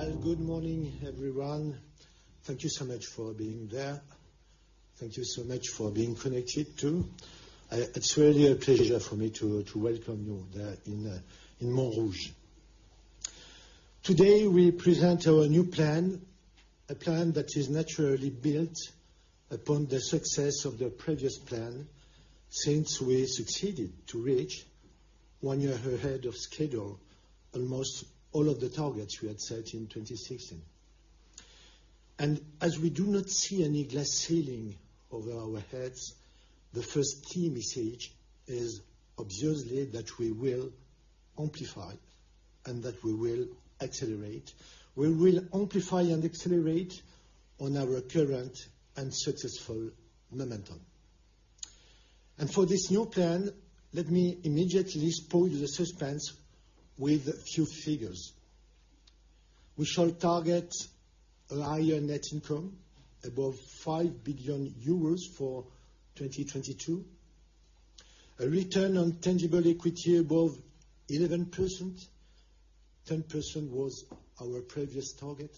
Good morning, everyone. Thank you so much for being there. Thank you so much for being connected, too. It is really a pleasure for me to welcome you there in Montrouge. Today, we present our new plan, a plan that is naturally built upon the success of the previous plan since we succeeded to reach, 1 year ahead of schedule, almost all of the targets we had set in 2016. As we do not see any glass ceiling over our heads, the 1st key message is obviously that we will amplify and that we will accelerate. We will amplify and accelerate on our current and successful momentum. For this new plan, let me immediately spoil the suspense with a few figures. We shall target a higher net income, above 5 billion euros for 2022, a return on tangible equity above 11%, 10% was our previous target,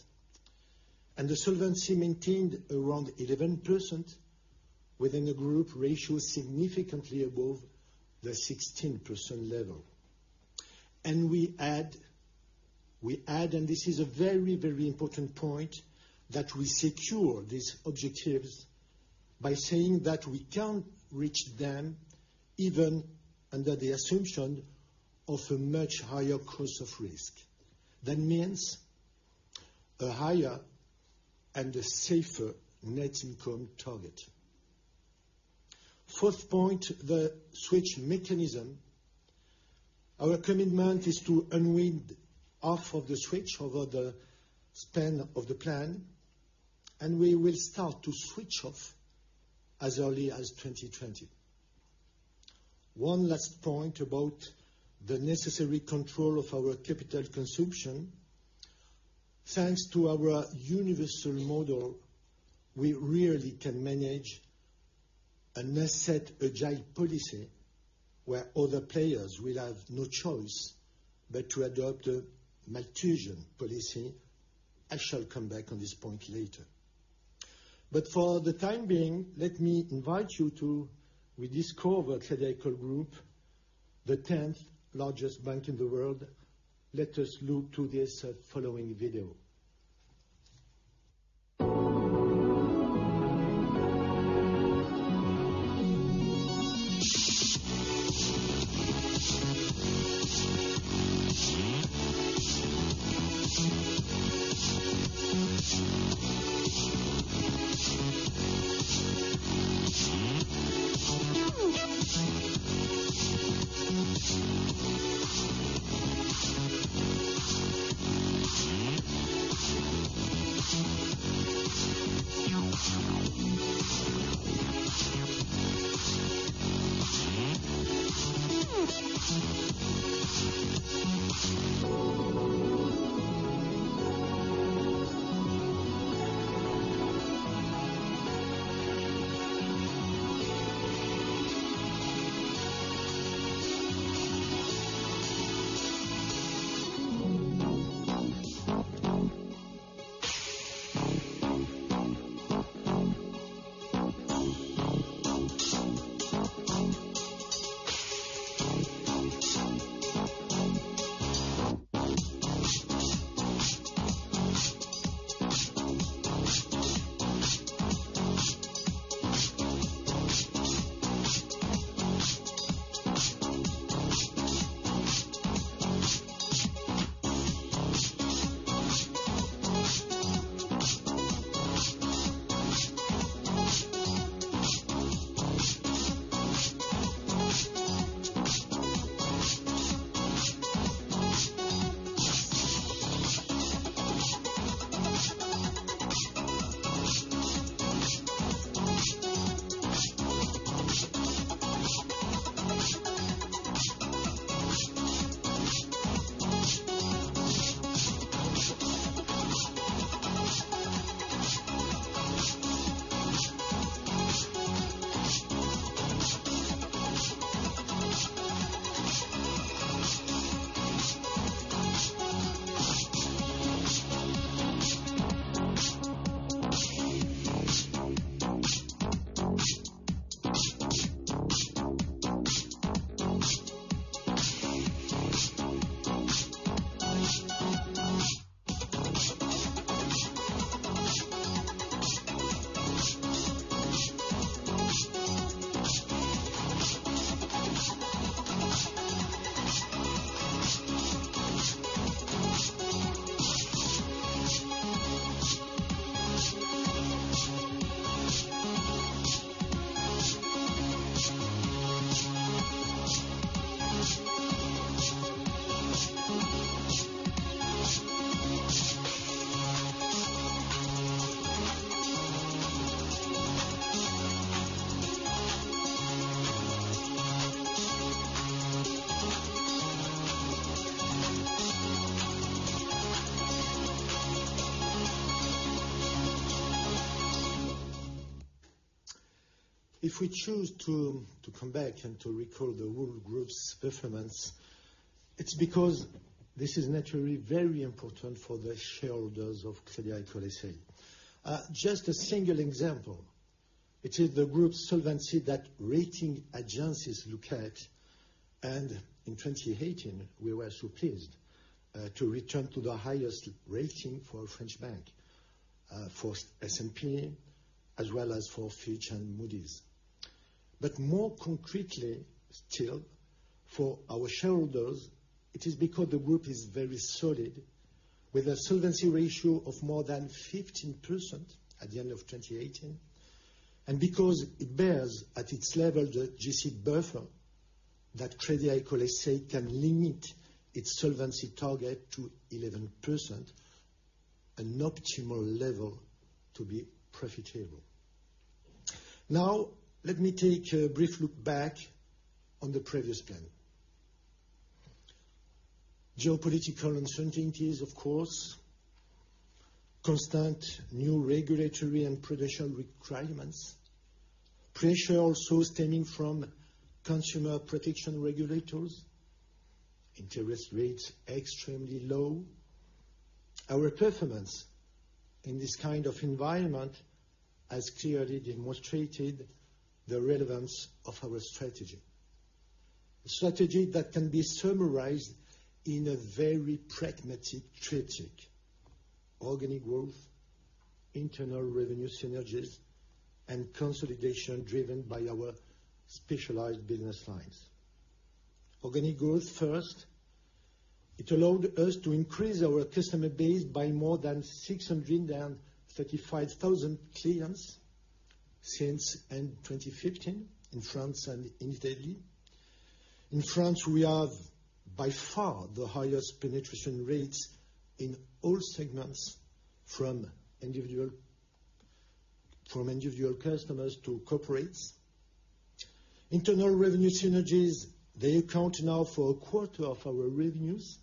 and the solvency maintained around 11% within a group ratio significantly above the 16% level. We add, and this is a very important point, that we secure these objectives by saying that we can reach them even under the assumption of a much higher cost of risk. That means a higher and a safer net income target. 4th point, the switch mechanism. Our commitment is to unwind half of the switch over the span of the plan, and we will start to switch off as early as 2020. 1 last point about the necessary control of our capital consumption. Thanks to our universal model, we really can manage an asset-agile policy where other players will have no choice but to adopt a Malthusian policy. I shall come back on this point later. For the time being, let me invite you to rediscover Crédit Agricole Group, the 10th largest bank in the world. Let us look to this following video. If we choose to come back and to recall the group's performance, it is because this is naturally very important for the shareholders of Crédit Agricole S.A. Just a single example, it is the group's solvency that rating agencies look at, and in 2018, we were so pleased to return to the highest rating for a French bank, for S&P, as well as for Fitch and Moody's. More concretely still, for our shareholders, it is because the group is very solid with a solvency ratio of more than 15% at the end of 2018, and because it bears at its level the G-SIB buffer that Crédit Agricole S.A. can limit its solvency target to 11%, an optimal level to be profitable. Now, let me take a brief look back on the previous plan. Geopolitical uncertainties, of course, constant new regulatory and prudential requirements, pressure also stemming from consumer protection regulators, interest rates extremely low. Our performance in this kind of environment has clearly demonstrated the relevance of our strategy. A strategy that can be summarized in a very pragmatic triadic, organic growth, internal revenue synergies, and consolidation driven by our specialized business lines. Organic growth first, it allowed us to increase our customer base by more than 635,000 clients since end 2015 in France and in Italy. In France, we have by far the highest penetration rates in all segments from individual customers to corporates. Internal revenue synergies, they account now for a quarter of our revenues,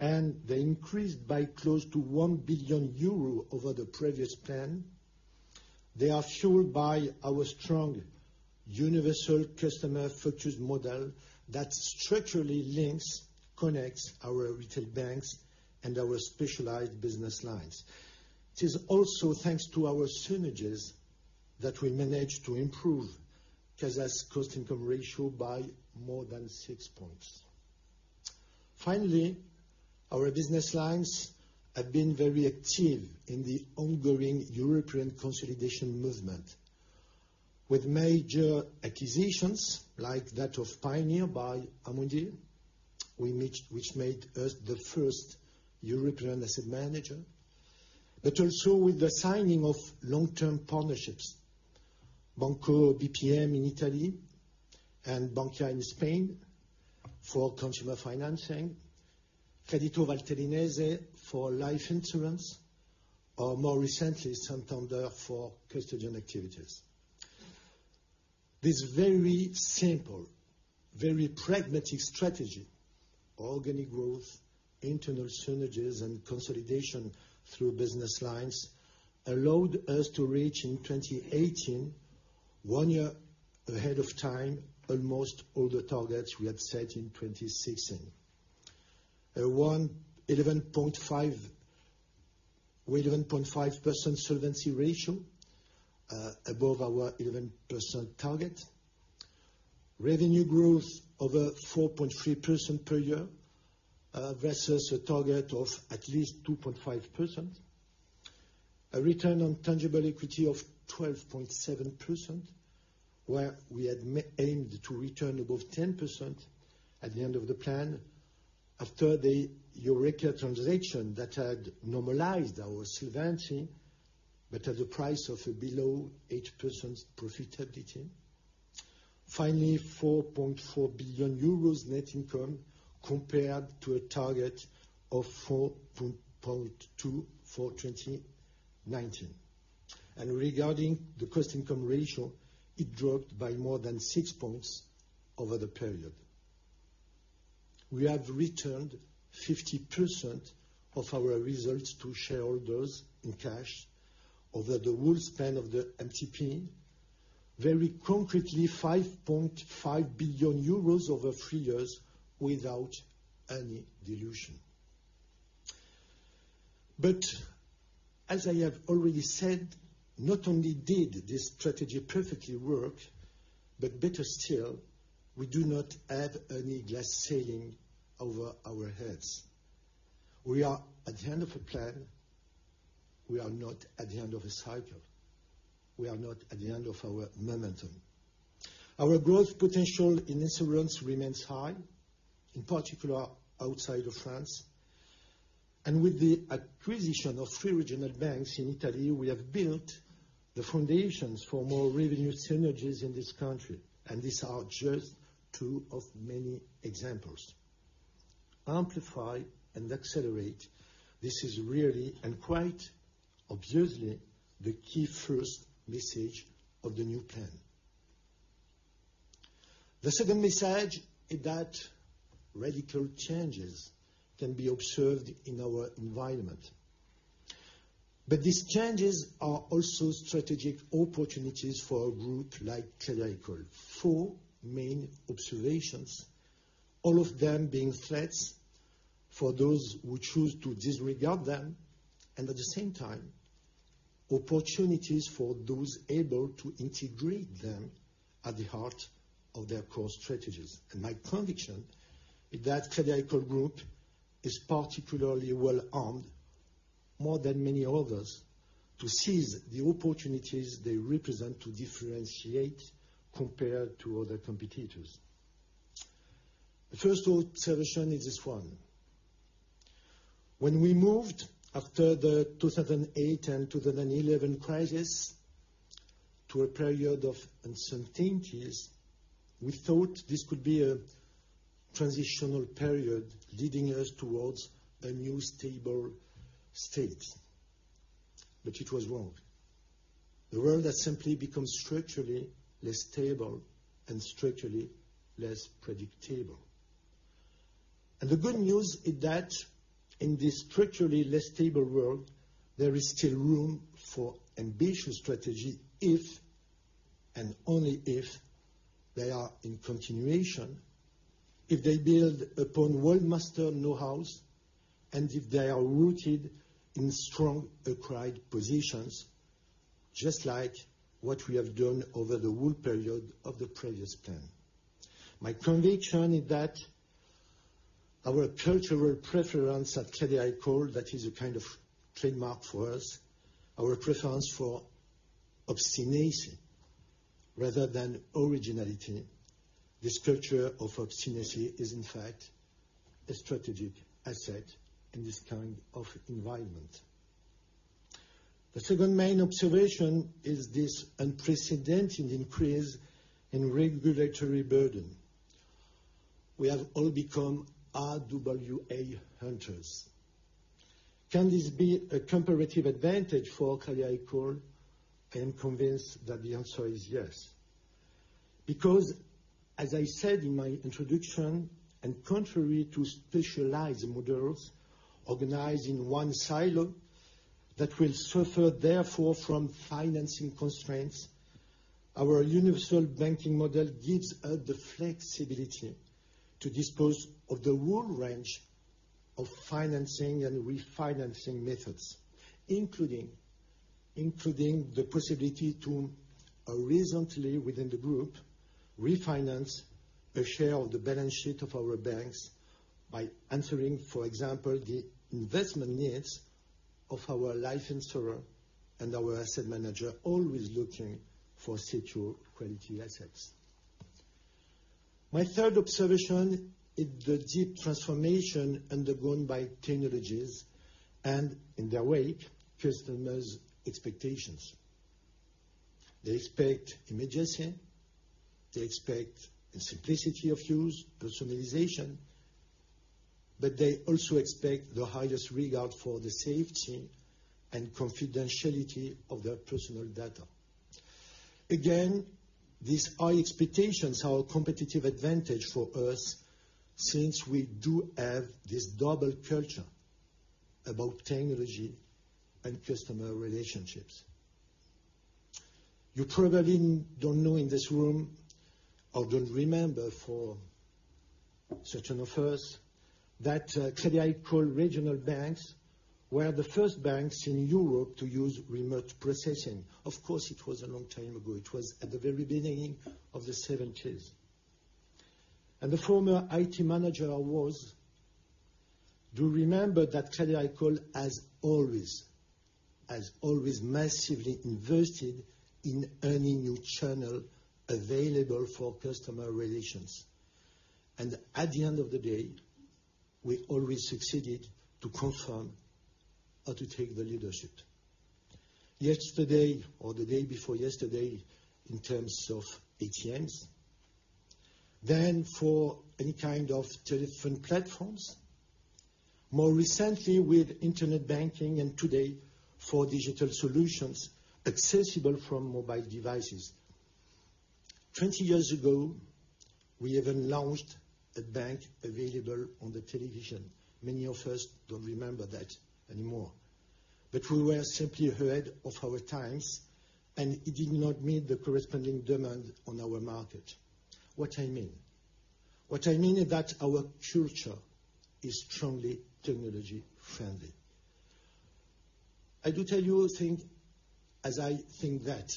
they increased by close to 1 billion euro over the previous plan. They are fueled by our strong universal customer-focused model that structurally links, connects our retail banks and our specialized business lines. It is also thanks to our synergies that we managed to improve CASA cost-income ratio by more than six points. Finally, our business lines have been very active in the ongoing European consolidation movement with major acquisitions like that of Pioneer by Amundi, which made us the first European asset manager, but also with the signing of long-term partnerships. Banco BPM in Italy and Bankia in Spain for consumer financing, Credito Valtellinese for life insurance, or more recently, Santander for custodian activities. This very simple, very pragmatic strategy, organic growth, internal synergies, and consolidation through business lines, allowed us to reach, in 2018, one year ahead of time, almost all the targets we had set in 2016. A 11.5% solvency ratio, above our 11% target. Revenue growth over 4.3% per year versus a target of at least 2.5%. A return on tangible equity of 12.7%, where we had aimed to return above 10% at the end of the plan after the Eureka transaction that had normalized our solvency, but at the price of below 8% profitability. Finally, 4.4 billion euros net income compared to a target of 4.2 billion for 2019. Regarding the cost-income ratio, it dropped by more than six points over the period. We have returned 50% of our results to shareholders in cash over the whole span of the MTP. Very concretely, 5.5 billion euros over three years without any dilution. As I have already said, not only did this strategy perfectly work, but better still, we do not have any glass ceiling over our heads. We are at the end of a plan, we are not at the end of a cycle. We are not at the end of our momentum. Our growth potential in insurance remains high, in particular, outside of France. With the acquisition of three regional banks in Italy, we have built the foundations for more revenue synergies in this country, and these are just two of many examples. Amplify and accelerate, this is really, and quite obviously, the key first message of the new plan. The second message is that radical changes can be observed in our environment. These changes are also strategic opportunities for a group like Crédit Agricole. Four main observations, all of them being threats for those who choose to disregard them, and at the same time, opportunities for those able to integrate them at the heart of their core strategies. My conviction is that Crédit Agricole Group is particularly well-armed, more than many others, to seize the opportunities they represent to differentiate compared to other competitors. The first observation is this one. When we moved after the 2008 and 2011 crisis to a period of uncertainties, we thought this could be a transitional period leading us towards a new stable state. It was wrong. The world has simply become structurally less stable and structurally less predictable. The good news is that in this structurally less stable world, there is still room for ambitious strategy if, and only if, they are in continuation, if they build upon world-master know-hows, and if they are rooted in strong acquired positions, just like what we have done over the whole period of the previous plan. My conviction is that our cultural preference at Crédit Agricole, that is a kind of trademark for us, our preference for obstinacy rather than originality. This culture of obstinacy is, in fact, a strategic asset in this kind of environment. The second main observation is this unprecedented increase in regulatory burden. We have all become RWA hunters. Can this be a comparative advantage for Crédit Agricole? I am convinced that the answer is yes, because as I said in my introduction, and contrary to specialized models organized in one silo that will suffer therefore from financing constraints, our universal banking model gives us the flexibility to dispose of the whole range of financing and refinancing methods, including the possibility to reasonably, within the group, refinance a share of the balance sheet of our banks by answering, for example, the investment needs of our life insurer and our asset manager, always looking for secure quality assets. My third observation is the deep transformation undergone by technologies and, in their wake, customers' expectations. They expect immediacy, they expect the simplicity of use, personalization, but they also expect the highest regard for the safety and confidentiality of their personal data. Again, these high expectations are a competitive advantage for us since we do have this double culture about technology and customer relationships. You probably don't know in this room, or don't remember for certain of us, that Crédit Agricole regional banks were the first banks in Europe to use remote processing. Of course, it was a long time ago. It was at the very beginning of the '70s. Do you remember that Crédit Agricole has always massively invested in any new channel available for customer relations? At the end of the day, we always succeeded to confirm or to take the leadership. Yesterday or the day before yesterday in terms of ATMs, then for any kind of telephone platforms, more recently with internet banking, and today for digital solutions accessible from mobile devices. 20 years ago, we even launched a bank available on the television. Many of us don't remember that anymore. We were simply ahead of our times, and it did not meet the corresponding demand on our market. What I mean? What I mean is that our culture is strongly technology-friendly. I do tell you a thing as I think that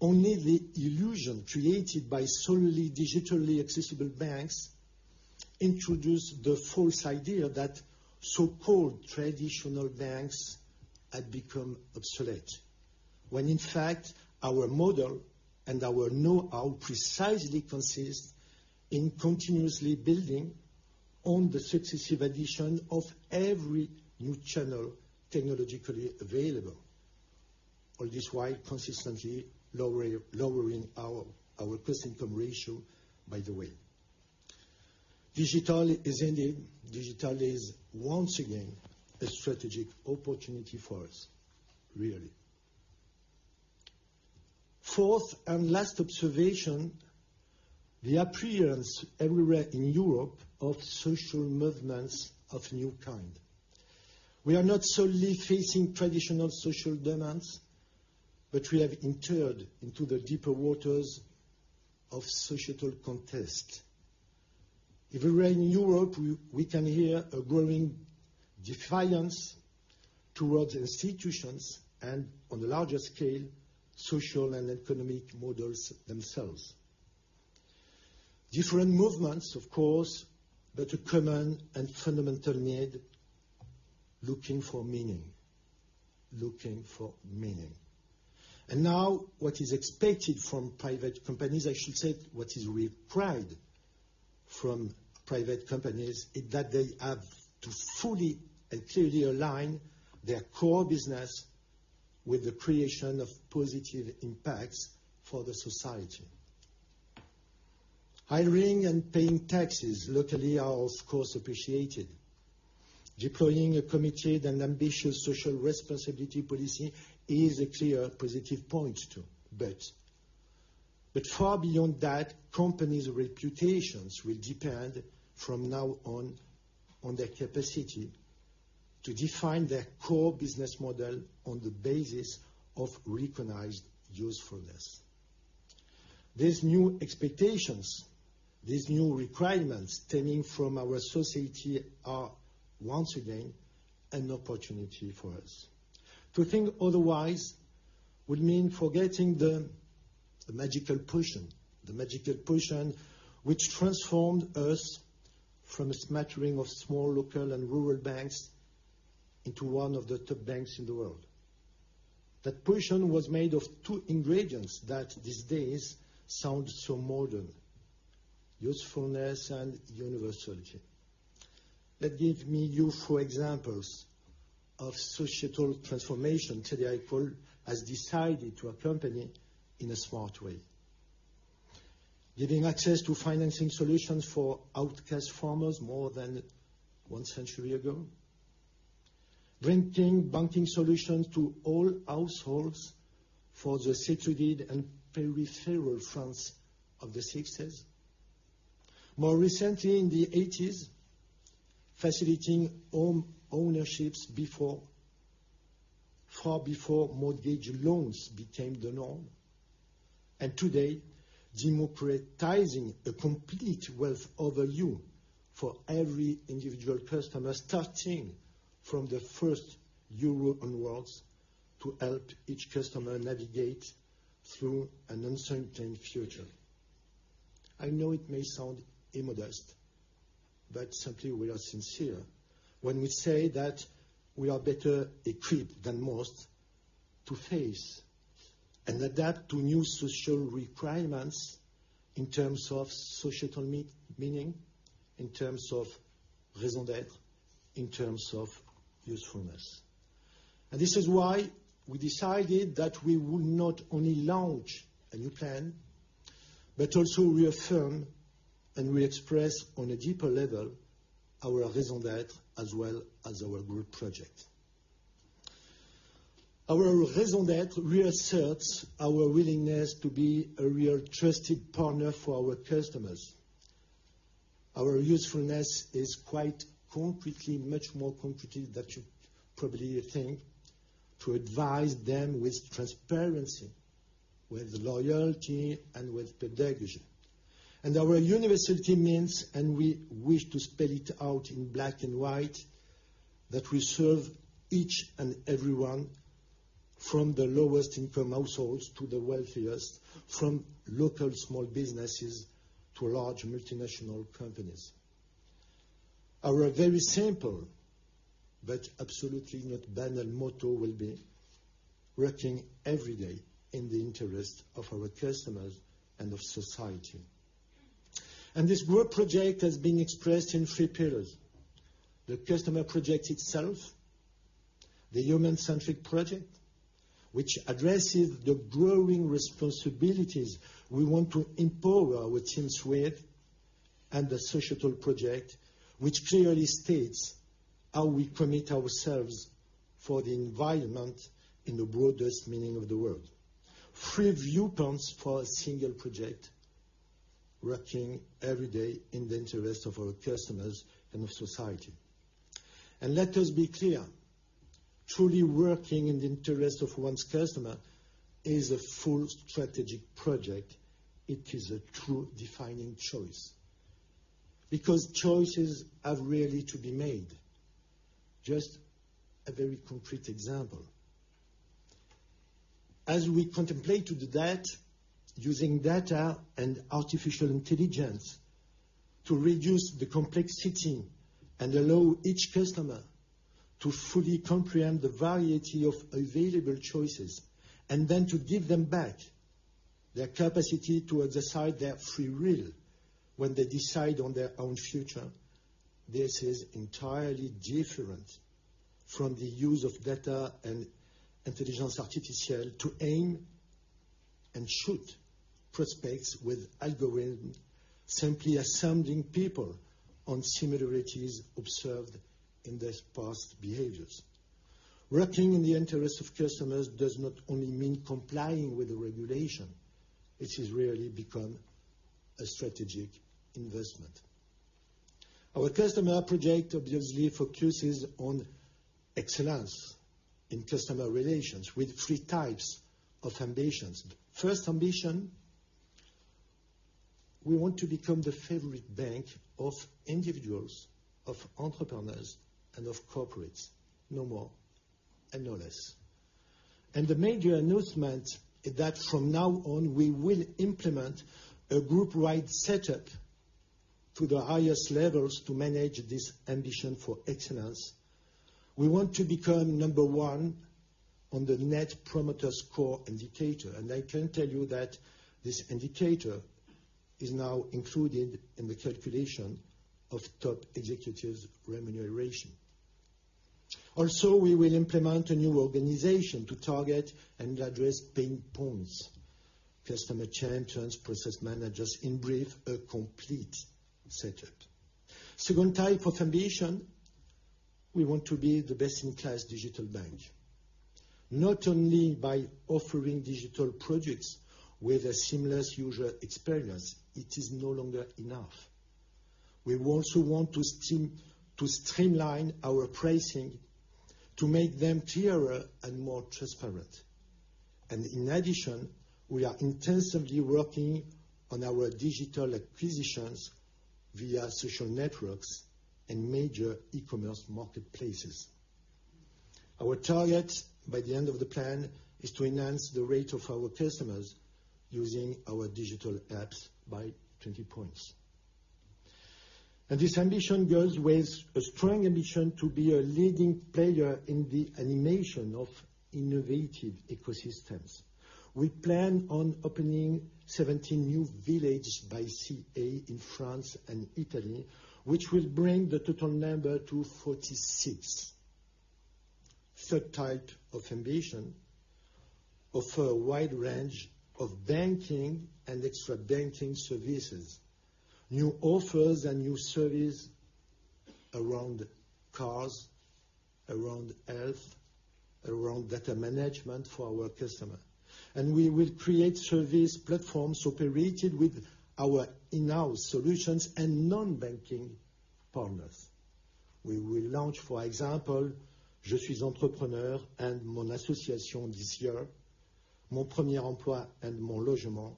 only the illusion created by solely digitally-accessible banks introduced the false idea that so-called traditional banks had become obsolete, when in fact, our model and our know-how precisely consist in continuously building on the successive addition of every new channel technologically available. All this while consistently lowering our cost-income ratio, by the way. Digital is once again a strategic opportunity for us, really. Fourth and last observation, the appearance everywhere in Europe of social movements of new kind. We are not solely facing traditional social demands, but we have entered into the deeper waters of societal contest. Everywhere in Europe, we can hear a growing defiance towards institutions and, on a larger scale, social and economic models themselves. Different movements, of course, but a common and fundamental need, looking for meaning. Now what is expected from private companies, I should say, what is required from private companies is that they have to fully and clearly align their core business with the creation of positive impacts for the society. Hiring and paying taxes locally are, of course, appreciated. Deploying a committed and ambitious social responsibility policy is a clear positive point, too. Far beyond that, companies' reputations will depend from now on their capacity to define their core business model on the basis of recognized usefulness. These new expectations, these new requirements stemming from our society are once again an opportunity for us. To think otherwise would mean forgetting the magical potion, which transformed us from a smattering of small local and rural banks into one of the top banks in the world. That potion was made of two ingredients that, these days, sound so modern, usefulness and universality. Let me give you few examples of societal transformation Crédit Agricole has decided to accompany in a smart way. Giving access to financing solutions for outcast farmers more than one century ago. Bringing banking solutions to all households for the secluded and peripheral France of the 1960s. More recently, in the 1980s, facilitating home ownerships far before mortgage loans became the norm. Today, democratizing a complete wealth overview for every individual customer, starting from the first euro onwards to help each customer navigate through an uncertain future. I know it may sound immodest, but simply we are sincere when we say that we are better equipped than most to face and adapt to new social requirements in terms of societal meaning, in terms of raison d'être, in terms of usefulness. This is why we decided that we would not only launch a new plan, but also reaffirm and re-express on a deeper level our raison d'être as well as our group project. Our raison d'être reasserts our willingness to be a real trusted partner for our customers. Our usefulness is quite concretely, much more concretely than you probably think, to advise them with transparency, with loyalty, and with pedagogy. Our universality means, and we wish to spell it out in black and white, that we serve each and everyone from the lowest income households to the wealthiest, from local small businesses to large multinational companies. Our very simple, but absolutely not banal motto will be working every day in the interest of our customers and of society. This group project has been expressed in three pillars. The customer project itself, the human-centric project, which addresses the growing responsibilities we want to empower our teams with, and the societal project, which clearly states how we commit ourselves for the environment in the broadest meaning of the word. Three viewpoints for a single project, working every day in the interest of our customers and of society. Let us be clear, truly working in the interest of one's customer is a full strategic project. It is a true defining choice. Choices are really to be made. Just a very concrete example. As we contemplate to do that using data and artificial intelligence to reduce the complexity and allow each customer to fully comprehend the variety of available choices, and then to give them back their capacity to exercise their free will when they decide on their own future. This is entirely different from the use of data and artificial intelligence to aim and shoot prospects with algorithm, simply assuming people on similarities observed in their past behaviors. Working in the interest of customers does not only mean complying with the regulation, it has really become a strategic investment. Our customer project obviously focuses on excellence in customer relations with 3 types of ambitions. First ambition, we want to become the favorite bank of individuals, of entrepreneurs, and of corporates. No more and no less. The major announcement is that from now on, we will implement a group wide setup to the highest levels to manage this ambition for excellence. We want to become number 1 on the Net Promoter Score indicator, and I can tell you that this indicator is now included in the calculation of top executives' remuneration. We will implement a new organization to target and address pain points, customer champions, process managers. In brief, a complete setup. Second type of ambition, we want to be the best-in-class digital bank. Not only by offering digital products with a seamless user experience, it is no longer enough. We also want to streamline our pricing to make them clearer and more transparent. In addition, we are intensively working on our digital acquisitions via social networks and major e-commerce marketplaces. Our target by the end of the plan is to enhance the rate of our customers using our digital apps by 20 points. This ambition goes with a strong ambition to be a leading player in the animation of innovative ecosystems. We plan on opening 17 new Village by CA in France and Italy, which will bring the total number to 46. Third type of ambition, offer a wide range of banking and extra-banking services. New offers and new service around cars, around health, around data management for our customer. We will create service platforms operated with our in-house solutions and non-banking partners. We will launch, for example, Je suis entrepreneur and Mon association this year. Mon premier emploi and Mon logement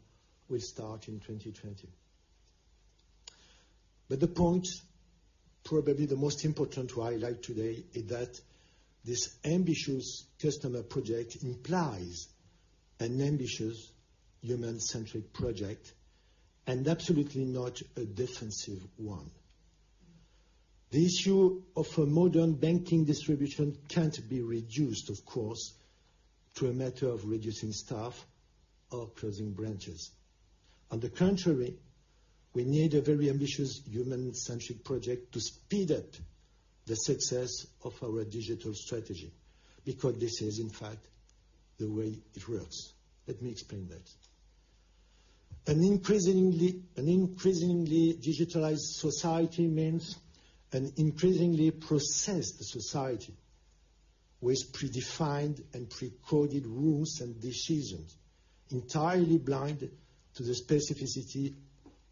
will start in 2020. The point, probably the most important to highlight today, is that this ambitious customer project implies an ambitious human-centric project and absolutely not a defensive one. The issue of a modern banking distribution can't be reduced, of course, to a matter of reducing staff or closing branches. On the contrary, we need a very ambitious human-centric project to speed up the success of our digital strategy, this is, in fact, the way it works. Let me explain that. An increasingly digitalized society means an increasingly processed society with predefined and pre-coded rules and decisions, entirely blind to the specificity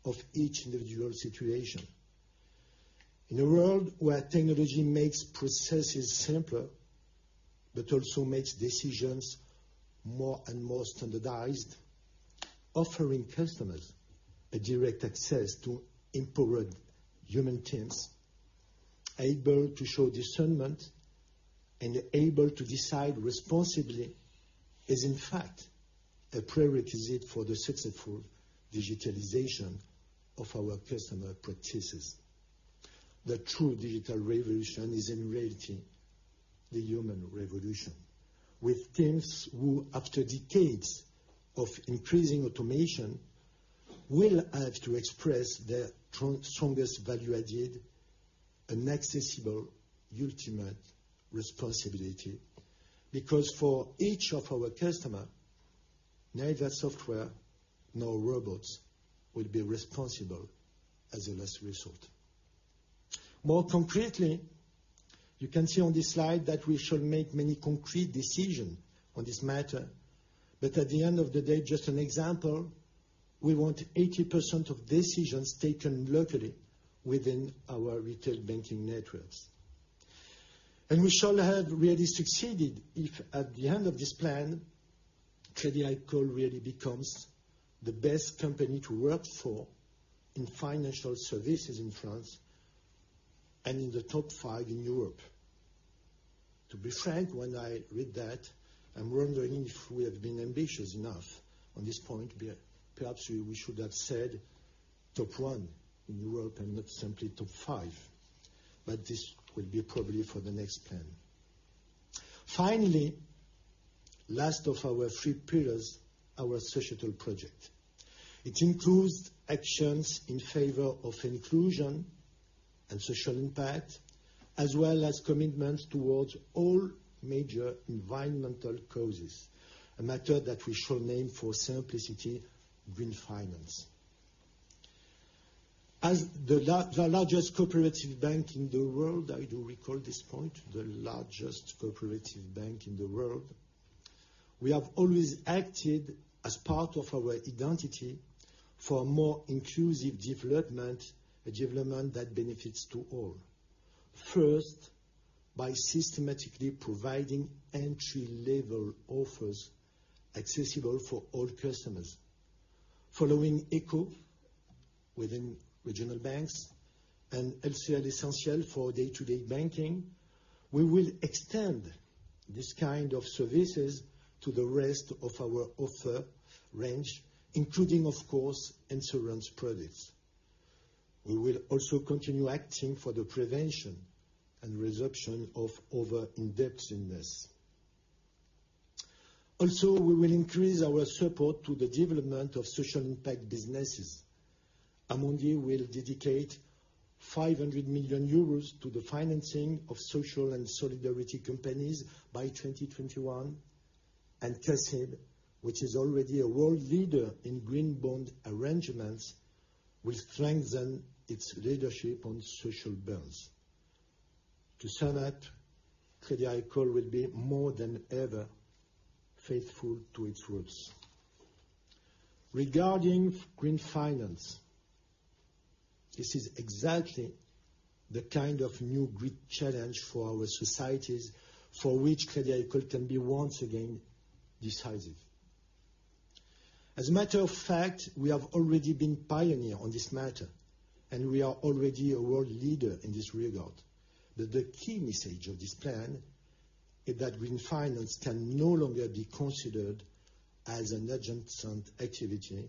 of each individual situation. In a world where technology makes processes simpler but also makes decisions more and more standardized, offering customers a direct access to empowered human teams, able to show discernment and able to decide responsibly, is in fact a prerequisite for the successful digitalization of our customer practices. The true digital revolution is in reality the human revolution, with teams who, after decades of increasing automation, will have to express their strongest value added, an accessible, ultimate responsibility. Because for each of our customers, neither software nor robots will be responsible as a last resort. More concretely, you can see on this slide that we shall make many concrete decisions on this matter. At the end of the day, just an example, we want 80% of decisions taken locally within our retail banking networks. We shall have really succeeded if at the end of this plan, Crédit Agricole really becomes the best company to work for in financial services in France and in the top five in Europe. To be frank, when I read that, I am wondering if we have been ambitious enough on this point. Perhaps we should have said top one in Europe and not simply top five. This will be probably for the next plan. Finally, last of our three pillars, our societal project. It includes actions in favor of inclusion and social impact, as well as commitments towards all major environmental causes. A matter that we shall name for simplicity, green finance. As the largest cooperative bank in the world, I do recall this point, the largest cooperative bank in the world, we have always acted as part of our identity for a more inclusive development, a development that benefits to all. First, by systematically providing entry-level offers accessible for all customers. Following Eko, within regional banks, and LCL Essentiel for day-to-day banking, we will extend this kind of services to the rest of our offer range, including, of course, insurance products. We will also continue acting for the prevention and reduction of over-indebtedness. We will increase our support to the development of social impact businesses. Amundi will dedicate 500 million euros to the financing of social and solidarity companies by 2021, and CACEIS, which is already a world leader in green bond arrangements, will strengthen its leadership on social bonds. To sum up, Crédit Agricole will be more than ever faithful to its roots. Regarding green finance, this is exactly the kind of new great challenge for our societies for which Crédit Agricole can be once again decisive. As a matter of fact, we have already been pioneer on this matter, and we are already a world leader in this regard. That the key message of this plan is that green finance can no longer be considered as an adjacent activity.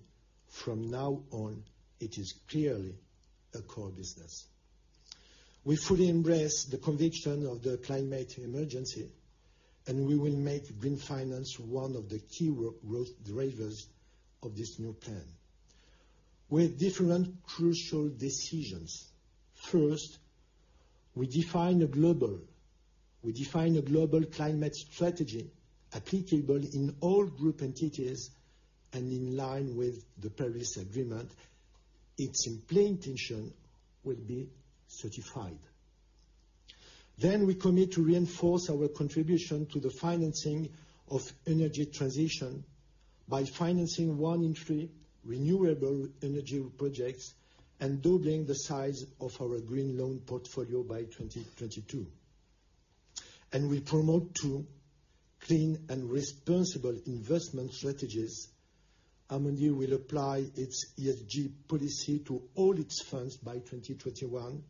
From now on, it is clearly a core business. We fully embrace the conviction of the climate emergency, and we will make green finance one of the key growth drivers of this new plan with different crucial decisions. First, we define a global climate strategy applicable in all group entities and in line with the Paris Agreement. Its implementation will be certified. We commit to reinforce our contribution to the financing of energy transition by financing one in three renewable energy projects and doubling the size of our green loan portfolio by 2022. We promote two clean and responsible investment strategies. Amundi will apply its ESG policy to all its funds by 2021.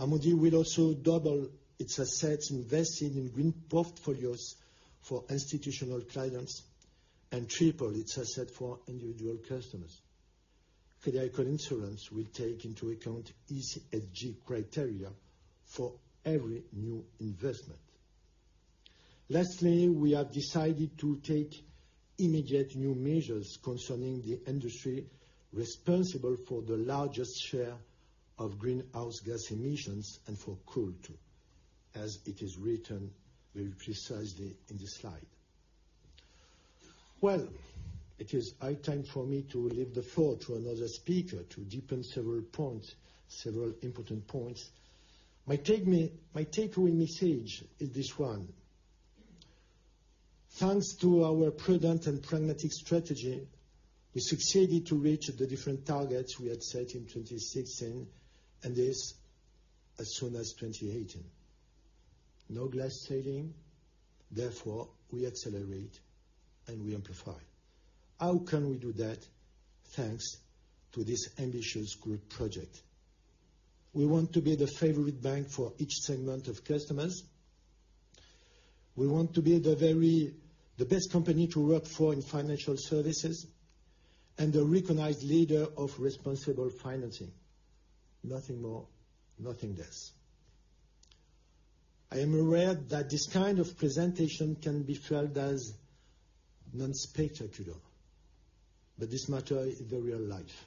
Amundi will also double its assets invested in green portfolios for institutional clients and triple its asset for individual customers. Crédit Agricole Assurances will take into account ESG criteria for every new investment. Lastly, we have decided to take immediate new measures concerning the industry responsible for the largest share of greenhouse gas emissions and for coal, too, as it is written very precisely in the slide. Well, it is high time for me to leave the floor to another speaker to deepen several important points. My takeaway message is this one. Thanks to our prudent and pragmatic strategy, we succeeded to reach the different targets we had set in 2016, and this as soon as 2018. No glass ceiling. Therefore, we accelerate and we amplify. How can we do that? Thanks to this ambitious group project. We want to be the favorite bank for each segment of customers. We want to be the best company to work for in financial services and a recognized leader of responsible financing. Nothing more, nothing less. I am aware that this kind of presentation can be trialed as non-spectacular, but this matter is the real life.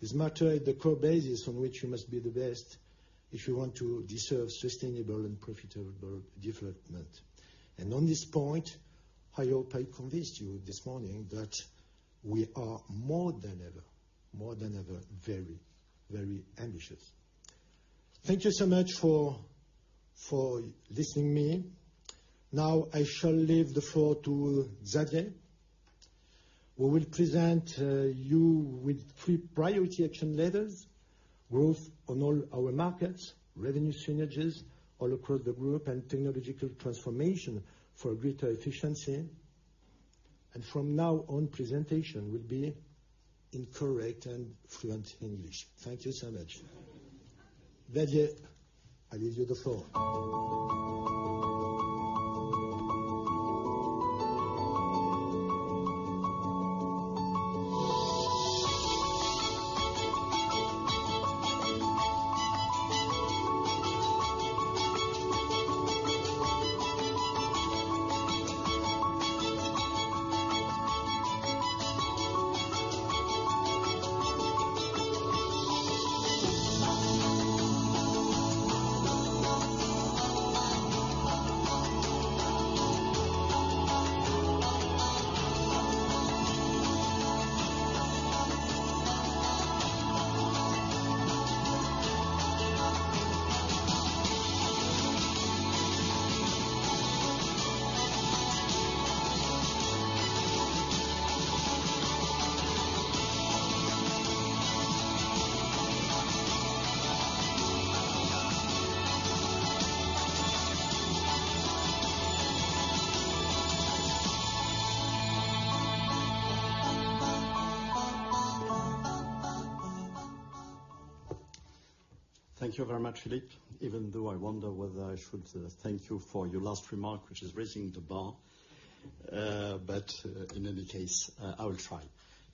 This matter is the core basis on which you must be the best if you want to deserve sustainable and profitable development. On this point, I hope I convinced you this morning that we are more than ever very ambitious. Thank you so much for listening to me. Now, I shall leave the floor to Xavier, who will present you with three priority action levers, growth on all our markets, revenue synergies all across the group, and technological transformation for greater efficiency. From now on, presentation will be in correct and fluent English. Thank you so much. Xavier, I give you the floor. Thank you very much, Philippe. Even though I wonder whether I should thank you for your last remark, which is raising the bar. In any case, I will try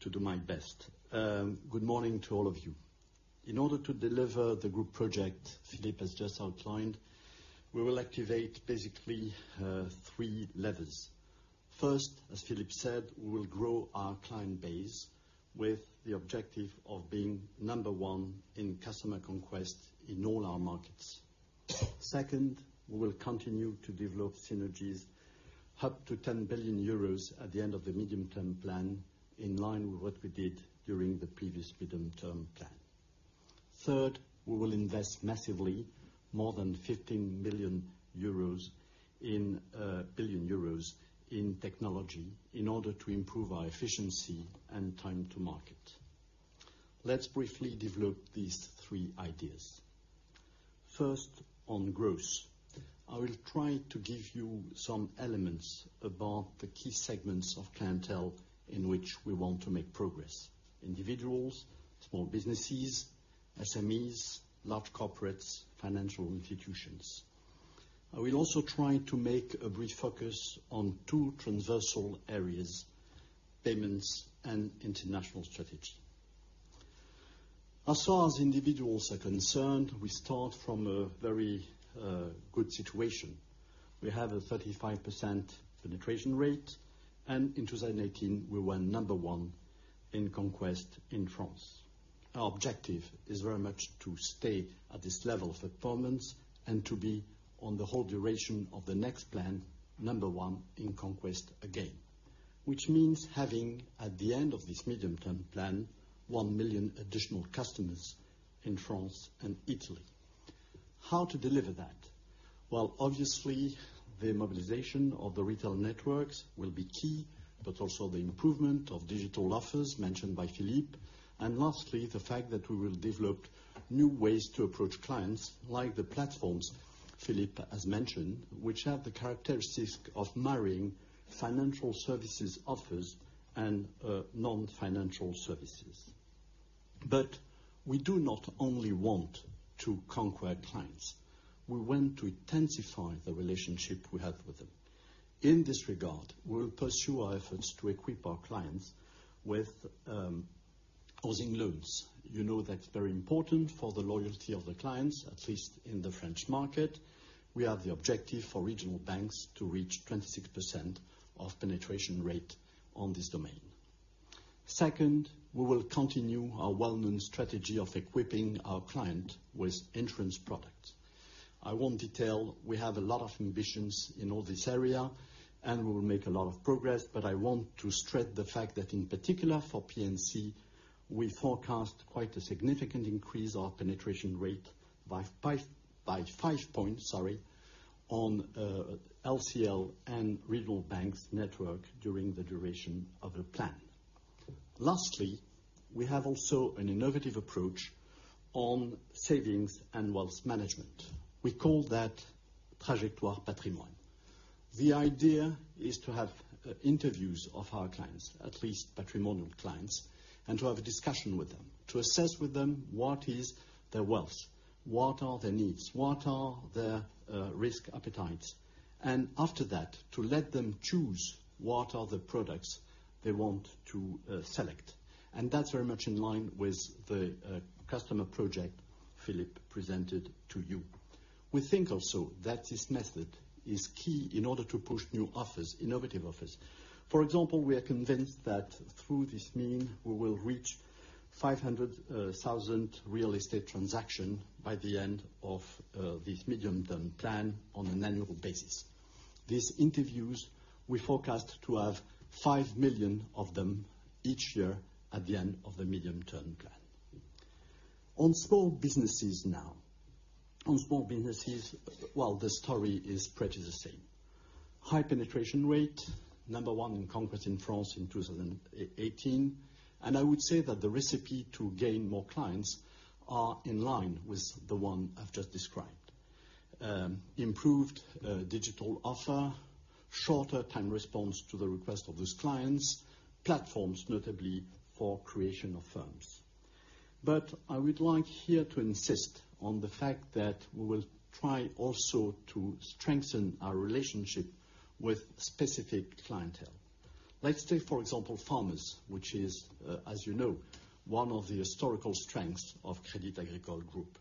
to do my best. Good morning to all of you. In order to deliver the group project Philippe has just outlined, we will activate basically three levers. First, as Philippe said, we will grow our client base with the objective of being number one in customer conquest in all our markets. Second, we will continue to develop synergies up to 10 billion euros at the end of the medium-term plan, in line with what we did during the previous medium-term plan. Third, we will invest massively, more than 15 billion euros in technology in order to improve our efficiency and time to market. Let's briefly develop these three ideas. First, on growth. I will try to give you some elements about the key segments of clientele in which we want to make progress. Individuals, small businesses, SMEs, large corporates, financial institutions. I will also try to make a brief focus on two transversal areas, payments and international strategy. As far as individuals are concerned, we start from a very good situation. We have a 35% penetration rate, and in 2018, we were number one in conquest in France. Our objective is very much to stay at this level of performance and to be, on the whole duration of the next plan, number one in conquest again. Which means having, at the end of this medium-term plan, 1 million additional customers in France and Italy. How to deliver that? Well, obviously, the mobilization of the retail networks will be key, but also the improvement of digital offers mentioned by Philippe. Lastly, the fact that we will develop new ways to approach clients, like the platforms Philippe has mentioned, which have the characteristics of marrying financial services offers and non-financial services. We do not only want to conquer clients; we want to intensify the relationship we have with them. In this regard, we will pursue our efforts to equip our clients with housing loans. You know that's very important for the loyalty of the clients, at least in the French market. We have the objective for regional banks to reach 26% of penetration rate on this domain. Second, we will continue our well-known strategy of equipping our client with insurance products. I won't detail. We have a lot of ambitions in all this area, and we will make a lot of progress, but I want to stress the fact that in particular for P&C, we forecast quite a significant increase our penetration rate by five points on LCL and regional banks network during the duration of the plan. Lastly, we have also an innovative approach on savings and wealth management. We call that Trajectoire Patrimoine. The idea is to have interviews of our clients, at least patrimonial clients, and to have a discussion with them to assess with them what is their wealth, what are their needs, what are their risk appetites. After that, to let them choose what are the products they want to select. That's very much in line with the customer project Philippe presented to you. We think also that this method is key in order to push new offers, innovative offers. For example, we are convinced that through this mean, we will reach 500,000 real estate transaction by the end of this medium-term plan on an annual basis. These interviews, we forecast to have 5 million of them each year at the end of the medium-term plan. On small businesses now. On small businesses, well, the story is pretty the same. High penetration rate, number one in conquest in France in 2018, I would say that the recipe to gain more clients are in line with the one I've just described. Improved digital offer, shorter time response to the request of these clients, platforms notably for creation of firms. I would like here to insist on the fact that we will try also to strengthen our relationship with specific clientele. Let's take, for example, farmers, which is, as you know, one of the historical strengths of Crédit Agricole Group.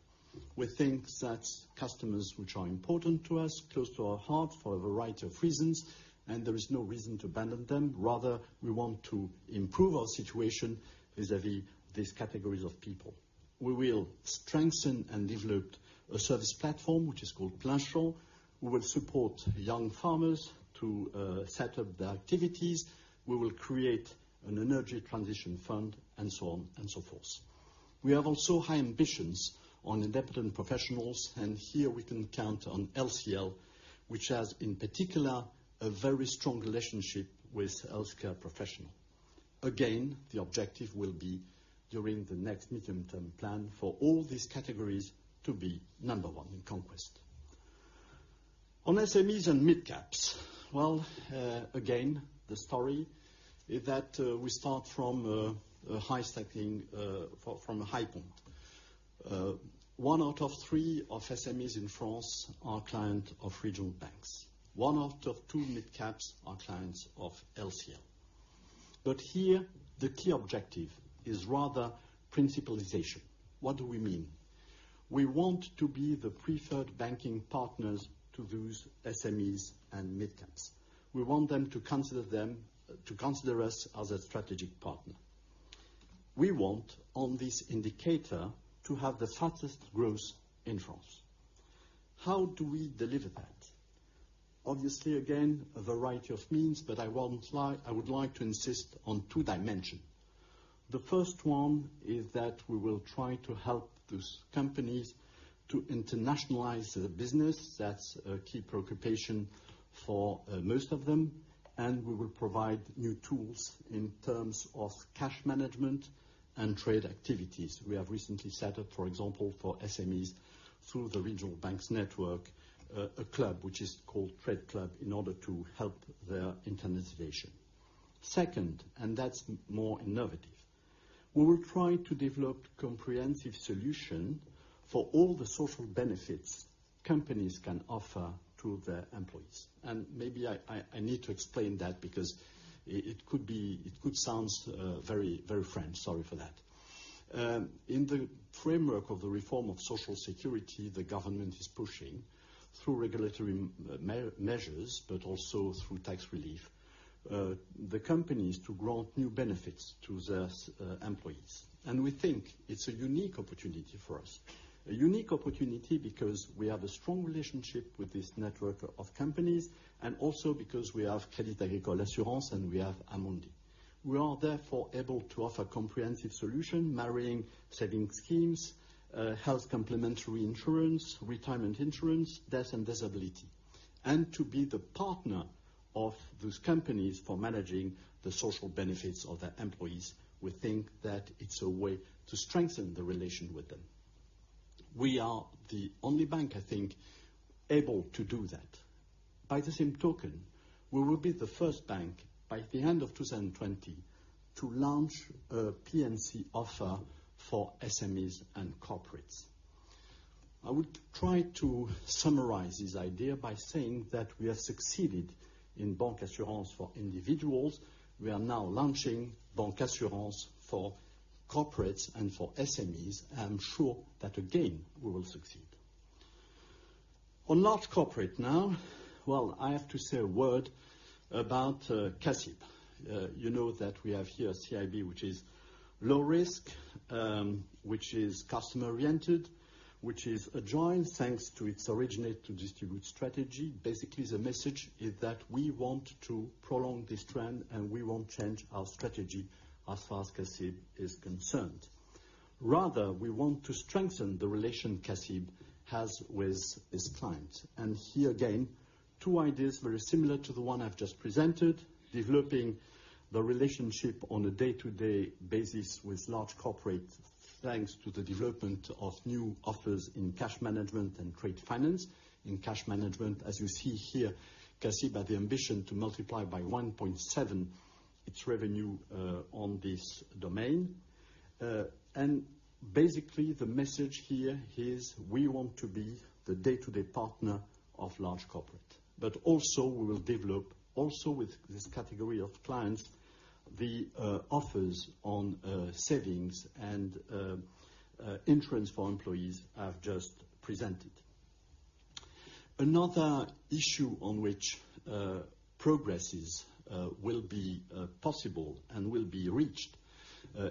We think that customers which are important to us, close to our heart for a variety of reasons, and there is no reason to abandon them. Rather, we want to improve our situation vis-à-vis these categories of people. We will strengthen and develop a service platform, which is called Blank. We will support young farmers to set up their activities. We will create an energy transition fund, and so on and so forth. We have also high ambitions on independent professionals, and here we can count on LCL, which has, in particular, a very strong relationship with healthcare professional. Again, the objective will be during the next medium-term plan for all these categories to be number one in conquest. On SMEs and mid-caps. Again, the story is that we start from a high point. 1 out of 3 of SMEs in France are client of regional banks. 1 out of 2 mid-caps are clients of LCL. Here, the key objective is rather principalization. What do we mean? We want to be the preferred banking partners to those SMEs and mid-caps. We want them to consider us as a strategic partner. We want, on this indicator, to have the fastest growth in France. How do we deliver that? Obviously, again, a variety of means, but I would like to insist on two dimension. The first one is that we will try to help those companies to internationalize their business. That's a key preoccupation for most of them, and we will provide new tools in terms of cash management and trade activities. We have recently set up, for example, for SMEs through the regional banks network, a club which is called Trade Club in order to help their internationalization. Second, that's more innovative. We will try to develop comprehensive solution for all the social benefits companies can offer to their employees. Maybe I need to explain that because it could sound very French. Sorry for that. In the framework of the reform of Social Security, the government is pushing through regulatory measures, but also through tax relief, the companies to grant new benefits to their employees. We think it's a unique opportunity for us. A unique opportunity because we have a strong relationship with this network of companies, and also because we have Crédit Agricole Assurances and we have Amundi. We are therefore able to offer comprehensive solution marrying savings schemes, health complementary insurance, retirement insurance, death and disability, and to be the partner of those companies for managing the social benefits of their employees. We think that it's a way to strengthen the relation with them. We are the only bank, I think, able to do that. By the same token, we will be the first bank by the end of 2020 to launch a PNC offer for SMEs and corporates. I would try to summarize this idea by saying that we have succeeded in bancassurance for individuals. We are now launching bancassurance for corporates and for SMEs. I am sure that again, we will succeed. On large corporate now. I have to say a word about CIB. You know that we have here CIB, which is low risk, which is customer-oriented, which is adjoined thanks to its originate-to-distribute strategy. Basically, the message is that we want to prolong this trend. We won't change our strategy as far as CIB is concerned. Rather, we want to strengthen the relation CIB has with its client. Here again, two ideas very similar to the one I've just presented, developing the relationship on a day-to-day basis with large corporate, thanks to the development of new offers in cash management and trade finance. In cash management, as you see here, CIB, the ambition to multiply by 1.7x its revenue on this domain. Basically, the message here is we want to be the day-to-day partner of large corporate. Also we will develop, also with this category of clients, the offers on savings and insurance for employees I've just presented. Another issue on which progresses will be possible and will be reached,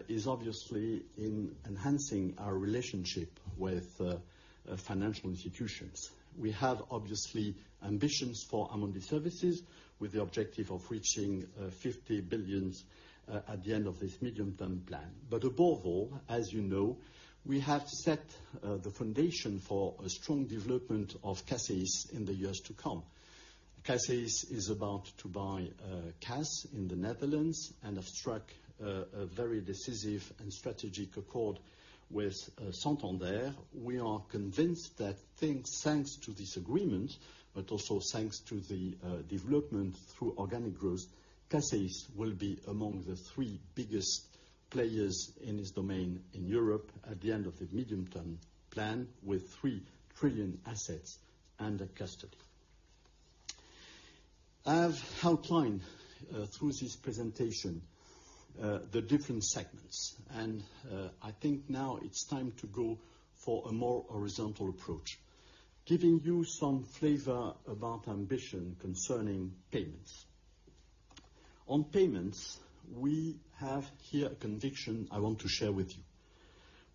is obviously in enhancing our relationship with financial institutions. We have obviously ambitions for Amundi services with the objective of reaching 50 billion at the end of this medium-term plan. Above all, as you know, we have to set the foundation for a strong development of CACEIS in the years to come. CACEIS is about to buy KAS BANK in the Netherlands, and have struck a very decisive and strategic accord with Santander. We are convinced that things, thanks to this agreement, but also thanks to the development through organic growth, CACEIS will be among the three biggest players in this domain in Europe at the end of the medium-term plan with three trillion assets under custody. I have outlined through this presentation the different segments. I think now it's time to go for a more horizontal approach, giving you some flavor about ambition concerning payments. On payments, we have here a conviction I want to share with you.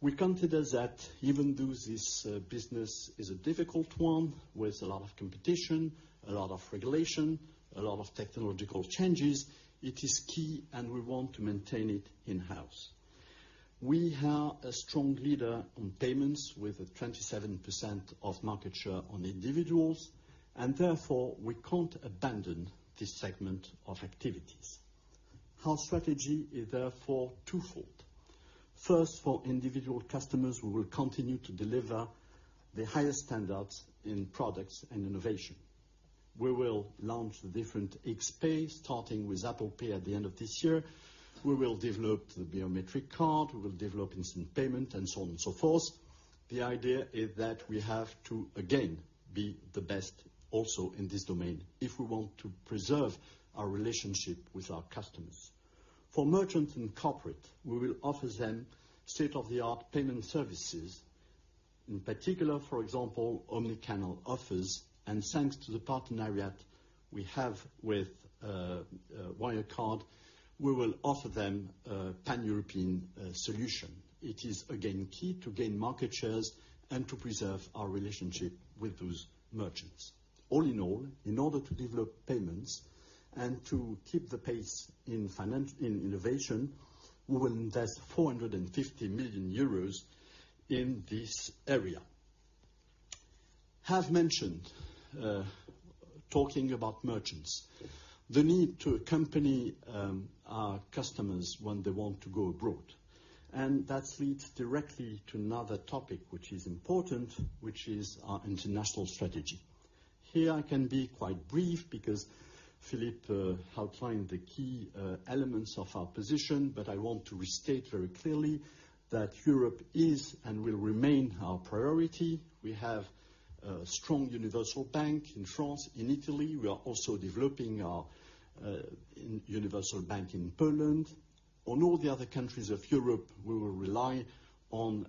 We consider that even though this business is a difficult one, with a lot of competition, a lot of regulation, a lot of technological changes, it is key. We want to maintain it in-house. We are a strong leader on payments with a 27% of market share on individuals. Therefore, we can't abandon this segment of activities. Our strategy is therefore twofold. First, for individual customers, we will continue to deliver the highest standards in products and innovation. We will launch the different X Pay, starting with Apple Pay at the end of this year. We will develop the biometric card, we will develop instant payment, and so on and so forth. The idea is that we have to, again, be the best also in this domain if we want to preserve our relationship with our customers. For merchant and corporate, we will offer them state-of-the-art payment services. In particular, for example, omni-channel offers, and thanks to the partnership we have with Wirecard, we will offer them a Pan-European solution. It is again key to gain market shares and to preserve our relationship with those merchants. All in all, in order to develop payments and to keep the pace in innovation, we will invest 450 million euros in this area. I have mentioned, talking about merchants, the need to accompany our customers when they want to go abroad, and that leads directly to another topic which is important, which is our international strategy. Here I can be quite brief because Philippe outlined the key elements of our position, but I want to restate very clearly that Europe is and will remain our priority. We have a strong universal bank in France and Italy. We are also developing our universal bank in Poland. On all the other countries of Europe, we will rely on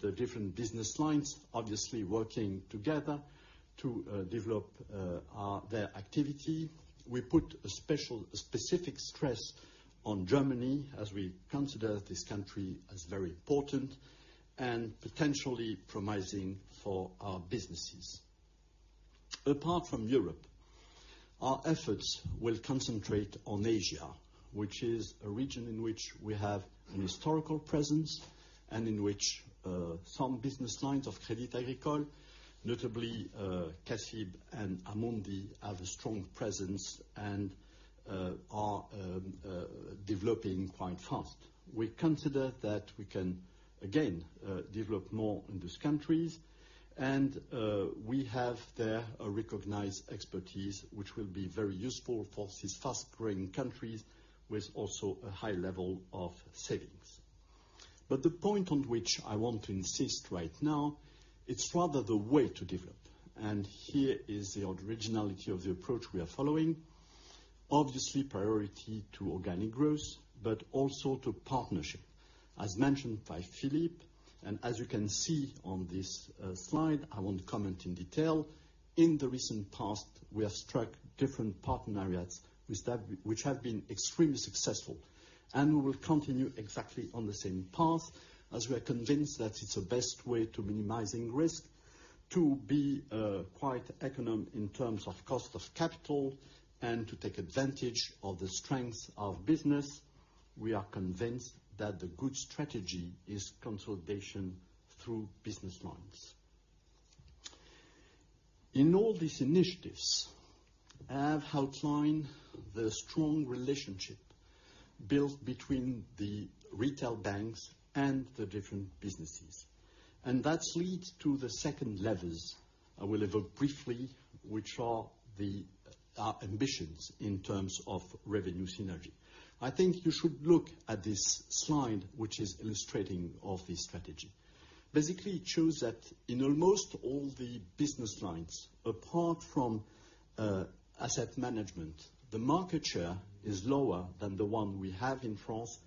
the different business lines, obviously working together to develop their activity. We put a specific stress on Germany as we consider this country as very important and potentially promising for our businesses. Apart from Europe, our efforts will concentrate on Asia, which is a region in which we have an historical presence, and in which some business lines of Crédit Agricole, notably CACEIS and Amundi, have a strong presence and are developing quite fast. We consider that we can, again, develop more in these countries, and we have there a recognized expertise, which will be very useful for these fast-growing countries with also a high level of savings. The point on which I want to insist right now, it's rather the way to develop. Here is the originality of the approach we are following. Obviously, priority to organic growth, but also to partnership. As mentioned by Philippe, and as you can see on this slide, I won't comment in detail. In the recent past, we have struck different partnerships which have been extremely successful. We will continue exactly on the same path as we are convinced that it's the best way to minimizing risk, to be quite economical in terms of cost of capital, and to take advantage of the strengths of business. We are convinced that the good strategy is consolidation through business lines. In all these initiatives, I have outlined the strong relationship built between the retail banks and the different businesses. That leads to the second levels I will evoke briefly, which are our ambitions in terms of revenue synergy. I think you should look at this slide, which is illustrative of this strategy. Basically, it shows that in almost all the business lines, apart from asset management, the market share is lower than the one we have in France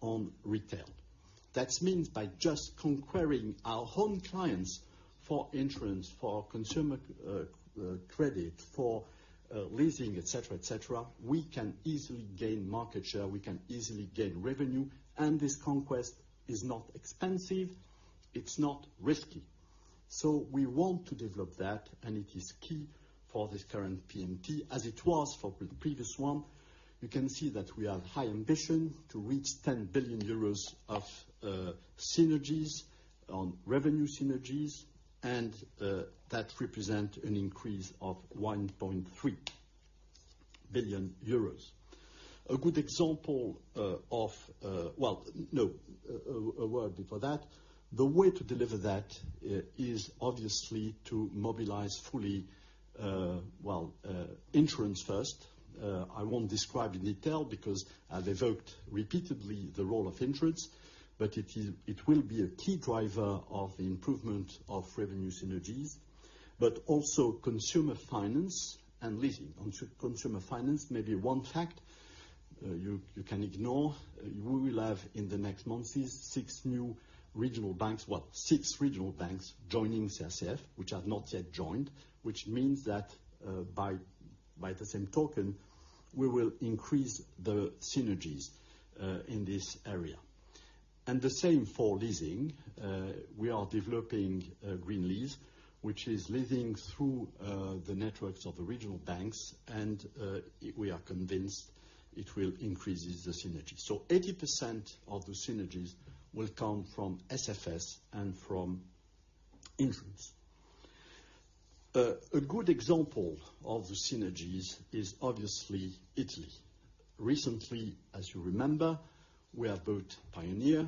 on retail. That means by just conquering our home clients for insurance, for consumer credit, for leasing, et cetera, we can easily gain market share, we can easily gain revenue, and this conquest is not expensive, it's not risky. We want to develop that, and it is key for this current P&T, as it was for the previous one. You can see that we have high ambition to reach 10 billion euros of synergies on revenue synergies, and that represent an increase of 1.3 billion euros. A word before that. The way to deliver that is obviously to mobilize fully, insurance first. I won't describe in detail because I've evoked repeatedly the role of insurance, but it will be a key driver of the improvement of revenue synergies, but also Crédit Agricole Consumer Finance and leasing. Crédit Agricole Consumer Finance, maybe one fact. We will have, in the next months, six new regional banks, well, six regional banks joining CSF, which have not yet joined, which means that by the same token, we will increase the synergies in this area. The same for leasing. We are developing Green Lease, which is leasing through the networks of the regional banks, and we are convinced it will increase the synergy. 80% of the synergies will come from SFS and from insurance. A good example of the synergies is obviously Italy. Recently, as you remember, we have bought Pioneer,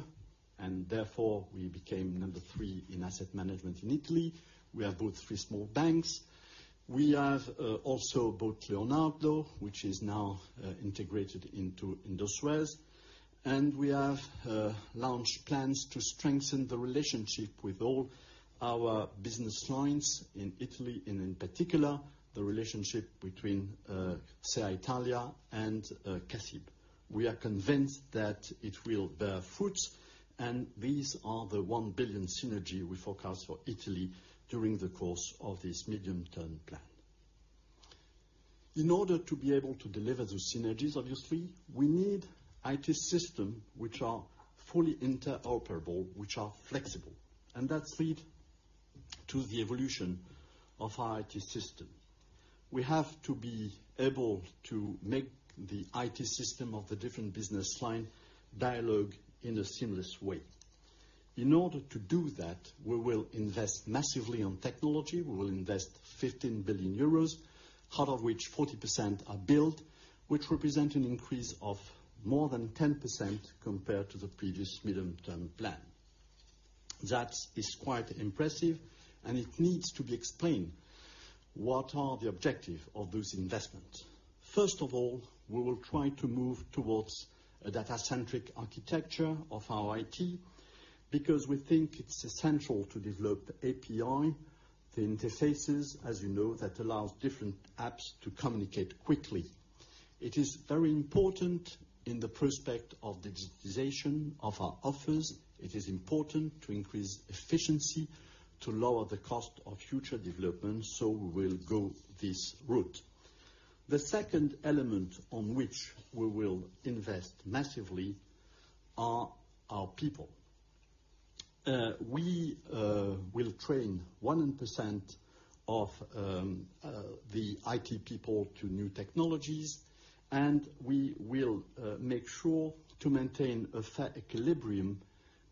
therefore, we became number three in asset management in Italy. We have bought three small banks. We have also bought Banca Leonardo, which is now integrated into Indosuez, and we have launched plans to strengthen the relationship with all our business lines in Italy, in particular, the relationship between Cassa Italia and CA-GIP. We are convinced that it will bear fruit. These are the 1 billion synergy we forecast for Italy during the course of this medium-term plan. In order to be able to deliver those synergies, obviously, we need IT system which are fully interoperable, which are flexible, and that lead to the evolution of our IT system. We have to be able to make the IT system of the different business line dialogue in a seamless way. In order to do that, we will invest massively on technology. We will invest 15 billion euros, out of which 40% are built, which represent an increase of more than 10% compared to the previous medium-term plan. That is quite impressive. It needs to be explained what are the objective of those investments. First of all, we will try to move towards a data-centric architecture of our IT, because we think it's essential to develop API, the interfaces, as you know, that allows different apps to communicate quickly. It is very important in the prospect of digitization of our offers. It is important to increase efficiency to lower the cost of future development. We will go this route. The second element on which we will invest massively are our people. We will train 100% of the IT people to new technologies, and we will make sure to maintain a fair equilibrium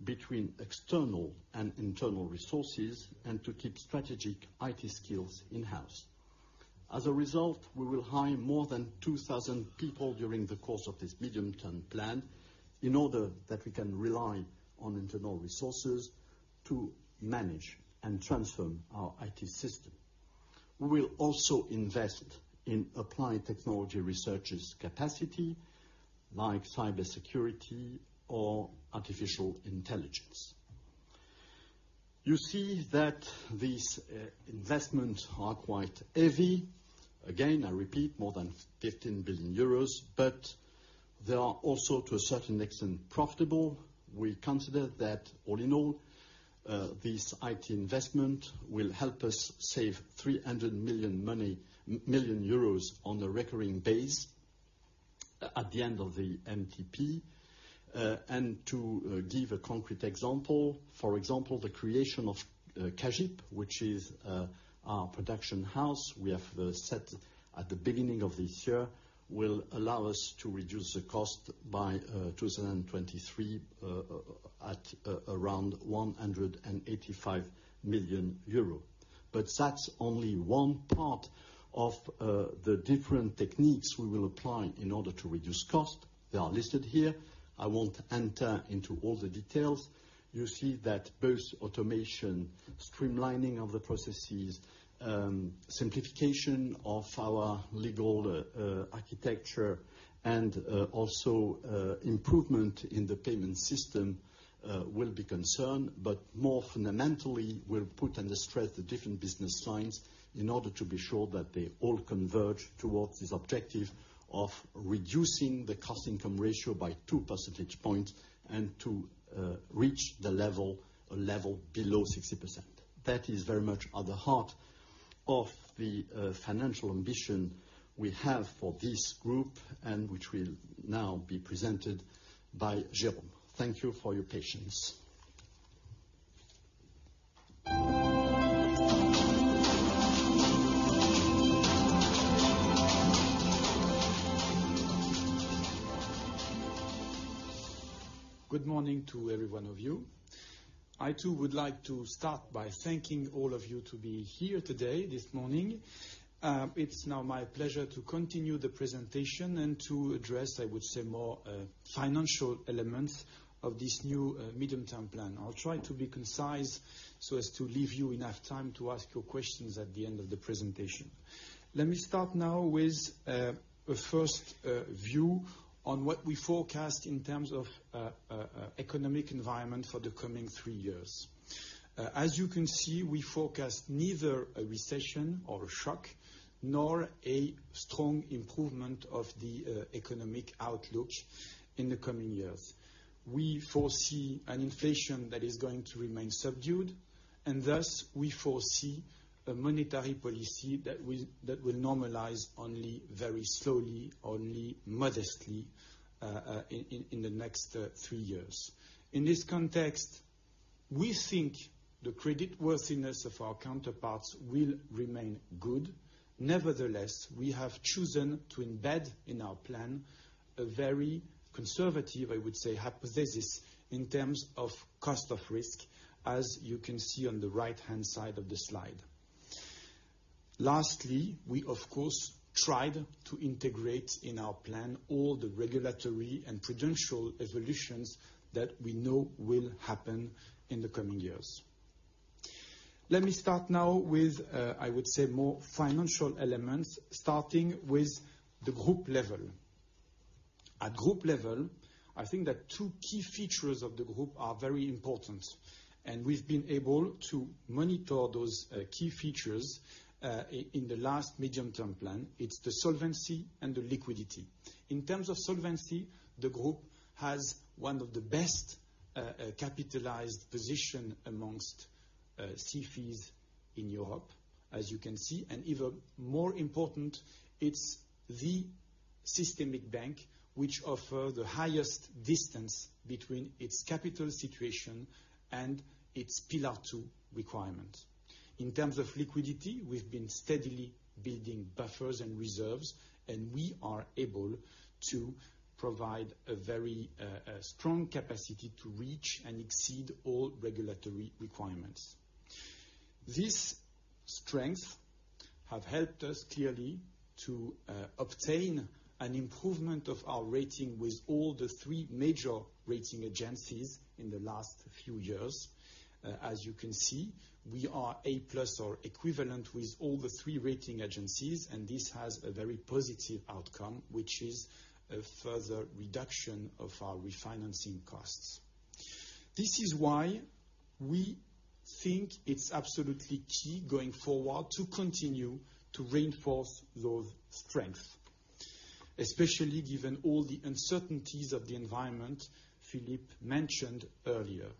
between external and internal resources and to keep strategic IT skills in-house. As a result, we will hire more than 2,000 people during the course of this medium-term plan in order that we can rely on internal resources to manage and transform our IT system. We will also invest in applied technology researches capacity, like cybersecurity or artificial intelligence. You see that these investments are quite heavy. Again, I repeat, more than 15 billion euros, but they are also, to a certain extent, profitable. We consider that all in all, this IT investment will help us save 300 million euros on the recurring base at the end of the MTP. To give a concrete example, for example, the creation of CA-GIP, which is our production house we have set at the beginning of this year, will allow us to reduce the cost by 2023, at around 185 million euro. That's only one part of the different techniques we will apply in order to reduce cost. They are listed here. I won't enter into all the details. You see that both automation, streamlining of the processes, simplification of our legal architecture, and also improvement in the payment system will be concerned, but more fundamentally, we'll put under stress the different business lines in order to be sure that they all converge towards this objective of reducing the cost-income ratio by two percentage points and to reach the level below 60%. That is very much at the heart of the financial ambition we have for this group, and which will now be presented by Jérôme. Thank you for your patience. Good morning to every one of you. I, too, would like to start by thanking all of you to be here today, this morning. It's now my pleasure to continue the presentation and to address, I would say, more financial elements of this new Medium-Term Plan. I'll try to be concise so as to leave you enough time to ask your questions at the end of the presentation. Let me start now with a first view on what we forecast in terms of economic environment for the coming three years. As you can see, we forecast neither a recession or a shock, nor a strong improvement of the economic outlook in the coming years. We foresee an inflation that is going to remain subdued, and thus we foresee a monetary policy that will normalize only very slowly, only modestly, in the next three years. In this context, we think the creditworthiness of our counterparts will remain good. Nevertheless, we have chosen to embed in our plan a very conservative, I would say, hypothesis in terms of cost of risk, as you can see on the right-hand side of the slide. Lastly, we, of course, tried to integrate in our plan all the regulatory and prudential evolutions that we know will happen in the coming years. Let me start now with, I would say, more financial elements, starting with the group level. At group level, I think that two key features of the group are very important, and we've been able to monitor those key features, in the last Medium-Term Plan. It's the solvency and the liquidity. In terms of solvency, the group has one of the best capitalized position amongst SIFIs in Europe, as you can see, and even more important, it's the systemic bank which offer the highest distance between its capital situation and its Pillar 2 requirement. In terms of liquidity, we've been steadily building buffers and reserves, and we are able to provide a very strong capacity to reach and exceed all regulatory requirements. This strength have helped us, clearly, to obtain an improvement of our rating with all the three major rating agencies in the last few years. As you can see, we are A-plus or equivalent with all the three rating agencies, and this has a very positive outcome, which is a further reduction of our refinancing costs. This is why we think it's absolutely key going forward to continue to reinforce those strength, especially given all the uncertainties of the environment Philippe mentioned earlier.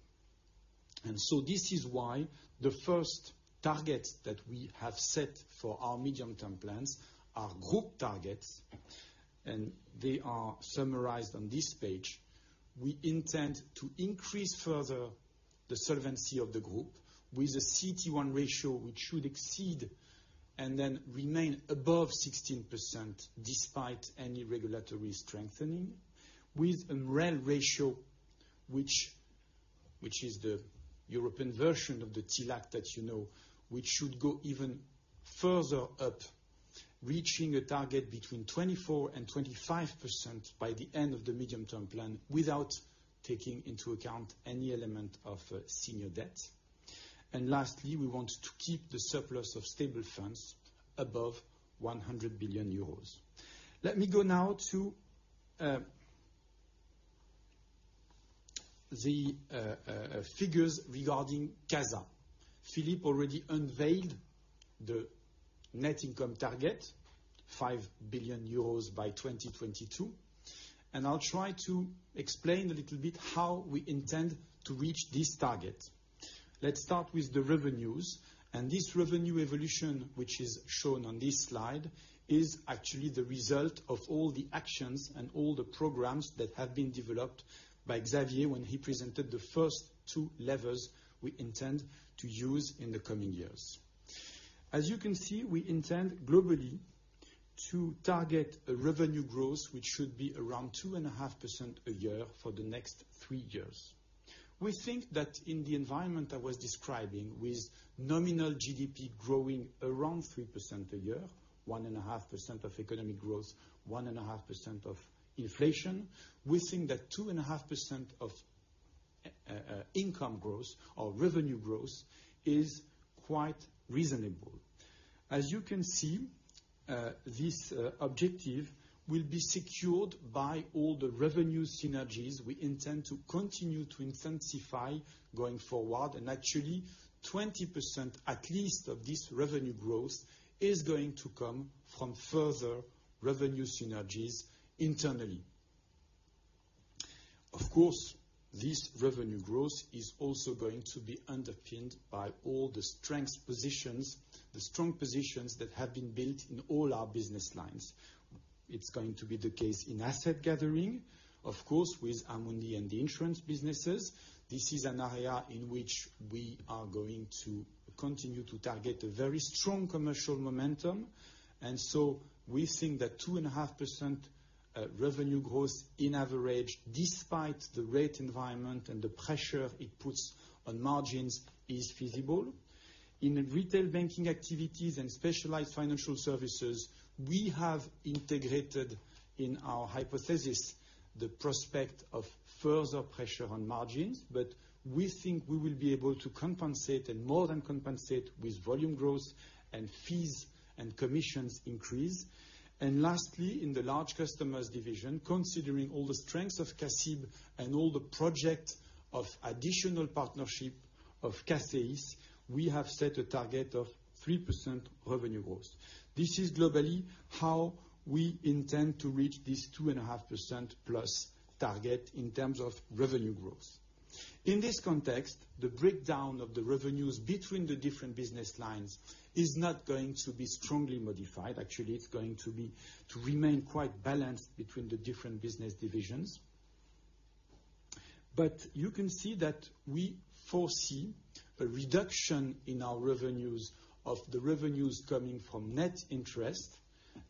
This is why the first targets that we have set for our medium-term plans are group targets, and they are summarized on this page. We intend to increase further the solvency of the group with a CET1 ratio, which should exceed and then remain above 16%, despite any regulatory strengthening, with a MREL ratio, which is the European version of the TLAC that you know, which should go even further up, reaching a target between 24% and 25% by the end of the medium-term plan without taking into account any element of senior debt. Lastly, we want to keep the surplus of stable funds above 100 billion euros. Let me go now to the figures regarding CASA. Philippe already unveiled the net income target, 5 billion euros by 2022, and I'll try to explain a little bit how we intend to reach this target. Let's start with the revenues. This revenue evolution, which is shown on this slide, is actually the result of all the actions and all the programs that have been developed by Xavier when he presented the first two levers we intend to use in the coming years. As you can see, we intend globally to target a revenue growth, which should be around 2.5% a year for the next three years. We think that in the environment I was describing, with nominal GDP growing around 3% a year, 1.5% of economic growth, 1.5% of inflation. We think that 2.5% of income growth or revenue growth is quite reasonable. As you can see, this objective will be secured by all the revenue synergies we intend to continue to intensify going forward. Actually, 20%, at least, of this revenue growth is going to come from further revenue synergies internally. Of course, this revenue growth is also going to be underpinned by all the strong positions that have been built in all our business lines. It's going to be the case in asset gathering, of course, with Amundi and the insurance businesses. This is an area in which we are going to continue to target a very strong commercial momentum. We think that 2.5% revenue growth in average, despite the rate environment and the pressure it puts on margins, is feasible. In the retail banking activities and specialized financial services, we have integrated, in our hypothesis, the prospect of further pressure on margins. We think we will be able to compensate and more than compensate with volume growth and fees and commissions increase. Lastly, in the large customers division, considering all the strengths of CACIB and all the project of additional partnership of CACEIS, we have set a target of 3% revenue growth. This is globally how we intend to reach this 2.5%+ target in terms of revenue growth. In this context, the breakdown of the revenues between the different business lines is not going to be strongly modified. Actually, it's going to remain quite balanced between the different business divisions. You can see that we foresee a reduction in our revenues, of the revenues coming from net interest,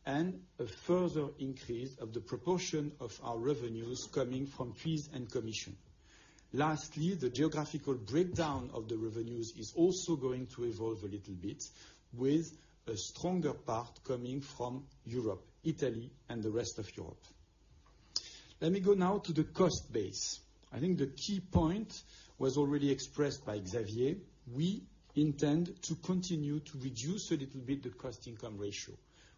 and a further increase of the proportion of our revenues coming from fees and commission. Lastly, the geographical breakdown of the revenues is also going to evolve a little bit with a stronger part coming from Europe, Italy, and the rest of Europe. Let me go now to the cost base. I think the key point was already expressed by Xavier. We intend to continue to reduce a little bit, the cost-income ratio.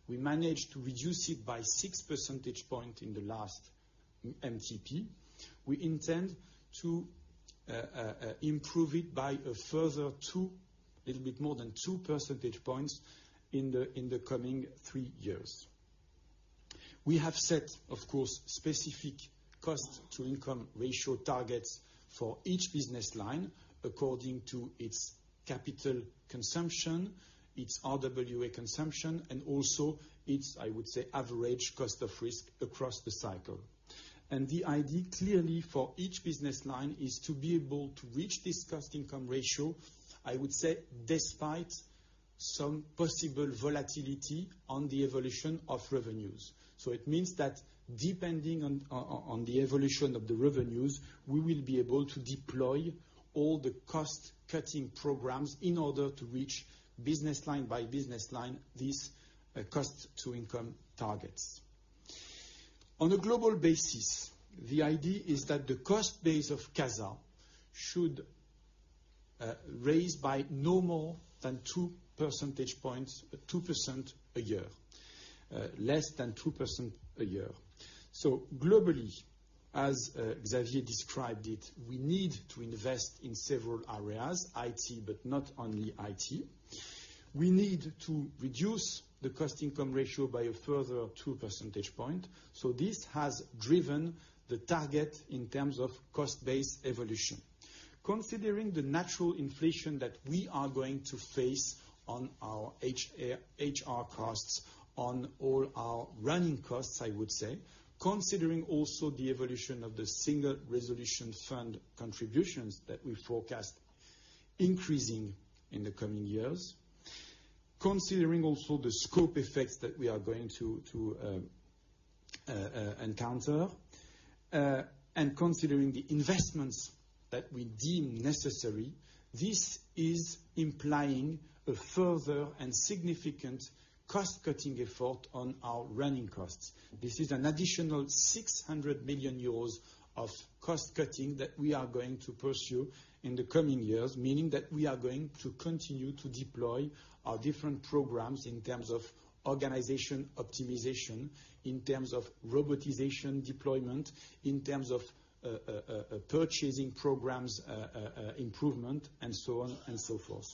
We managed to reduce it by 6 percentage points in the last MTP. We intend to improve it by a further 2, a little bit more than 2 percentage points, in the coming 3 years. We have set, of course, specific cost-income ratio targets for each business line according to its capital consumption, its RWA consumption, and also its, I would say, average cost of risk across the cycle. The idea clearly for each business line is to be able to reach this cost-income ratio, I would say, despite some possible volatility on the evolution of revenues. It means that depending on the evolution of the revenues, we will be able to deploy all the cost-cutting programs in order to reach business line by business line, these cost-income targets. On a global basis, the idea is that the cost base of CASA should raise by no more than 2 percentage points, 2% a year, less than 2% a year. Globally, as Xavier described it, we need to invest in several areas, IT, but not only IT. We need to reduce the cost-income ratio by a further 2 percentage points. This has driven the target in terms of cost-based evolution. Considering the natural inflation that we are going to face on our HR costs, on all our running costs, I would say, considering also the evolution of the Single Resolution Fund contributions that we forecast increasing in the coming years, considering also the scope effects that we are going to encounter, and considering the investments that we deem necessary, this is implying a further and significant cost-cutting effort on our running costs. This is an additional 600 million euros of cost cutting that we are going to pursue in the coming years, meaning that we are going to continue to deploy our different programs in terms of organization optimization, in terms of robotization deployment, in terms of purchasing programs improvement, and so on and so forth.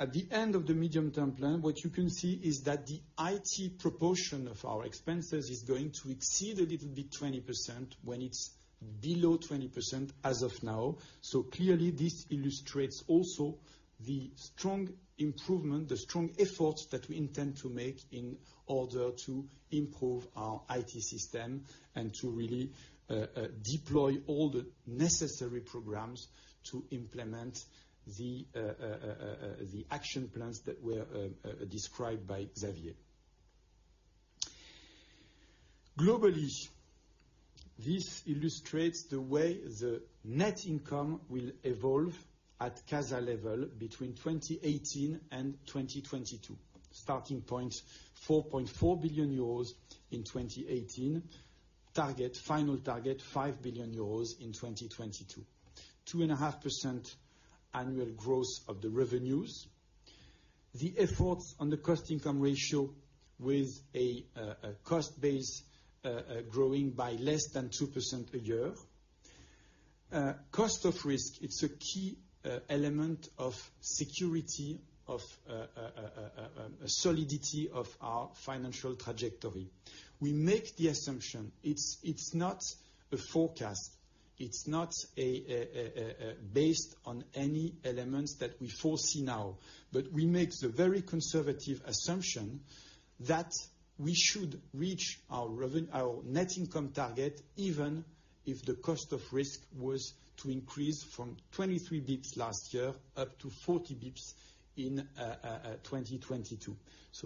At the end of the medium-term plan, what you can see is that the IT proportion of our expenses is going to exceed a little bit 20% when it's below 20% as of now. Clearly, this illustrates also the strong improvement, the strong efforts that we intend to make in order to improve our IT system and to really deploy all the necessary programs to implement the action plans that were described by Xavier. Globally, this illustrates the way the net income will evolve at CASA level between 2018 and 2022. Starting point, 4.4 billion euros in 2018. Final target, 5 billion euros in 2022. 2.5% annual growth of the revenues. The efforts on the cost-income ratio with a cost base growing by less than 2% a year. Cost of risk, it's a key element of security, of solidity of our financial trajectory. We make the assumption, it's not a forecast. It's not based on any elements that we foresee now, but we make the very conservative assumption that we should reach our net income target, even if the cost of risk was to increase from 23 basis points last year up to 40 basis points in 2022.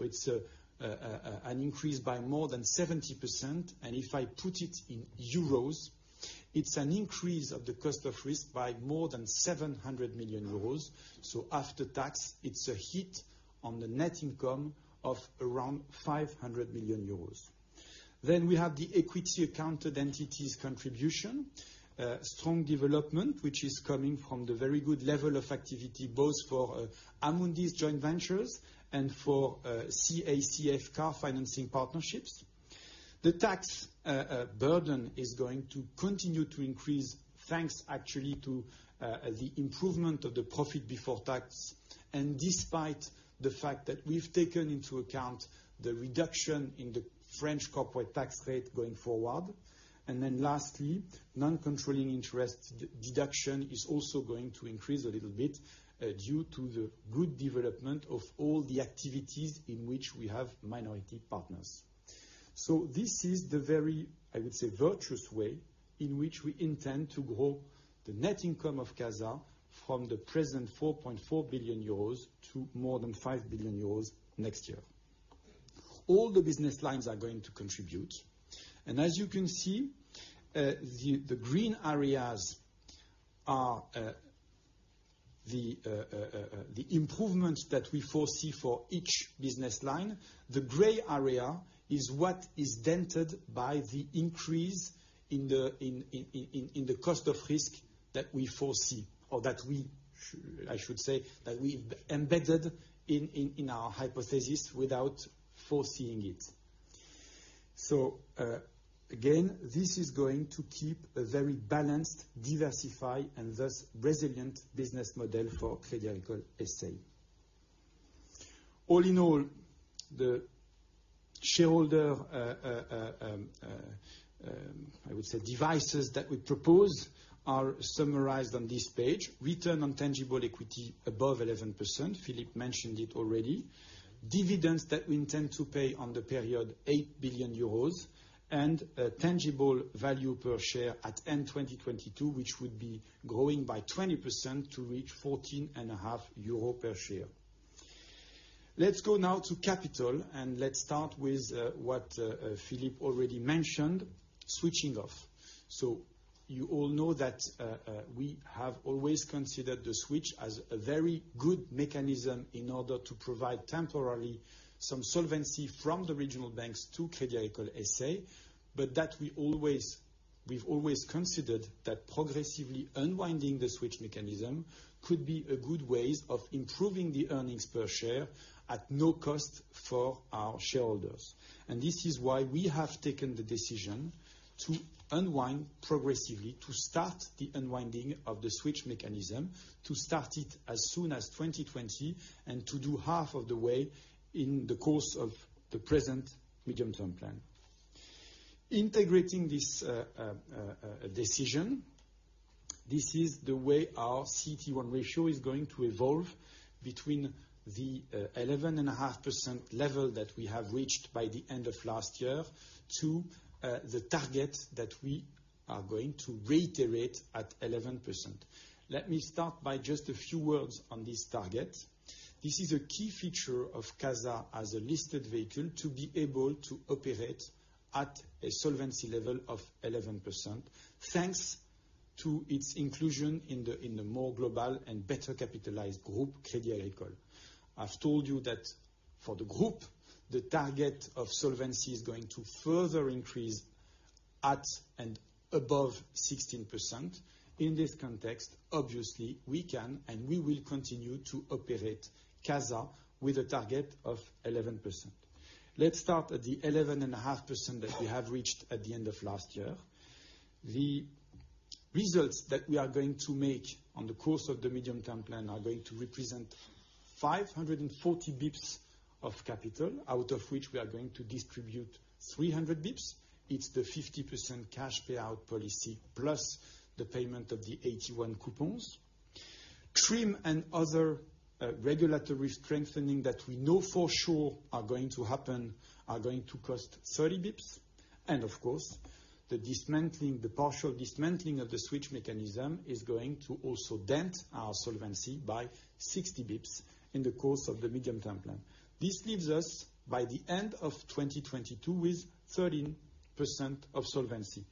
It's an increase by more than 70%, if I put it in EUR, it's an increase of the cost of risk by more than 700 million euros. After tax, it's a hit on the net income of around 500 million euros. We have the equity accounted entities contribution. Strong development, which is coming from the very good level of activity, both for Amundi's joint ventures and for CACF car financing partnerships. The tax burden is going to continue to increase, thanks actually to the improvement of the profit before tax, and despite the fact that we've taken into account the reduction in the French corporate tax rate going forward. Lastly, non-controlling interest deduction is also going to increase a little bit, due to the good development of all the activities in which we have minority partners. This is the very, I would say, virtuous way in which we intend to grow the net income of CASA from the present 4.4 billion euros to more than 5 billion euros next year. All the business lines are going to contribute. As you can see, the green areas are the improvements that we foresee for each business line. The gray area is what is dented by the increase in the cost of risk that we foresee, or I should say, that we embedded in our hypothesis without foreseeing it. Again, this is going to keep a very balanced, diversified, and thus resilient business model for Crédit Agricole S.A. All in all, the shareholder, I would say, devices that we propose are summarized on this page. Return on tangible equity above 11%, Philippe mentioned it already. Dividends that we intend to pay on the period, 8 billion euros, and tangible value per share at end 2022, which would be growing by 20% to reach 14.5 euro per share. Let's go now to capital. Let's start with what Philippe already mentioned, switching off. You all know that we have always considered the switch as a very good mechanism in order to provide temporarily, some solvency from the regional banks to Crédit Agricole S.A., but that we've always considered that progressively unwinding the switch mechanism could be a good way of improving the earnings per share at no cost for our shareholders. This is why we have taken the decision to unwind progressively, to start the unwinding of the switch mechanism, to start it as soon as 2020, and to do half of the way in the course of the present medium-term plan. Integrating this decision, this is the way our CET1 ratio is going to evolve between the 11.5% level that we have reached by the end of last year to the target that we are going to reiterate at 11%. Let me start by just a few words on this target. This is a key feature of CASA as a listed vehicle to be able to operate at a solvency level of 11%, thanks to its inclusion in the more global and better capitalized group, Crédit Agricole. I've told you that for the group, the target of solvency is going to further increase at and above 16%. In this context, obviously, we can and we will continue to operate CASA with a target of 11%. Let's start at the 11.5% that we have reached at the end of last year. The results that we are going to make on the course of the Medium-Term Plan are going to represent 540 basis points of capital, out of which we are going to distribute 300 basis points. It's the 50% cash payout policy, plus the payment of the 81 coupons. TRIM and other regulatory strengthening that we know for sure are going to happen, are going to cost 30 basis points. Of course, the partial dismantling of the switch mechanism is going to also dent our solvency by 60 basis points in the course of the Medium-Term Plan. This leaves us by the end of 2022 with 13% of solvency.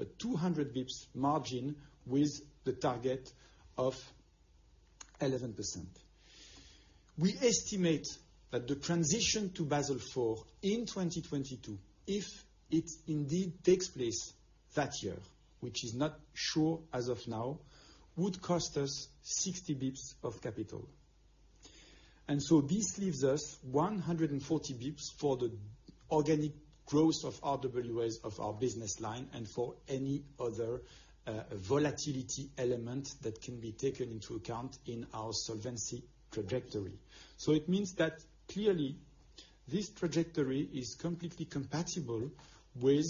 A 200 basis points margin with the target of 11%. We estimate that the transition to Basel IV in 2022, if it indeed takes place that year, which is not sure as of now, would cost us 60 basis points of capital. This leaves us 140 basis points for the organic growth of RWA of our business line, and for any other volatility element that can be taken into account in our solvency trajectory. It means that clearly, this trajectory is completely compatible with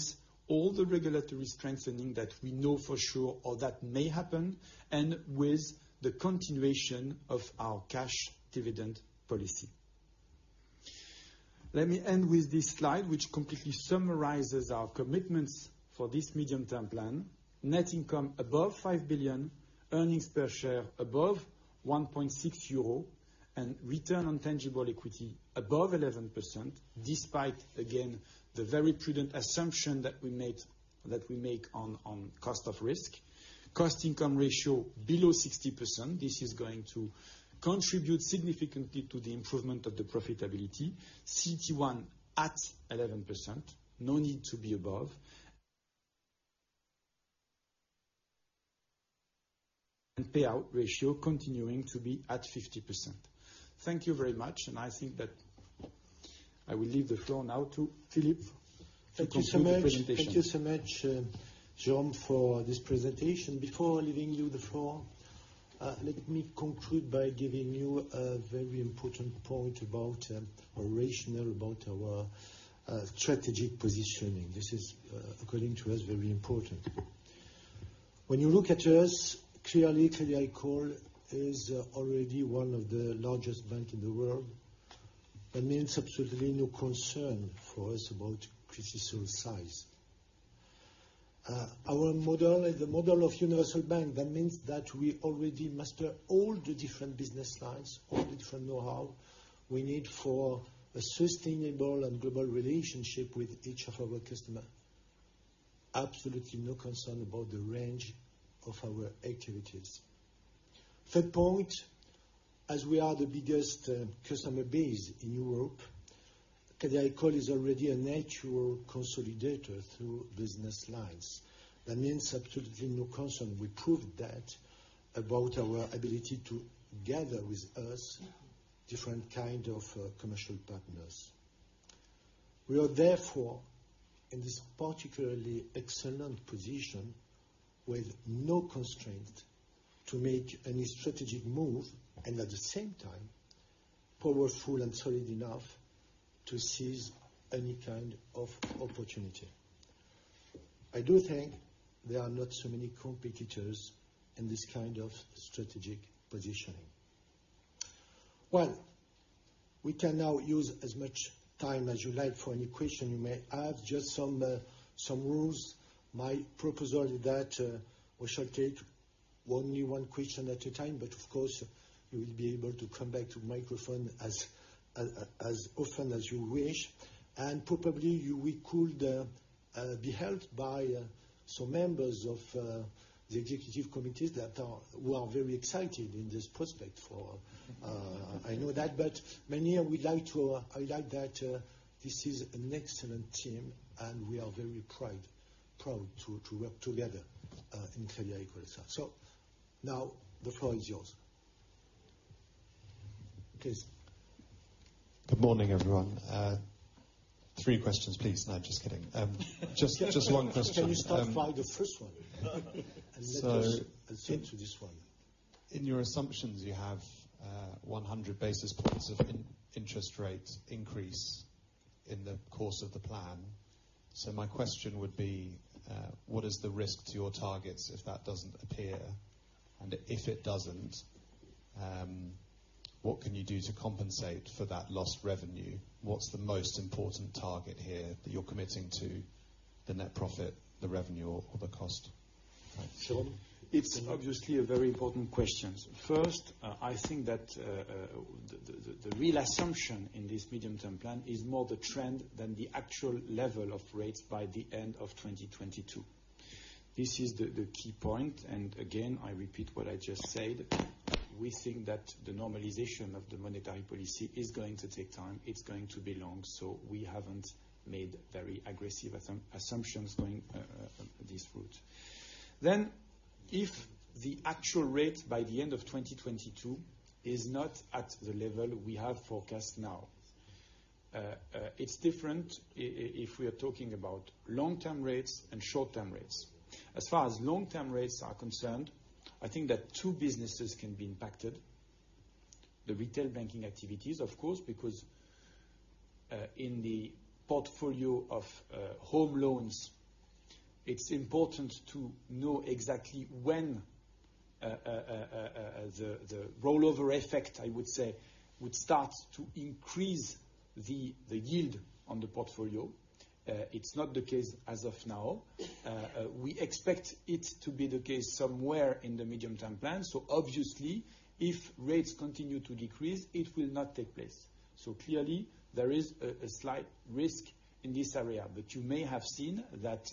all the regulatory strengthening that we know for sure or that may happen, and with the continuation of our cash dividend policy. Let me end with this slide, which completely summarizes our commitments for this Medium-Term Plan. Net income above 5 billion, earnings per share above 1.6 euro, and return on tangible equity above 11%, despite, again, the very prudent assumption that we make on cost of risk. Cost income ratio below 60%. This is going to contribute significantly to the improvement of the profitability. CET1 at 11%, no need to be above. Payout ratio continuing to be at 50%. Thank you very much, and I think that I will leave the floor now to Philippe to conclude the presentation. Thank you so much, Jérôme, for this presentation. Before leaving you the floor, let me conclude by giving you a very important point about our rationale, about our strategic positioning. This is, according to us, very important. When you look at us, clearly, Crédit Agricole is already one of the largest bank in the world. That means absolutely no concern for us about critical size. Our model is the model of universal bank. That means that we already master all the different business lines, all the different knowhow we need for a sustainable and global relationship with each of our customer. Absolutely no concern about the range of our activities. Third point, as we are the biggest customer base in Europe, Crédit Agricole is already a natural consolidator through business lines. That means absolutely no concern. We proved that about our ability to gather with us different kind of commercial partners. We are therefore in this particularly excellent position with no constraint to make any strategic move, and at the same time, powerful and solid enough to seize any kind of opportunity. I do think there are not so many competitors in this kind of strategic positioning. Well, we can now use as much time as you like for any question you may have. Just some rules. My proposal is that we shall take only one question at a time, but of course, you will be able to come back to microphone as often as you wish. Probably, we could be helped by some members of the executive committees that who are very excited in this prospect for, I would like that this is an excellent team, and we are very proud to work together in Crédit Agricole. Now, the floor is yours. Chris. Good morning, everyone. Three questions, please. No, just kidding. Just one question. Can you start by the first one? So- Let's stick to this one In your assumptions, you have 100 basis points of in interest rate increase in the course of the plan. My question would be, what is the risk to your targets if that doesn't appear? If it doesn't, what can you do to compensate for that lost revenue? What's the most important target here that you're committing to, the net profit, the revenue, or the cost? Thanks. Jean. It's obviously a very important question. First, I think that the real assumption in this medium-term plan is more the trend than the actual level of rates by the end of 2022. This is the key point, again, I repeat what I just said. We think that the normalization of the monetary policy is going to take time. It's going to be long. We haven't made very aggressive assumptions going this route. If the actual rate by the end of 2022 is not at the level we have forecast now, it's different, if we are talking about long-term rates and short-term rates. As far as long-term rates are concerned, I think that two businesses can be impacted. The retail banking activities, of course, because, in the portfolio of home loans, it's important to know exactly when the rollover effect, I would say, would start to increase the yield on the portfolio. It's not the case as of now. We expect it to be the case somewhere in the medium-term plan. Obviously, if rates continue to decrease, it will not take place. Clearly, there is a slight risk in this area, but you may have seen that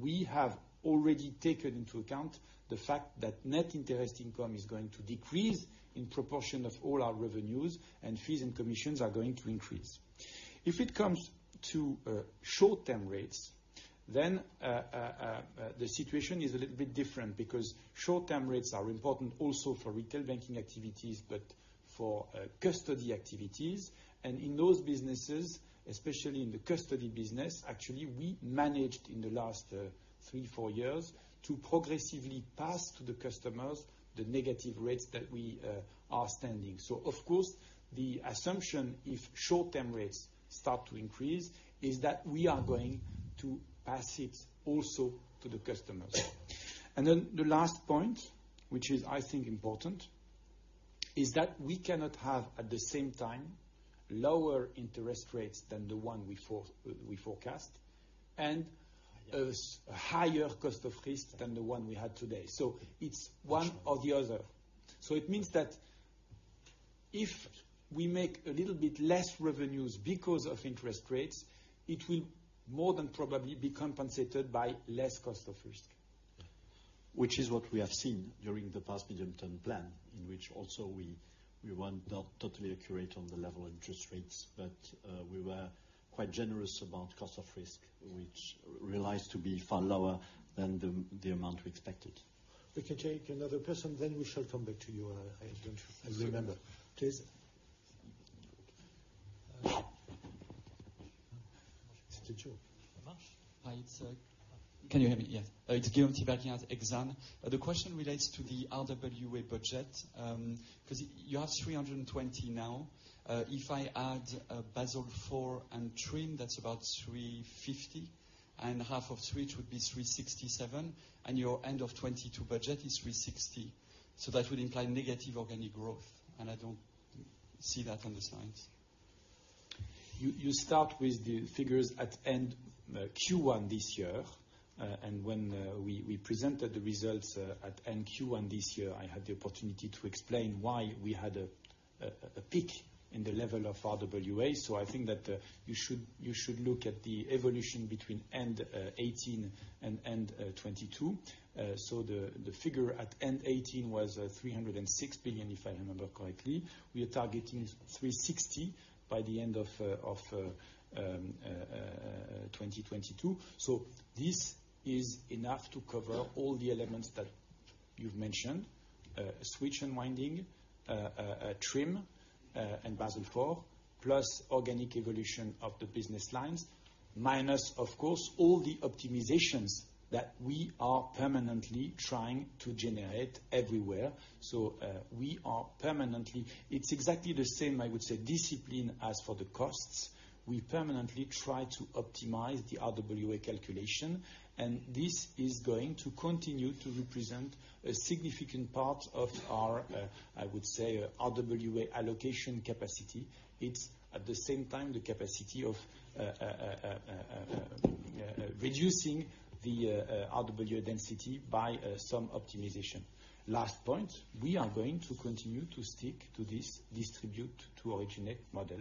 we have already taken into account the fact that net interest income is going to decrease in proportion of all our revenues, fees and commissions are going to increase. If it comes to short-term rates, the situation is a little bit different, because short-term rates are important also for retail banking activities, but for custody activities. In those businesses, especially in the custody business, actually, we managed in the last three, four years to progressively pass to the customers the negative rates that we are standing. Of course, the assumption, if short-term rates start to increase, is that we are going to pass it also to the customers. The last point, which is, I think, important, is that we cannot have, at the same time, lower interest rates than the one we forecast and a higher cost of risk than the one we had today. It's one or the other. It means that if we make a little bit less revenues because of interest rates, it will more than probably be compensated by less cost of risk. Which is what we have seen during the past medium-term plan, in which also we were not totally accurate on the level of interest rates, but we were quite generous about cost of risk, which realized to be far lower than the amount we expected. We can take another person, then we shall come back to you. I remember. Please. It's Guillaume Tiberghien, Exane. The question relates to the RWA budget, because you have 320 now. If I add Basel IV and TRIM, that's about 350, and half of switch would be 367, and your end of 2022 budget is 360. That would imply negative organic growth. I don't see that on the slides. You start with the figures at end Q1 this year. When we presented the results at end Q1 this year, I had the opportunity to explain why we had a peak in the level of RWA. I think that you should look at the evolution between end 2018 and end 2022. The figure at end 2018 was 306 billion, if I remember correctly. We are targeting 360 by the end of 2022. This is enough to cover all the elements that you've mentioned, switch and winding, TRIM, and Basel IV, plus organic evolution of the business lines, minus, of course, all the optimizations that we are permanently trying to generate everywhere. We are permanently. It's exactly the same, I would say discipline as for the costs. We permanently try to optimize the RWA calculation, this is going to continue to represent a significant part of our, I would say, RWA allocation capacity. It's at the same time the capacity of reducing the RWA density by some optimization. Last point, we are going to continue to stick to this originate to distribute model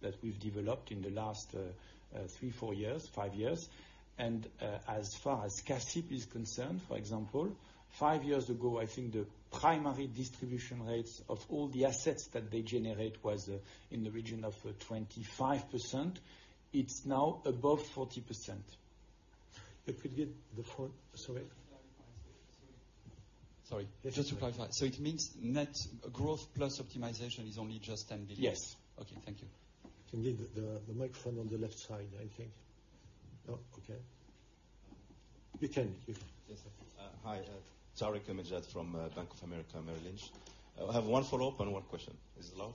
that we've developed in the last three, four years, five years. As far as CACIB is concerned, for example, five years ago, I think the primary distribution rates of all the assets that they generate was in the region of 25%. It's now above 40%. You could get the phone. Sorry. Sorry. Just to clarify. It means net growth plus optimization is only just 10 billion? Yes. Okay. Thank you. You can get the microphone on the left side, I think. No. Okay. You can. You can. Yes. Hi, Tarik El Mejjad from Bank of America Merrill Lynch. I have one follow-up and one question. Is it allowed?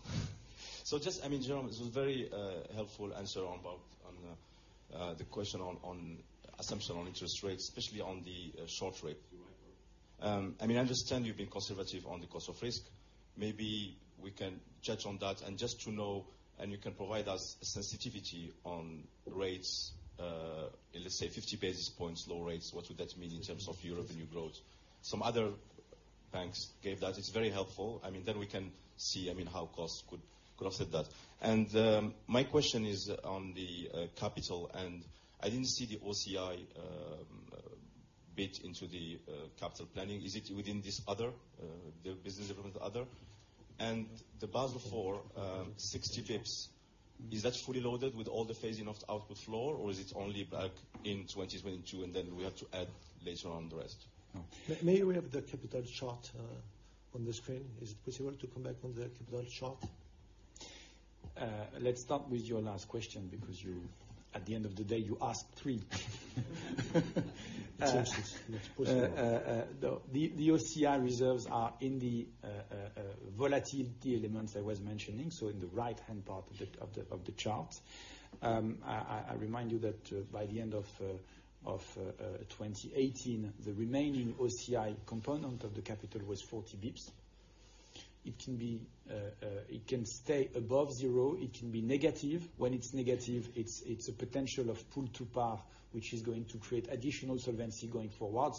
Just, Jérôme, this was very helpful answer on the question on assumption on interest rates, especially on the short rate. I understand you've been conservative on the cost of risk. Maybe we can judge on that and just to know, and you can provide us sensitivity on rates, let's say 50 basis points, low rates, what would that mean in terms of your revenue growth? Some other banks gave that. It's very helpful. We can see how costs could offset that. My question is on the capital, and I didn't see the OCI bit into the capital planning. Is it within this other, the business development other? The Basel IV 60 basis points, is that fully loaded with all the phasing of output floor, or is it only back in 2022, and then we have to add later on the rest? No. May we have the capital chart on the screen? Is it possible to come back on the capital chart? Let's start with your last question because at the end of the day, you asked three. It's possible. The OCI reserves are in the volatility elements I was mentioning, so in the right-hand part of the chart. I remind you that by the end of 2018, the remaining OCI component of the capital was 40 basis points. It can stay above zero. It can be negative. When it's negative, it's a potential of pool to par, which is going to create additional solvency going forward.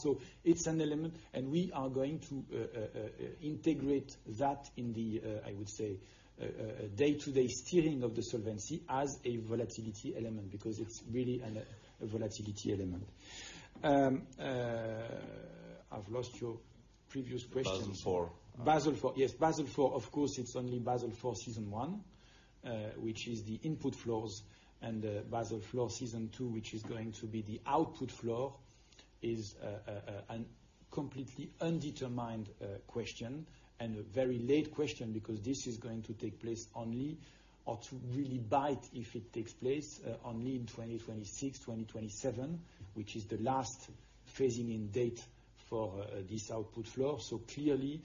It's an element, and we are going to integrate that in the, I would say, day-to-day steering of the solvency as a volatility element, because it's really a volatility element. I've lost your previous question. Basel IV. Basel IV. Yes. Basel IV, of course, it's only Basel IV Season 1, which is the input floors and Basel IV Season 2, which is going to be the output floor, is a completely undetermined question and a very late question because this is going to take place only or to really bite if it takes place, only in 2026, 2027, which is the last phasing in date for this output floor. Clearly,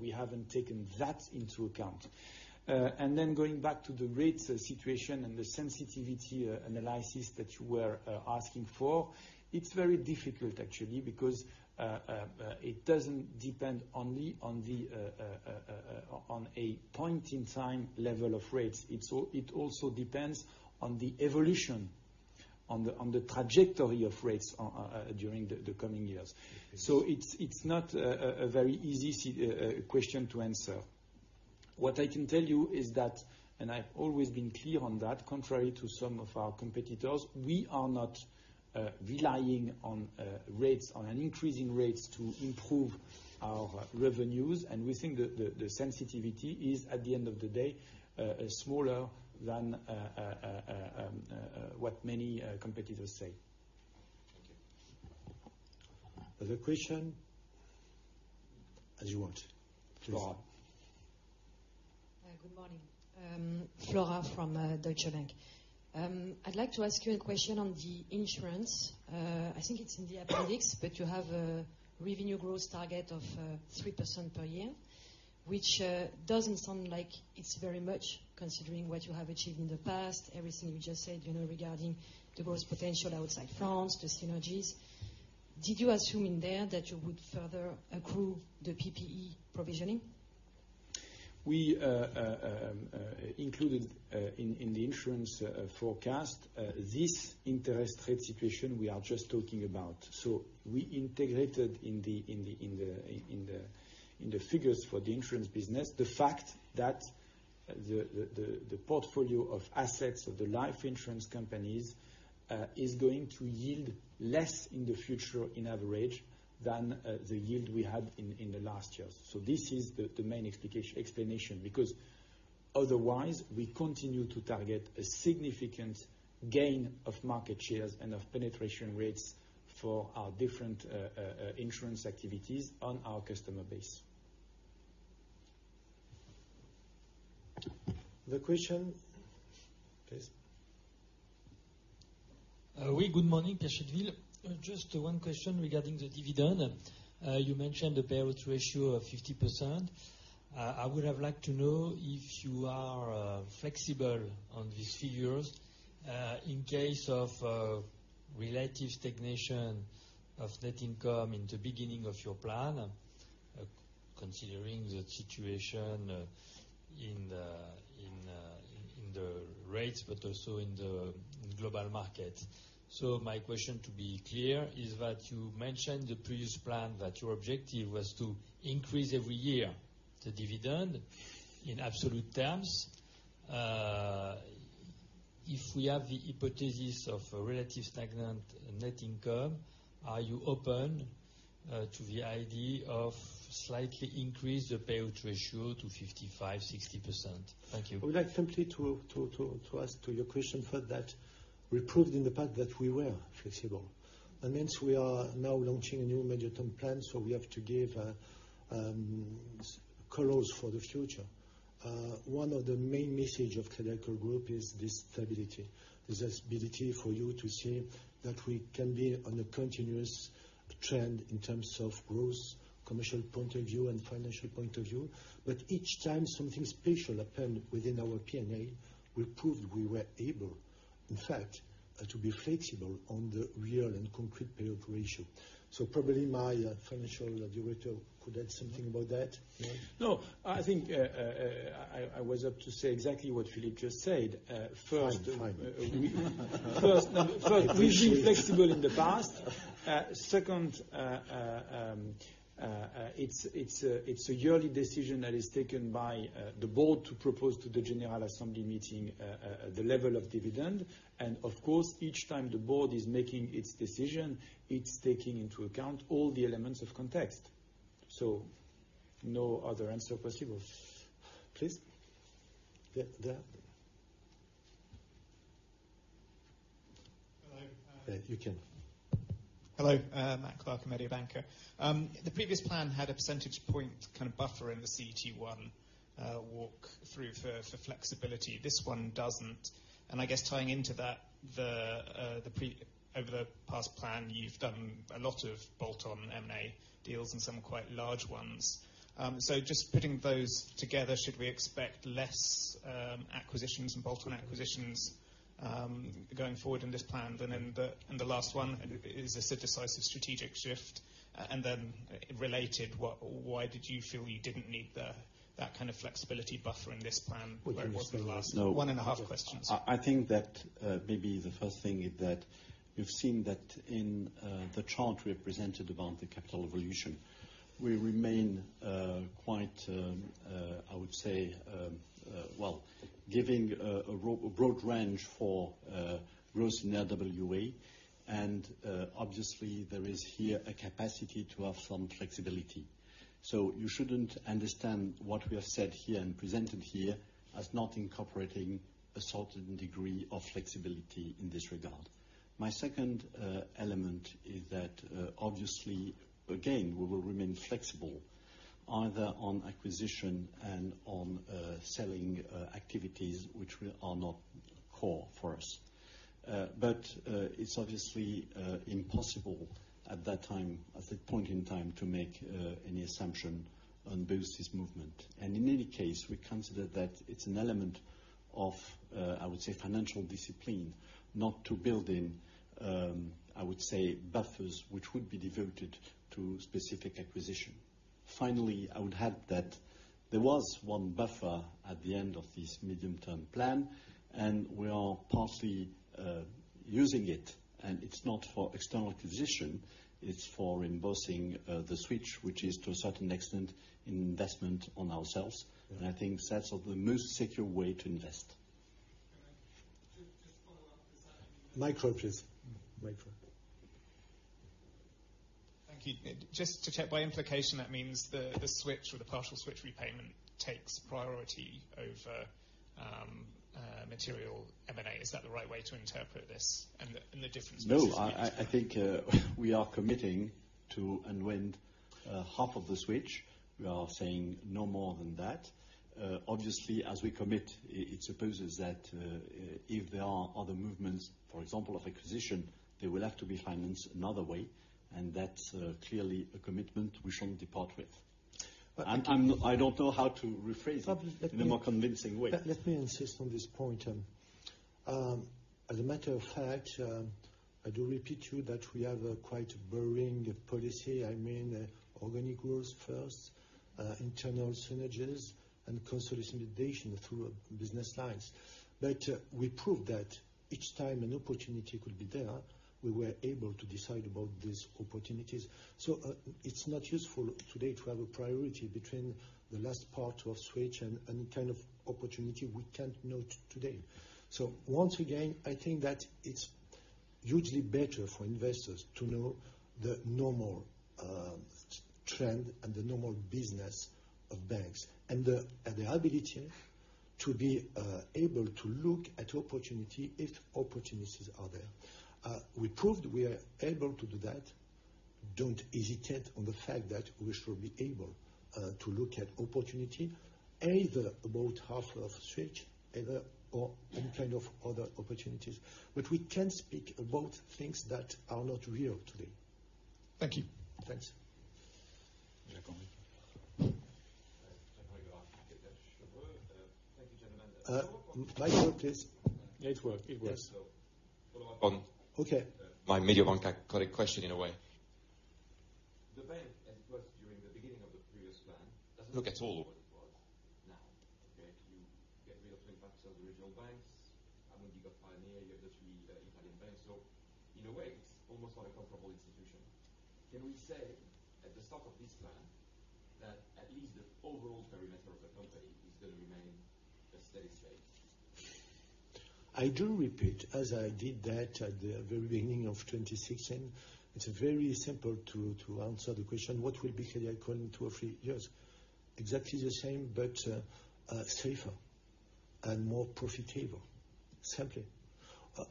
we haven't taken that into account. Going back to the rates situation and the sensitivity analysis that you were asking for, it's very difficult actually, because it doesn't depend only on a point in time level of rates. It also depends on the evolution, on the trajectory of rates during the coming years. It's not a very easy question to answer. What I can tell you is that, and I've always been clear on that, contrary to some of our competitors, we are not relying on increasing rates to improve- Our revenues. We think that the sensitivity is, at the end of the day, smaller than what many competitors say. Thank you. Other question? As you want. Please. Flora. Good morning. Flora from Deutsche Bank. I'd like to ask you a question on the insurance. I think it's in the appendix, but you have a revenue growth target of 3% per year, which doesn't sound like it's very much considering what you have achieved in the past, everything you just said regarding the growth potential outside France, the synergies. Did you assume in there that you would further accrue the PPE provisioning? We included in the insurance forecast, this interest rate situation we are just talking about. We integrated in the figures for the insurance business, the fact that the portfolio of assets of the life insurance companies, is going to yield less in the future on average than the yield we had in the last years. This is the main explanation, because otherwise, we continue to target a significant gain of market shares and of penetration rates for our different insurance activities on our customer base. Other question? Please. Good morning. Pierre Chedeville. Just one question regarding the dividend. You mentioned the payout ratio of 50%. I would have liked to know if you are flexible on these figures, in case of relative stagnation of net income in the beginning of your plan, considering the situation in the rates but also in the global market. My question, to be clear, is that you mentioned the previous plan that your objective was to increase every year the dividend in absolute terms. If we have the hypothesis of a relative stagnant net income, are you open to the idea of slightly increase the payout ratio to 55%, 60%? Thank you. I would like simply to answer your question for that. We proved in the past that we were flexible, since we are now launching a new medium-term plan, we have to give colors for the future. One of the main message of Crédit Agricole Group is the stability. The stability for you to say that we can be on a continuous trend in terms of growth, commercial point of view, and financial point of view. Each time something special happened within our P&L, we proved we were able, in fact, to be flexible on the real and concrete payout ratio. Probably my financial director could add something about that. I think I was up to say exactly what Philippe just said. Fine. First, we've been flexible in the past. Second, it's a yearly decision that is taken by the board to propose to the general assembly meeting, the level of dividend. Of course, each time the board is making its decision, it's taking into account all the elements of context. No other answer possible. Please. There. Hello. Yeah, you can. Hello. Matthew Clark, Mediobanca. The previous plan had a percentage point kind of buffer in the CET1 walk through for flexibility. This one doesn't. I guess tying into that, over the past plan, you've done a lot of bolt-on M&A deals and some quite large ones. Just putting those together, should we expect less acquisitions and bolt-on acquisitions, going forward in this plan than in the last one? Is this a decisive strategic shift? Related, why did you feel you didn't need that kind of flexibility buffer in this plan? Would you answer the last. One and a half questions. I think that maybe the first thing is that you've seen that in the chart we have presented about the capital evolution. We remain quite, I would say, giving a broad range for growth in RWA, and obviously, there is here a capacity to have some flexibility. You shouldn't understand what we have said here and presented here as not incorporating a certain degree of flexibility in this regard. My second element is that, obviously, again, we will remain flexible either on acquisition and on selling activities, which are not core for us. It's obviously impossible at that point in time to make any assumption on both this movement. In any case, we consider that it's an element of, I would say, financial discipline not to build in, I would say, buffers which would be devoted to specific acquisition. Finally, I would add that there was one buffer at the end of this medium-term plan, and we are partly using it, and it's not for external acquisition, it's for embossing the switch, which is, to a certain extent, investment on ourselves. I think that's the most secure way to invest. Microphone, please. Microphone. Thank you. Just to check, by implication, that means the switch or the partial switch repayment takes priority over material M&A. Is that the right way to interpret this and the differences between- No. I think we are committing to unwind half of the switch. We are saying no more than that. Obviously, as we commit, it supposes that if there are other movements, for example, of acquisition, they will have to be financed another way, and that's clearly a commitment we shall depart with. I don't know how to rephrase it in a more convincing way. Let me insist on this point. As a matter of fact, I do repeat to you that we have quite a boring policy. I mean, organic growth first, internal synergies, and consolidation through business lines. We proved that each time an opportunity could be there, we were able to decide about these opportunities. It's not useful today to have a priority between the last part of switch and any kind of opportunity we can't know today. Once again, I think that it's hugely better for investors to know the normal trend and the normal business of banks and the ability to be able to look at opportunity if opportunities are there. We proved we are able to do that. Don't hesitate on the fact that we should be able to look at opportunity, either about half of switch, either or any kind of other opportunities. We can speak about things that are not real today. Thank you. Thanks. Jacques-Henri. Jacques-Henri Gaulard, Deutsche Bank. Thank you, gentlemen. Micro, please. Yeah, it worked. Follow up on- Okay my Mediobanca question, in a way. The bank, as it was during the beginning of the previous plan, doesn't look at all what it was now, okay. You get rid of 25% of the regional banks. You get Pioneer, you have the three Italian banks. In a way, it's almost not a comparable institution. Can we say at the start of this plan that at least the overall perimeter of the company is going to remain a steady state? I do repeat, as I did that at the very beginning of 2016, it's very simple to answer the question, what will be Crédit Agricole in two or three years? Exactly the same, but safer and more profitable. Simply.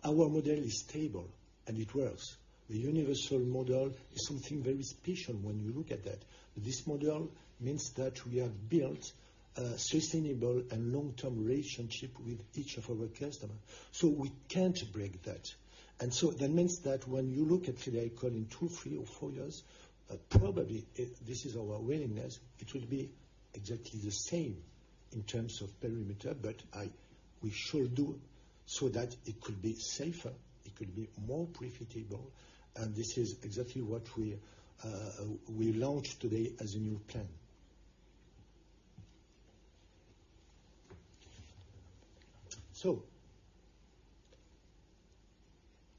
Our model is stable, and it works. The universal model is something very special when you look at that. This model means that we have built a sustainable and long-term relationship with each of our customers, so we can't break that. That means that when you look at Crédit Agricole in two, three, or four years, probably, this is our willingness, it will be exactly the same in terms of perimeter, but we shall do so that it could be safer, it could be more profitable, and this is exactly what we launch today as a new plan.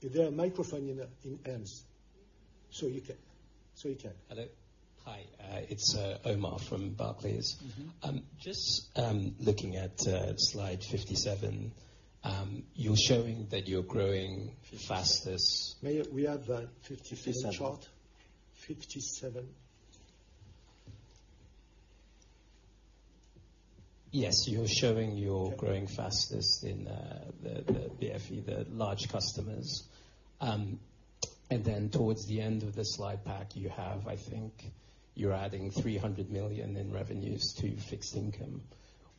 Is there a microphone in ends? You can. Hello. Hi, it's Omar from Barclays. Just looking at slide 57, you're showing that you're growing fastest- May we have 57 chart? 57. 57. Yes. Towards the end of the slide pack, you have, I think, you're adding 300 million in revenues to fixed income.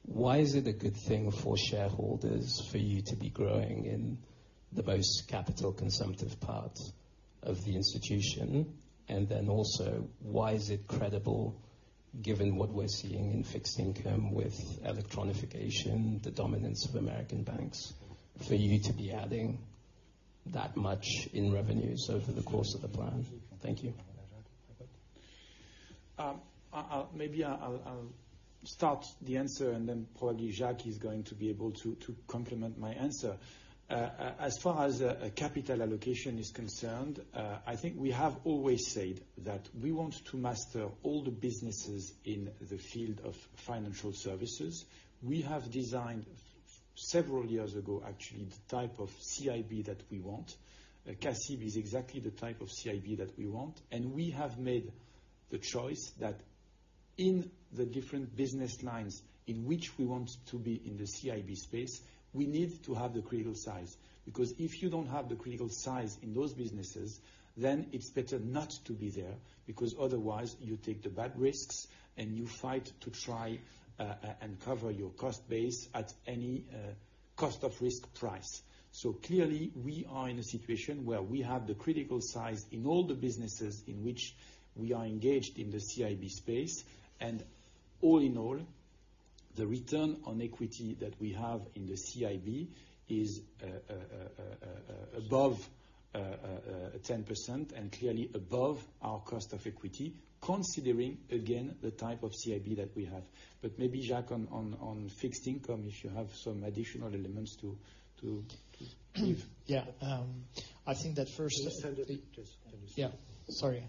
Why is it a good thing for shareholders for you to be growing in the most capital-consumptive part of the institution? Also, why is it credible, given what we're seeing in fixed income with electronification, the dominance of American banks, for you to be adding that much in revenues over the course of the plan? Thank you. Maybe I'll start the answer, and then probably Jacques is going to be able to complement my answer. As far as capital allocation is concerned, I think we have always said that we want to master all the businesses in the field of financial services. We have designed, several years ago, actually, the type of CIB that we want. CIB is exactly the type of CIB that we want, and we have made the choice that in the different business lines in which we want to be in the CIB space, we need to have the critical size because if you don't have the critical size in those businesses, then it's better not to be there, because otherwise you take the bad risks, and you fight to try and cover your cost base at any cost of risk price. We are in a situation where we have the critical size in all the businesses in which we are engaged in the CIB space, and all in all, the return on equity that we have in the CIB is above 10% and clearly above our cost of equity, considering, again, the type of CIB that we have. Maybe Jacques, on fixed income, if you have some additional elements to give. Yeah. I think that first- Just, can you speak? Yeah. Sorry.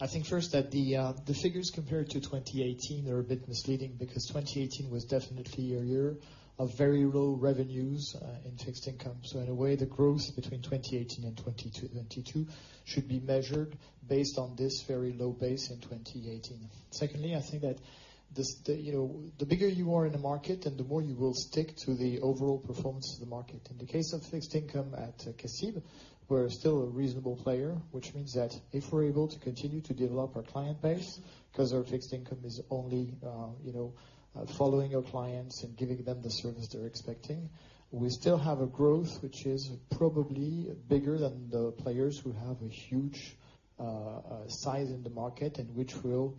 I think first that the figures compared to 2018 are a bit misleading, because 2018 was definitely a year of very low revenues in fixed income. In a way, the growth between 2018 and 2022 should be measured based on this very low base in 2018. Secondly, I think that the bigger you are in the market, the more you will stick to the overall performance of the market. In the case of fixed income at CACEIS, we're still a reasonable player, which means that if we're able to continue to develop our client base, because our fixed income is only following our clients and giving them the service they're expecting, we still have a growth which is probably bigger than the players who have a huge size in the market, which will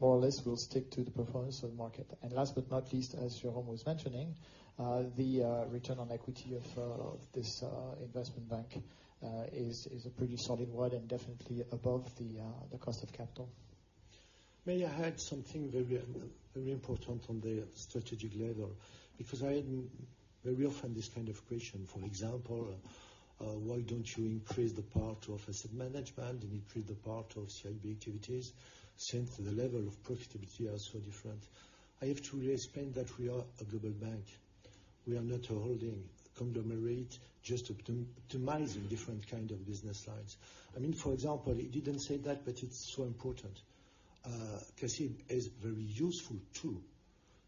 more or less stick to the performance of the market. Last but not least, as Jérôme was mentioning, the return on equity of this investment bank is a pretty solid one and definitely above the cost of capital. Maybe I'll add something very important on the strategic level, because I hear very often this kind of question, for example, why don't you increase the part of asset management and increase the part of CIB activities since the level of profitability are so different? I have to explain that we are a global bank. We are not a holding conglomerate just optimizing different kind of business lines. For example, he didn't say that, but it's so important. CACEIS is very useful, too,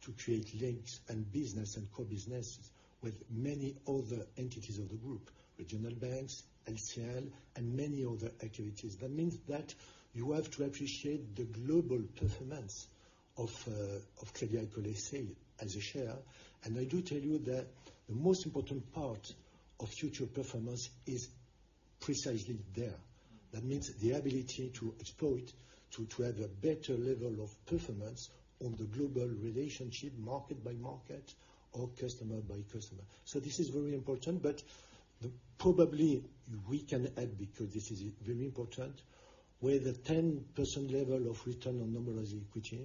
to create links and business and co-business with many other entities of the group, regional banks, LCL, and many other activities. That means that you have to appreciate the global performance of Crédit Agricole S.A. as a share. I do tell you that the most important part of future performance is precisely there. That means the ability to exploit, to have a better level of performance on the global relationship, market by market, or customer by customer. This is very important, probably we can add, because this is very important, with a 10% level of return on normalized equity,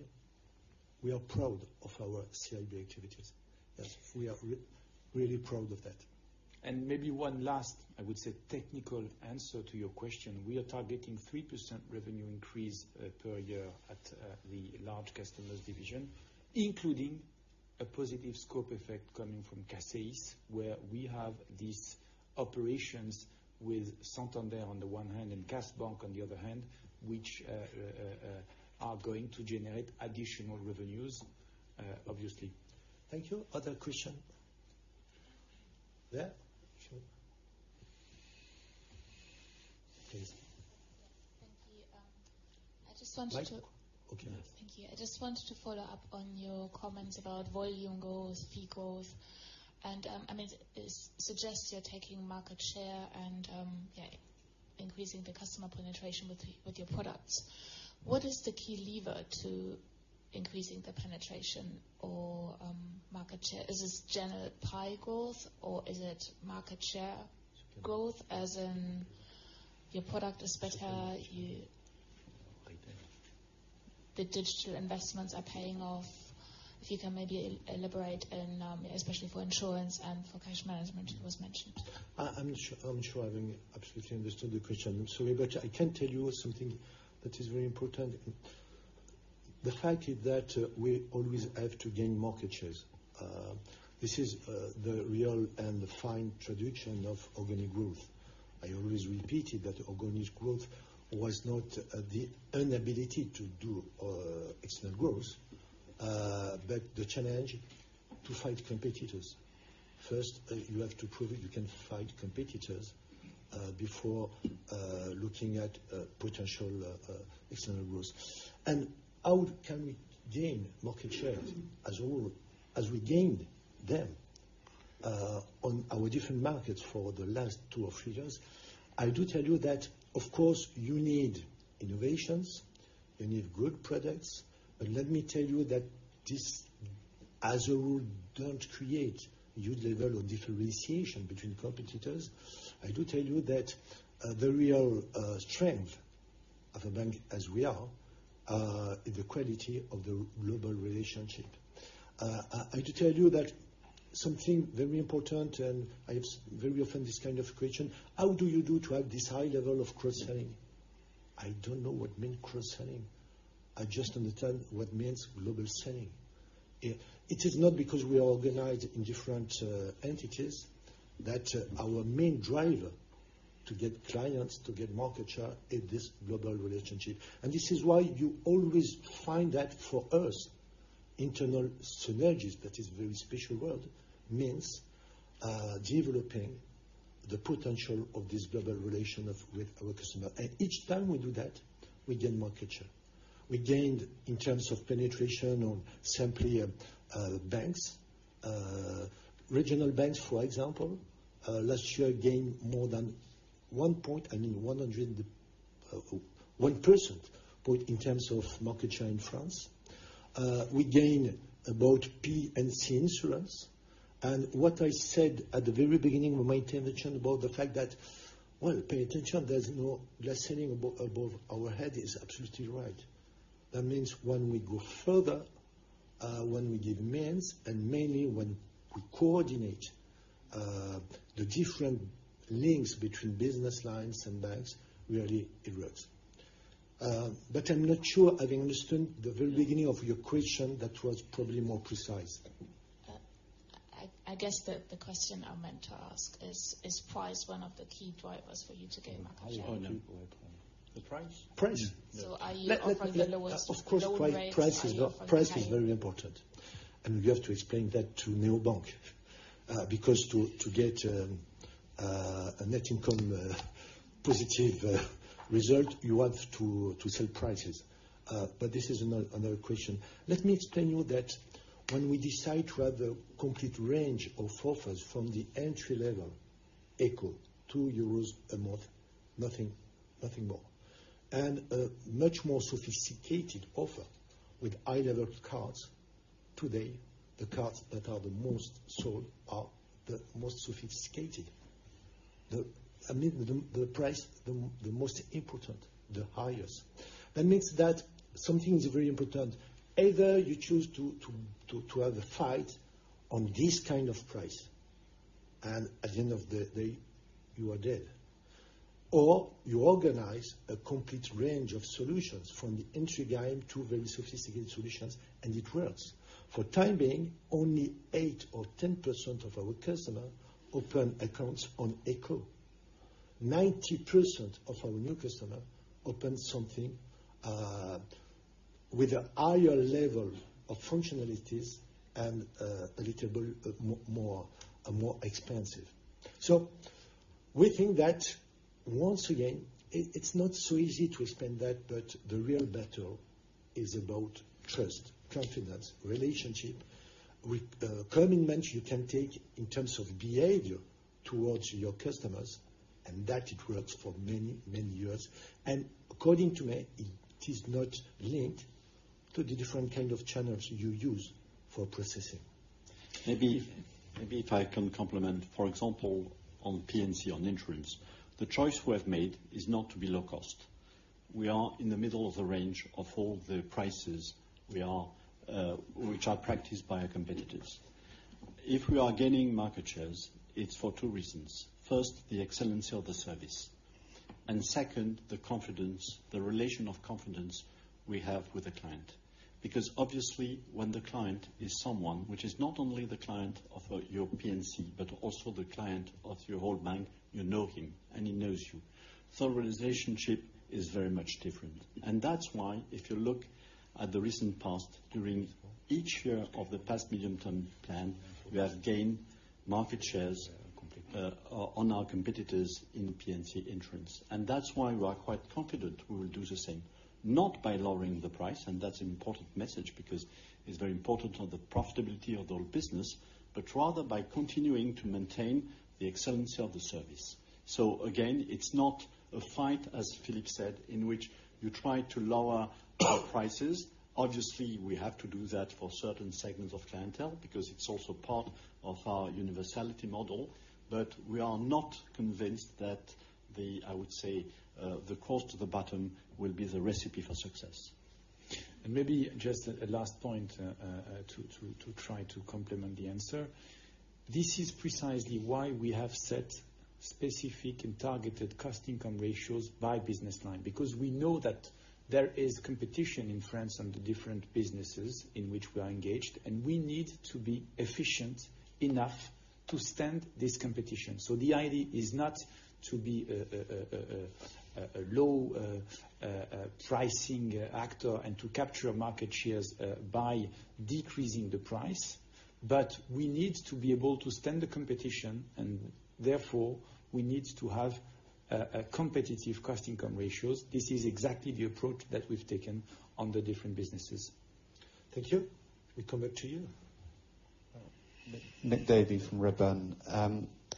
we are proud of our CIB activities. Yes, we are really proud of that. Maybe one last, I would say, technical answer to your question. We are targeting 3% revenue increase per year at the large customers division, including a positive scope effect coming from CACEIS, where we have these operations with Santander on the one hand and KAS BANK on the other hand, which are going to generate additional revenues, obviously. Thank you. Other question? There. Sure. Please. Thank you. Mic? Okay. Thank you. I just wanted to follow up on your comments about volume goals, fee goals. It suggests you're taking market share and increasing the customer penetration with your products. What is the key lever to increasing the penetration or market share? Is this general pie growth or is it market share growth as in your product is better, the digital investments are paying off. If you can maybe elaborate and especially for insurance and for cash management, it was mentioned. I'm not sure I absolutely understood the question. I'm sorry. I can tell you something that is very important. The fact that we always have to gain market shares. This is the real and fine tradition of organic growth. I always repeated that organic growth was not the inability to do external growth, but the challenge to fight competitors. First, you have to prove you can fight competitors before looking at potential external growth. How can we gain market shares as a whole, as we gained them on our different markets for the last two or three years? I do tell you that, of course, you need innovations, you need good products. Let me tell you that this, as a rule, don't create a huge level of differentiation between competitors. I do tell you that the real strength of a bank as we are, is the quality of the global relationship. I do tell you that something very important, and I have very often this kind of question, how do you do to have this high level of cross-selling? I don't know what mean cross-selling. I just understand what means global selling. It is not because we are organized in different entities, that our main driver to get clients, to get market share, is this global relationship. This is why you always find that for us, internal synergies, that is very special word, means developing the potential of this global relation with our customer. Each time we do that, we gain market share. We gained in terms of penetration on simply banks. Regional banks, for example, last year gained more than one point, I mean 100 1% point in terms of market share in France. We gain about P&C insurance. What I said at the very beginning of my intervention about the fact that, well, pay attention, there's no glass ceiling above our head is absolutely right. That means when we give means, and mainly when we coordinate the different links between business lines and banks, really it works. I'm not sure I've understood the very beginning of your question, that was probably more precise. I guess that the question I meant to ask is price one of the key drivers for you to gain market share? I don't think so. The price? Are you offering the lowest of the low rates? Are you offering Of course, price is very important, we have to explain that to neobank. To get a net income positive result, you want to sell prices. This is another question. Let me explain to you that when we decide to have a complete range of offers from the entry-level, Eko, 2 euros a month, nothing more. A much more sophisticated offer with high-level cards. Today, the cards that are the most sold are the most sophisticated. The price, the most important, the highest. This means that something is very important. Either you choose to have a fight on this kind of price, at the end of the day, you are dead, or you organize a complete range of solutions from the entry guide to very sophisticated solutions, it works. For the time being, only eight or 10% of our customers open accounts on Eko. 90% of our new customers open something with a higher level of functionalities and a little more expensive. We think that, once again, it's not so easy to explain that, the real battle is about trust, confidence, relationship, with commitment you can take in terms of behavior towards your customers, it works for many, many years. According to me, it is not linked to the different kinds of channels you use for processing. Maybe if I can complement. For example, on P&C, on insurance, the choice we have made is not to be low cost. We are in the middle of the range of all the prices, which are practiced by our competitors. If we are gaining market shares, it's for two reasons. First, the excellence of the service, and second, the relation of confidence we have with the client. Obviously, when the client is someone, which is not only the client of your P&C, but also the client of your whole bank, you know him and he knows you. The relationship is very much different. That's why, if you look at the recent past, during each year of the past Medium-Term Plan, we have gained market shares on our competitors in P&C insurance. That's why we are quite confident we will do the same. Not by lowering the price, and that is an important message because it is very important for the profitability of the whole business, but rather by continuing to maintain the excellence of the service. Again, it is not a fight, as Philippe said, in which you try to lower our prices. Obviously, we have to do that for certain segments of clientele, because it is also part of our universality model. We are not convinced that the, I would say, the cost to the bottom will be the recipe for success. Maybe just a last point, to try to complement the answer. This is precisely why we have set specific and targeted cost-income ratios by business line, because we know that there is competition in France on the different businesses in which we are engaged, and we need to be efficient enough to stand this competition. The idea is not to be a low pricing actor and to capture market shares by decreasing the price. We need to be able to stand the competition, and therefore, we need to have competitive cost-income ratios. This is exactly the approach that we have taken on the different businesses. Thank you. We come back to you. Nick Davey from Redburn.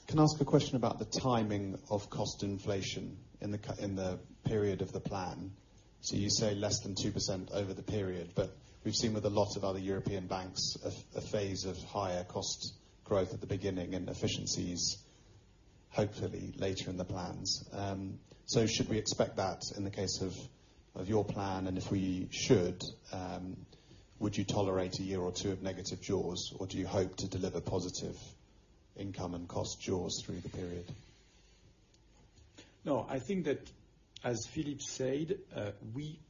Can I ask a question about the timing of cost inflation in the period of the plan? You say less than 2% over the period, we have seen with a lot of other European banks a phase of higher cost growth at the beginning and efficiencies, hopefully, later in the plans. Should we expect that in the case of your plan? If we should, would you tolerate a year or two of negative jaws, or do you hope to deliver positive income and cost jaws through the period? No, I think that, as Philippe said,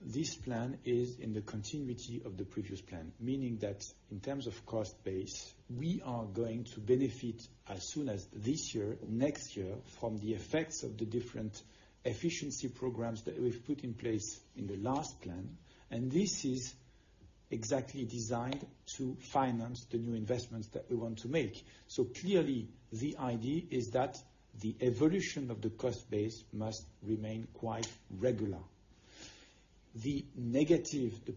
this plan is in the continuity of the previous plan, meaning that in terms of cost base, we are going to benefit as soon as this year, next year, from the effects of the different efficiency programs that we've put in place in the last plan. This is exactly designed to finance the new investments that we want to make. Clearly, the idea is that the evolution of the cost base must remain quite regular. The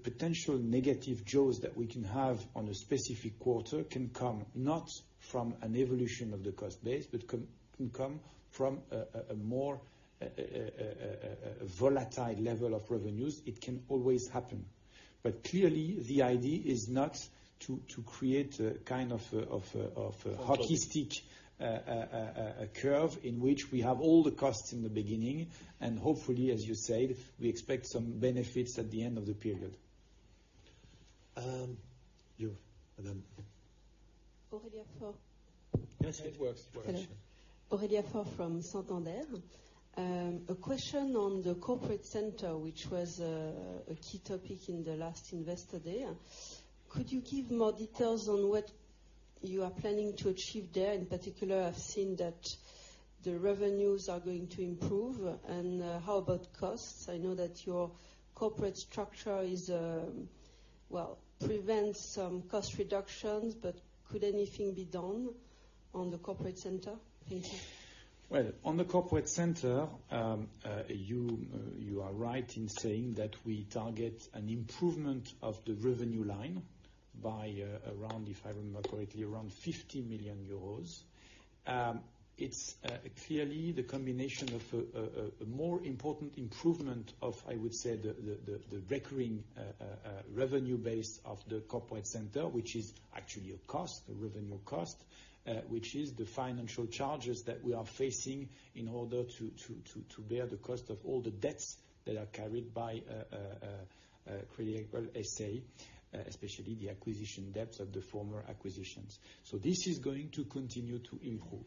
potential negative jaws that we can have on a specific quarter can come not from an evolution of the cost base, but can come from a more volatile level of revenues. It can always happen. Clearly, the idea is not to create a kind of hockey stick curve in which we have all the costs in the beginning, and hopefully, as you said, we expect some benefits at the end of the period. You, and then. Aurelia Faure. Yes. It works. Hello. Aurelia Faure from Santander. A question on the corporate center, which was a key topic in the last investor day. Could you give more details on what you are planning to achieve there? In particular, I've seen that the revenues are going to improve. How about costs? I know that your corporate structure, well, prevents some cost reductions, but could anything be done on the corporate center? Thank you. Well, on the corporate center, you are right in saying that we target an improvement of the revenue line by around, if I remember correctly, around 50 million euros. It is clearly the combination of a more important improvement of, I would say, the recurring revenue base of the corporate center, which is actually a revenue cost, which is the financial charges that we are facing in order to bear the cost of all the debts that are carried by Crédit Agricole S.A., especially the acquisition debts of the former acquisitions. This is going to continue to improve.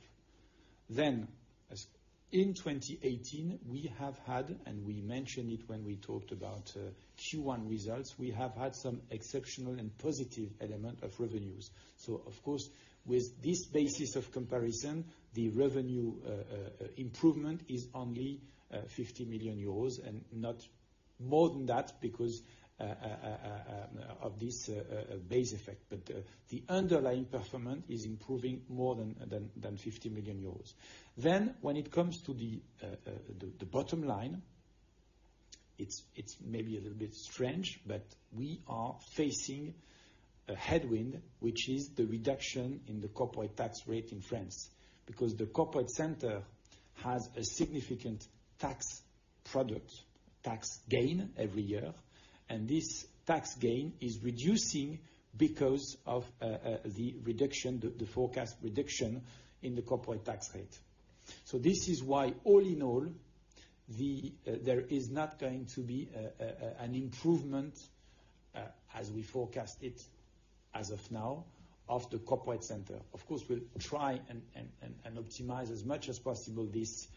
In 2018, we have had, and we mentioned it when we talked about Q1 results, we have had some exceptional and positive element of revenues. Of course, with this basis of comparison, the revenue improvement is only 50 million euros and not more than that because of this base effect. The underlying performance is improving more than 50 million euros. When it comes to the bottom line, it is maybe a little bit strange, but we are facing a headwind, which is the reduction in the corporate tax rate in France. The corporate center has a significant tax product, tax gain every year. This tax gain is reducing because of the forecast reduction in the corporate tax rate. This is why, all in all, there is not going to be an improvement, as we forecast it, as of now, of the corporate center. Of course, we will try and optimize as much as possible this,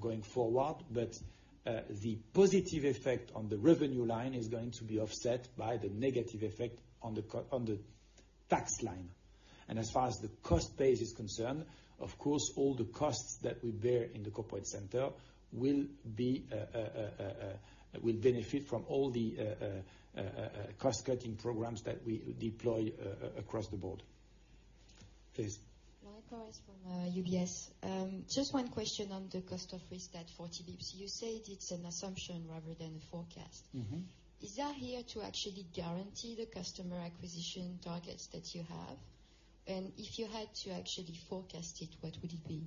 going forward. But the positive effect on the revenue line is going to be offset by the negative effect on the tax line. As far as the cost base is concerned, of course, all the costs that we bear in the corporate center will benefit from all the cost-cutting programs that we deploy across the board. Please. Clotilde L'Angevin from UBS. One question on the cost of risk at 40 basis points. You said it's an assumption rather than a forecast. Is that here to actually guarantee the customer acquisition targets that you have? If you had to actually forecast it, what would it be?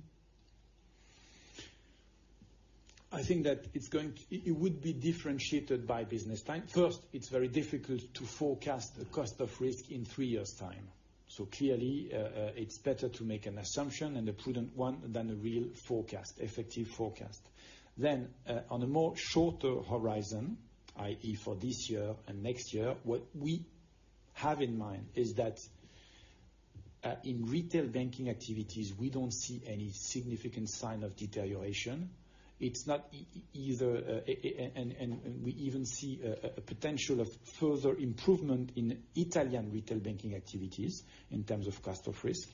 I think that it would be differentiated by business line. First, it's very difficult to forecast the cost of risk in three years' time. Clearly, it's better to make an assumption and a prudent one than a real forecast, effective forecast. On a more shorter horizon, i.e. for this year and next year, what we have in mind is that in retail banking activities, we don't see any significant sign of deterioration. We even see a potential of further improvement in Italian retail banking activities in terms of cost of risk.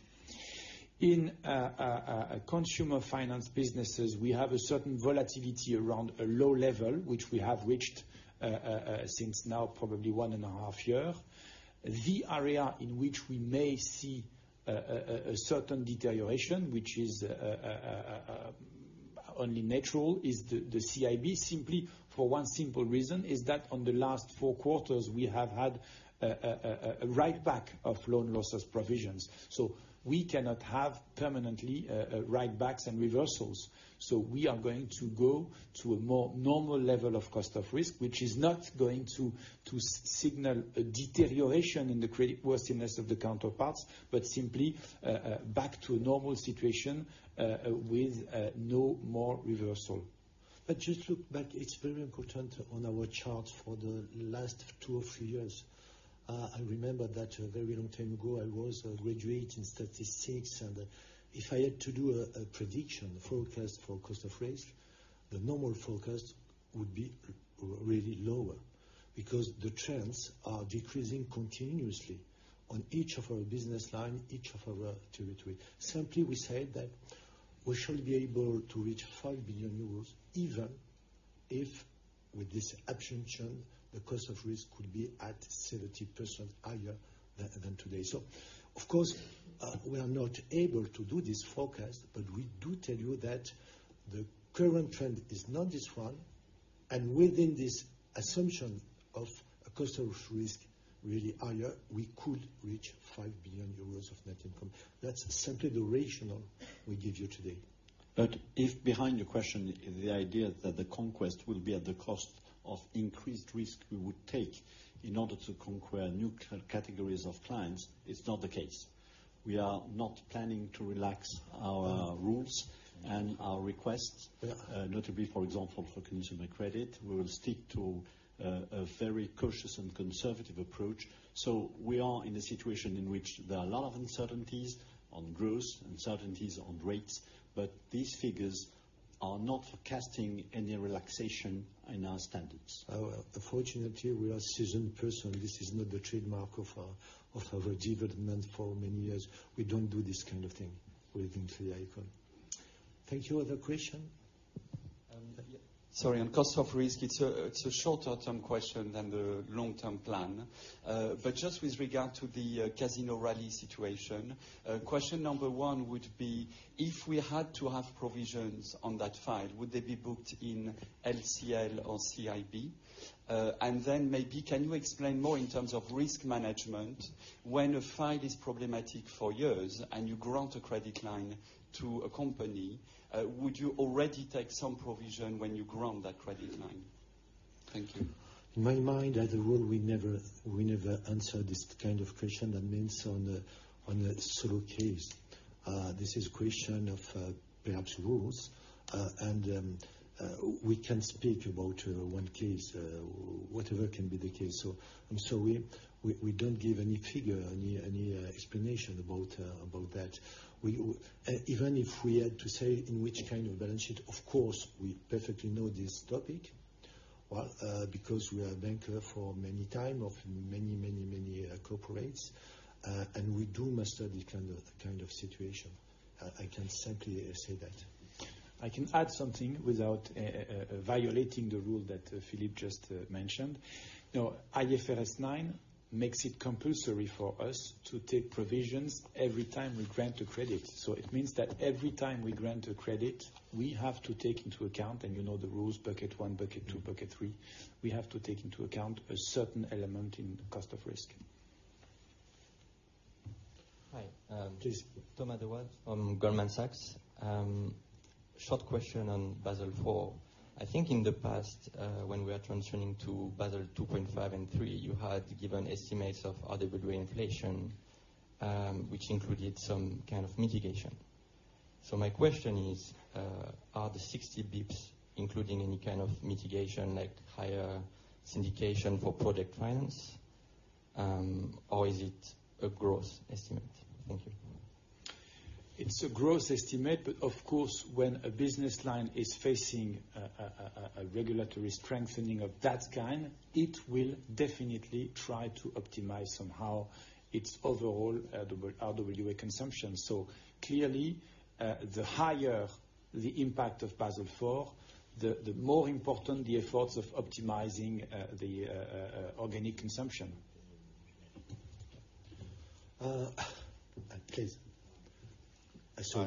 In consumer finance businesses, we have a certain volatility around a low level, which we have reached, since now, probably one and a half year. The area in which we may see a certain deterioration, which is only natural, is the CIB, simply for one simple reason, is that on the last four quarters, we have had a write-back of loan losses provisions. We cannot have permanently write-backs and reversals. We are going to go to a more normal level of cost of risk, which is not going to signal a deterioration in the creditworthiness of the counterparts, but simply back to a normal situation, with no more reversal. Just look back, it's very important on our charts for the last 2 or 3 years. I remember that a very long time ago, I was a graduate in statistics, and if I had to do a prediction forecast for cost of risk, the normal forecast would be really lower because the trends are decreasing continuously on each of our business line, each of our territory. Simply, we say that we shall be able to reach 5 billion euros, even if with this assumption, the cost of risk could be at 70% higher than today. Of course, we are not able to do this forecast, but we do tell you that the current trend is not this one, and within this assumption of a cost of risk really higher, we could reach 5 billion euros of net income. That's simply the rationale we give you today. If behind your question, the idea that the conquest will be at the cost of increased risk we would take in order to conquer new categories of clients, it's not the case. We are not planning to relax our rules and our requests. Yeah. Notably, for example, for consumer credit, we will stick to a very cautious and conservative approach. We are in a situation in which there are a lot of uncertainties on growth, uncertainties on rates, but these figures are not forecasting any relaxation in our standards. Unfortunately, we are seasoned person. This is not the trademark of our development for many years. We don't do this kind of thing within Crédit Agricole. Thank you. Other question? Sorry, on cost of risk, it's a shorter term question than the long-term plan. Just with regard to the Casino Rallye situation, question number 1 would be, if we had to have provisions on that file, would they be booked in LCL or CIB? Maybe, can you explain more in terms of risk management, when a file is problematic for years and you grant a credit line to a company, would you already take some provision when you grant that credit line? Thank you. In my mind, as a rule, we never answer this kind of question. That means on a solo case. This is a question of perhaps rules, and we can speak about one case, whatever can be the case. I'm sorry, we don't give any figure, any explanation about that. Even if we had to say in which kind of balance sheet, of course, we perfectly know this topic. Well, because we are banker for many time of many corporates, and we do master this kind of situation. I can simply say that. I can add something without violating the rule that Philippe just mentioned. IFRS 9 makes it compulsory for us to take provisions every time we grant a credit. It means that every time we grant a credit, we have to take into account, and you know the rules, bucket 1, bucket 2, bucket 3. We have to take into account a certain element in cost of risk. Hi. Please. Thomas Dewa from Goldman Sachs. Short question on Basel IV. I think in the past, when we are transitioning to Basel 2.5 and 3, you had given estimates of RWA inflation, which included some kind of mitigation. My question is, are the 60 basis points including any kind of mitigation, like higher syndication for product finance? Is it a gross estimate? Thank you. It's a gross estimate. Of course, when a business line is facing a regulatory strengthening of that kind, it will definitely try to optimize somehow its overall RWA consumption. Clearly, the higher the impact of Basel IV, the more important the efforts of optimizing the organic consumption. Please. I'm sorry.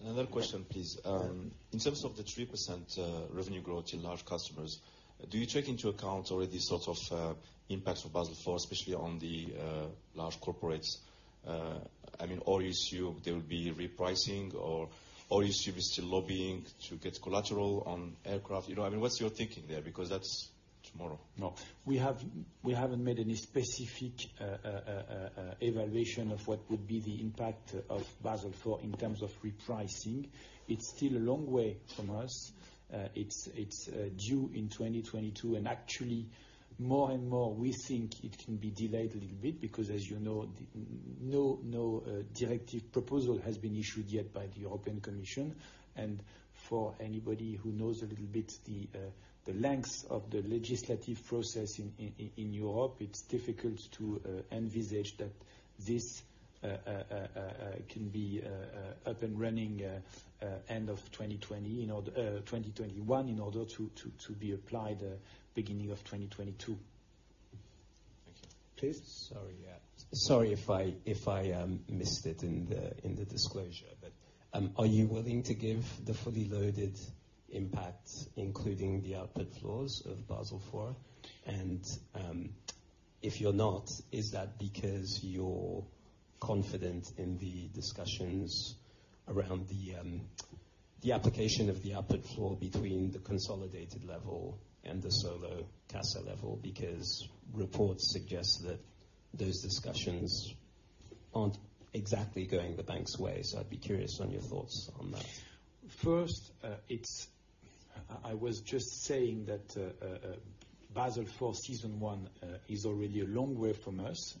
Another question, please. In terms of the 3% revenue growth in large customers, do you take into account already sort of impacts of Basel IV, especially on the large corporates? You assume there will be repricing, you assume it's still lobbying to get collateral on aircraft. What's your thinking there? Because that's tomorrow. No. We haven't made any specific evaluation of what would be the impact of Basel IV in terms of repricing. It's still a long way from us. It's due in 2022. Actually, more and more, we think it can be delayed a little bit because, as you know, no directive proposal has been issued yet by the European Commission. For anybody who knows a little bit the lengths of the legislative process in Europe, it's difficult to envisage that this can be up and running end of 2021 in order to be applied beginning of 2022. Thank you. Please. Are you willing to give the fully loaded impact, including the output floors of Basel IV? If you're not, is that because you're confident in the discussions around the application of the output floor between the consolidated level and the solo CASA level? Reports suggest that those discussions aren't exactly going the bank's way. I'd be curious on your thoughts on that. First, I was just saying that Basel IV season one is already a long way from us,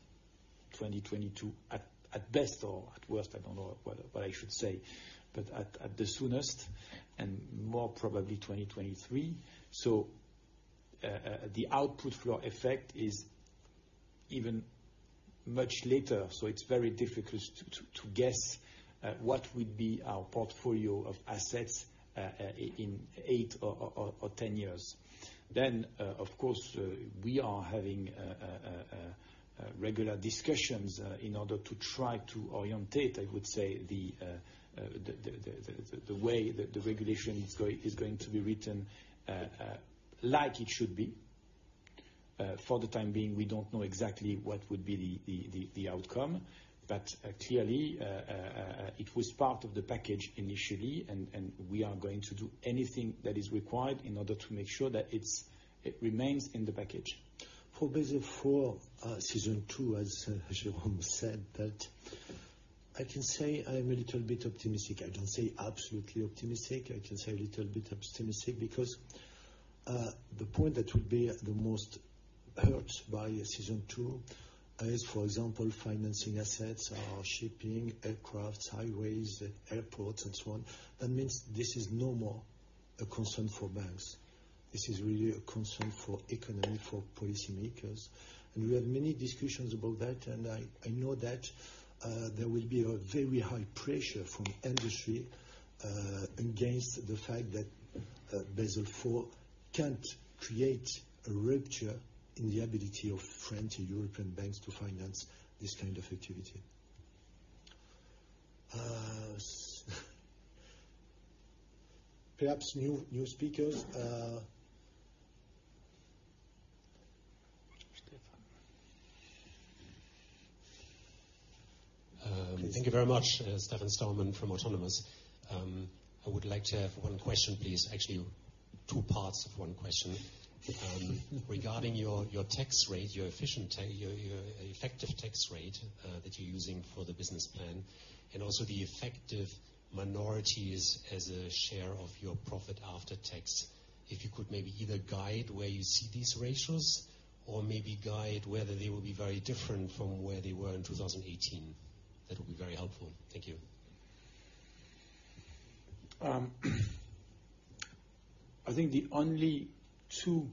2022 at best or at worst, I don't know what I should say, but at the soonest and more probably 2023. The output floor effect is even much later. It's very difficult to guess what would be our portfolio of assets in eight or 10 years. Of course, we are having regular discussions in order to try to orientate, I would say, the way that the regulation is going to be written like it should be For the time being, we don't know exactly what would be the outcome. Clearly, it was part of the package initially, and we are going to do anything that is required in order to make sure that it remains in the package. For Basel IV, Season 2, as Jérôme said, that I can say I am a little bit optimistic. I don't say absolutely optimistic. I can say a little bit optimistic because the point that would be the most hurt by a Season 2 is, for example, financing assets, our shipping, aircraft, highways, airports, and so on. That means this is no more a concern for banks. This is really a concern for economy, for policymakers. We have many discussions about that, and I know that there will be a very high pressure from the industry against the fact that Basel IV can't create a rupture in the ability of French and European banks to finance this kind of activity. Perhaps new speakers. Stefan. Thank you very much. Stefan Stalmann from Autonomous. I would like to have one question, please. Actually, two parts of one question. Regarding your tax rate, your effective tax rate that you are using for the business plan, and also the effective minorities as a share of your profit after tax. If you could maybe either guide where you see these ratios or maybe guide whether they will be very different from where they were in 2018. That would be very helpful. Thank you. I think the only two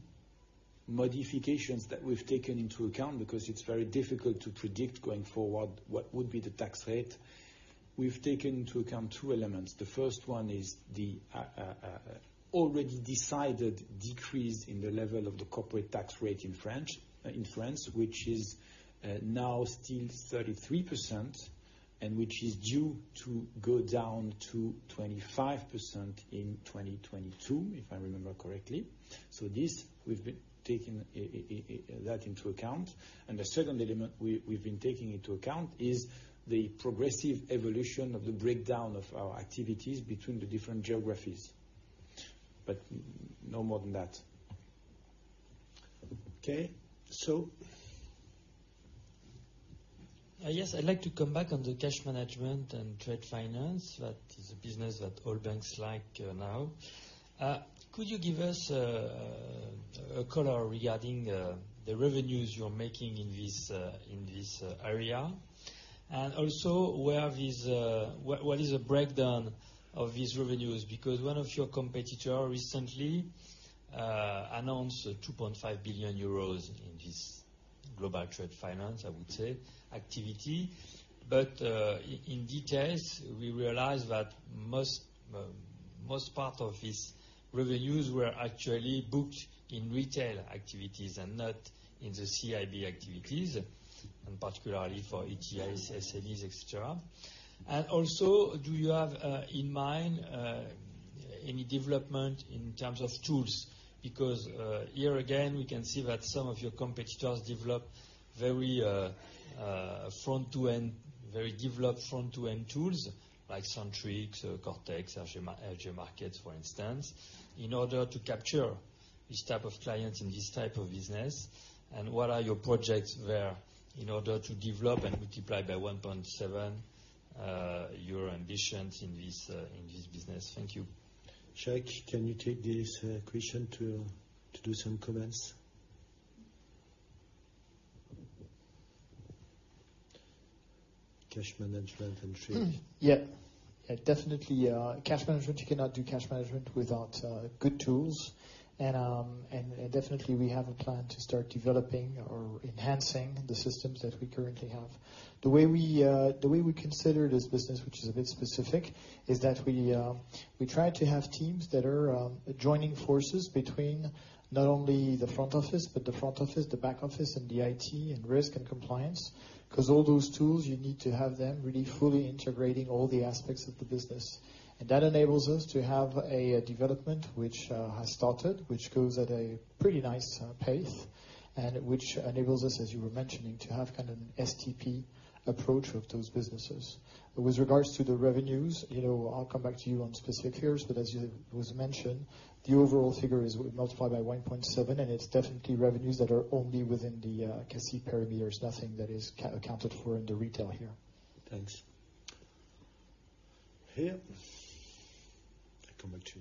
modifications that we have taken into account, because it is very difficult to predict going forward what would be the tax rate. We have taken into account two elements. The first one is the already-decided decrease in the level of the corporate tax rate in France, which is now still 33% and which is due to go down to 25% in 2022, if I remember correctly. This, we have been taking that into account. The second element we have been taking into account is the progressive evolution of the breakdown of our activities between the different geographies. No more than that. Okay. Yes, I would like to come back on the cash management and trade finance. That is a business that all banks like now. Could you give us a call regarding the revenues you are making in this area? Also, what is the breakdown of these revenues? Because one of your competitor recently announced 2.5 billion euros in this global trade finance, I would say, activity. In details, we realize that most part of these revenues were actually booked in retail activities and not in the CIB activities, and particularly for ETIs, SMEs, et cetera. Also, do you have in mind any development in terms of tools? Because, here again, we can see that some of your competitors develop very developed front-to-end tools, like Centrix, Cortex, FX Markets, for instance, in order to capture this type of client and this type of business. What are your projects there in order to develop and multiply by 1.7 your ambitions in this business? Thank you. Jacques, can you take this question to do some comments? Cash management and trade. Yeah. Definitely. Cash management, you cannot do cash management without good tools. Definitely, we have a plan to start developing or enhancing the systems that we currently have. The way we consider this business, which is a bit specific, is that we try to have teams that are joining forces between not only the front office, but the front office, the back office, and the IT, and risk and compliance. All those tools, you need to have them really fully integrating all the aspects of the business. That enables us to have a development which has started, which goes at a pretty nice pace, and which enables us, as you were mentioning, to have kind of an STP approach of those businesses. With regards to the revenues, I'll come back to you on specifics here, as was mentioned, the overall figure is multiplied by 1.7, it's definitely revenues that are only within the CACEIS perimeters, nothing that is accounted for in the retail here. Thanks. Here. I come back to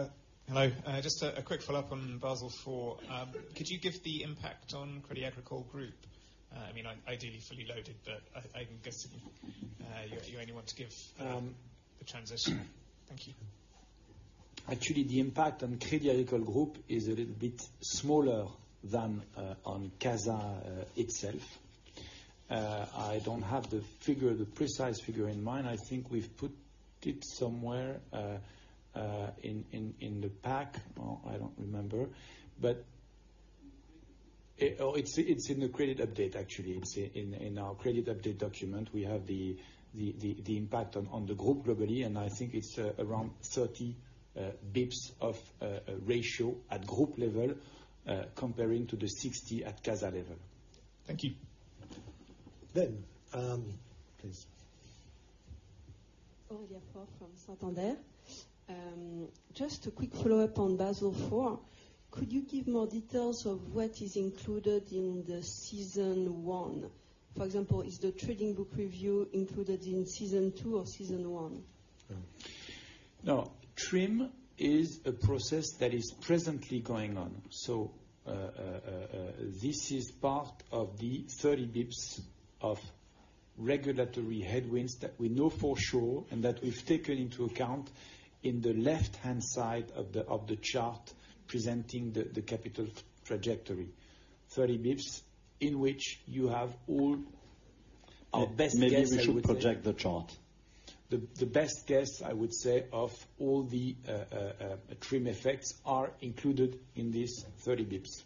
you. Hello. Just a quick follow-up on Basel IV. Could you give the impact on Crédit Agricole Group? Ideally, fully loaded, but I can guess you're only one to give the transition. Thank you. Actually, the impact on Crédit Agricole Group is a little bit smaller than on CACEIS itself. I don't have the precise figure in mind. I think we've put it somewhere in the pack. Well, I don't remember. It's in the credit update, actually. It's in our credit update document. We have the impact on the group globally, and I think it's around 30 basis points of ratio at group level, comparing to the 60 at CASA level. Thank you. Please. Aurelia Faure from Santander. Just a quick follow-up on Basel IV. Could you give more details of what is included in the Pillar 1? For example, is the trading book review included in Pillar 2 or Pillar 1? No. TRIM is a process that is presently going on. This is part of the 30 basis points of regulatory headwinds that we know for sure and that we've taken into account in the left-hand side of the chart presenting the capital trajectory. 30 basis points in which you have all our best guess, I would say. Maybe we should project the chart. The best guess, I would say, of all the TRIM effects are included in these 30 basis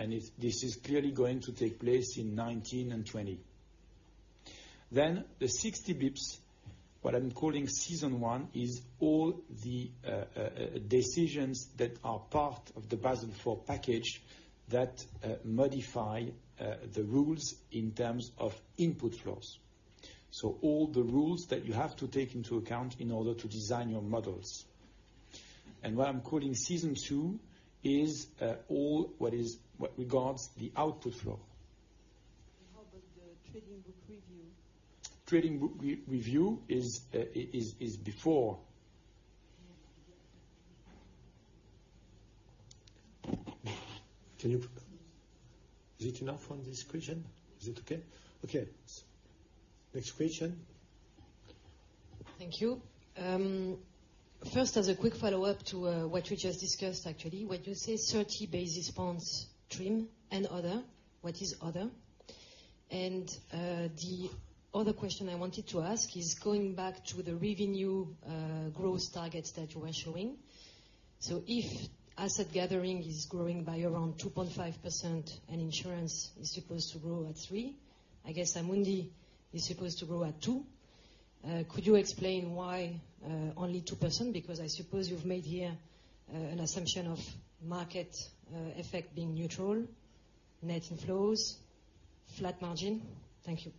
points. This is clearly going to take place in 2019 and 2020. The 60 basis points, what I'm calling season one, is all the decisions that are part of the Basel IV package that modify the rules in terms of input floors. All the rules that you have to take into account in order to design your models. What I'm calling season two is all what regards the output floor. How about the trading book review? Trading book review is before. Is it enough on this question? Is it okay? Next question. Thank you. First, as a quick follow-up to what you just discussed, actually, when you say 30 basis points TRIM and other, what is other? The other question I wanted to ask is going back to the revenue growth targets that you were showing. If asset gathering is growing by around 2.5% and insurance is supposed to grow at 3%, I guess Amundi is supposed to grow at 2%. Could you explain why, only 2%? Because I suppose you've made here an assumption of market effect being neutral, net inflows, flat margin. Thank you.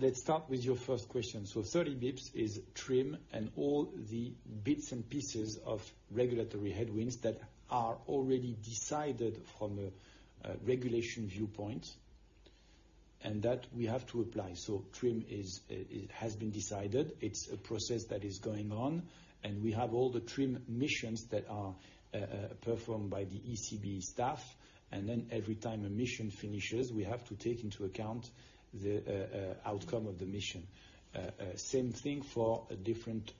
Let's start with your first question. 30 basis points is TRIM and all the bits and pieces of regulatory headwinds that are already decided from a regulation viewpoint, and that we have to apply. TRIM has been decided. It's a process that is going on, and we have all the TRIM missions that are performed by the ECB staff. Every time a mission finishes, we have to take into account the outcome of the mission. Same thing for different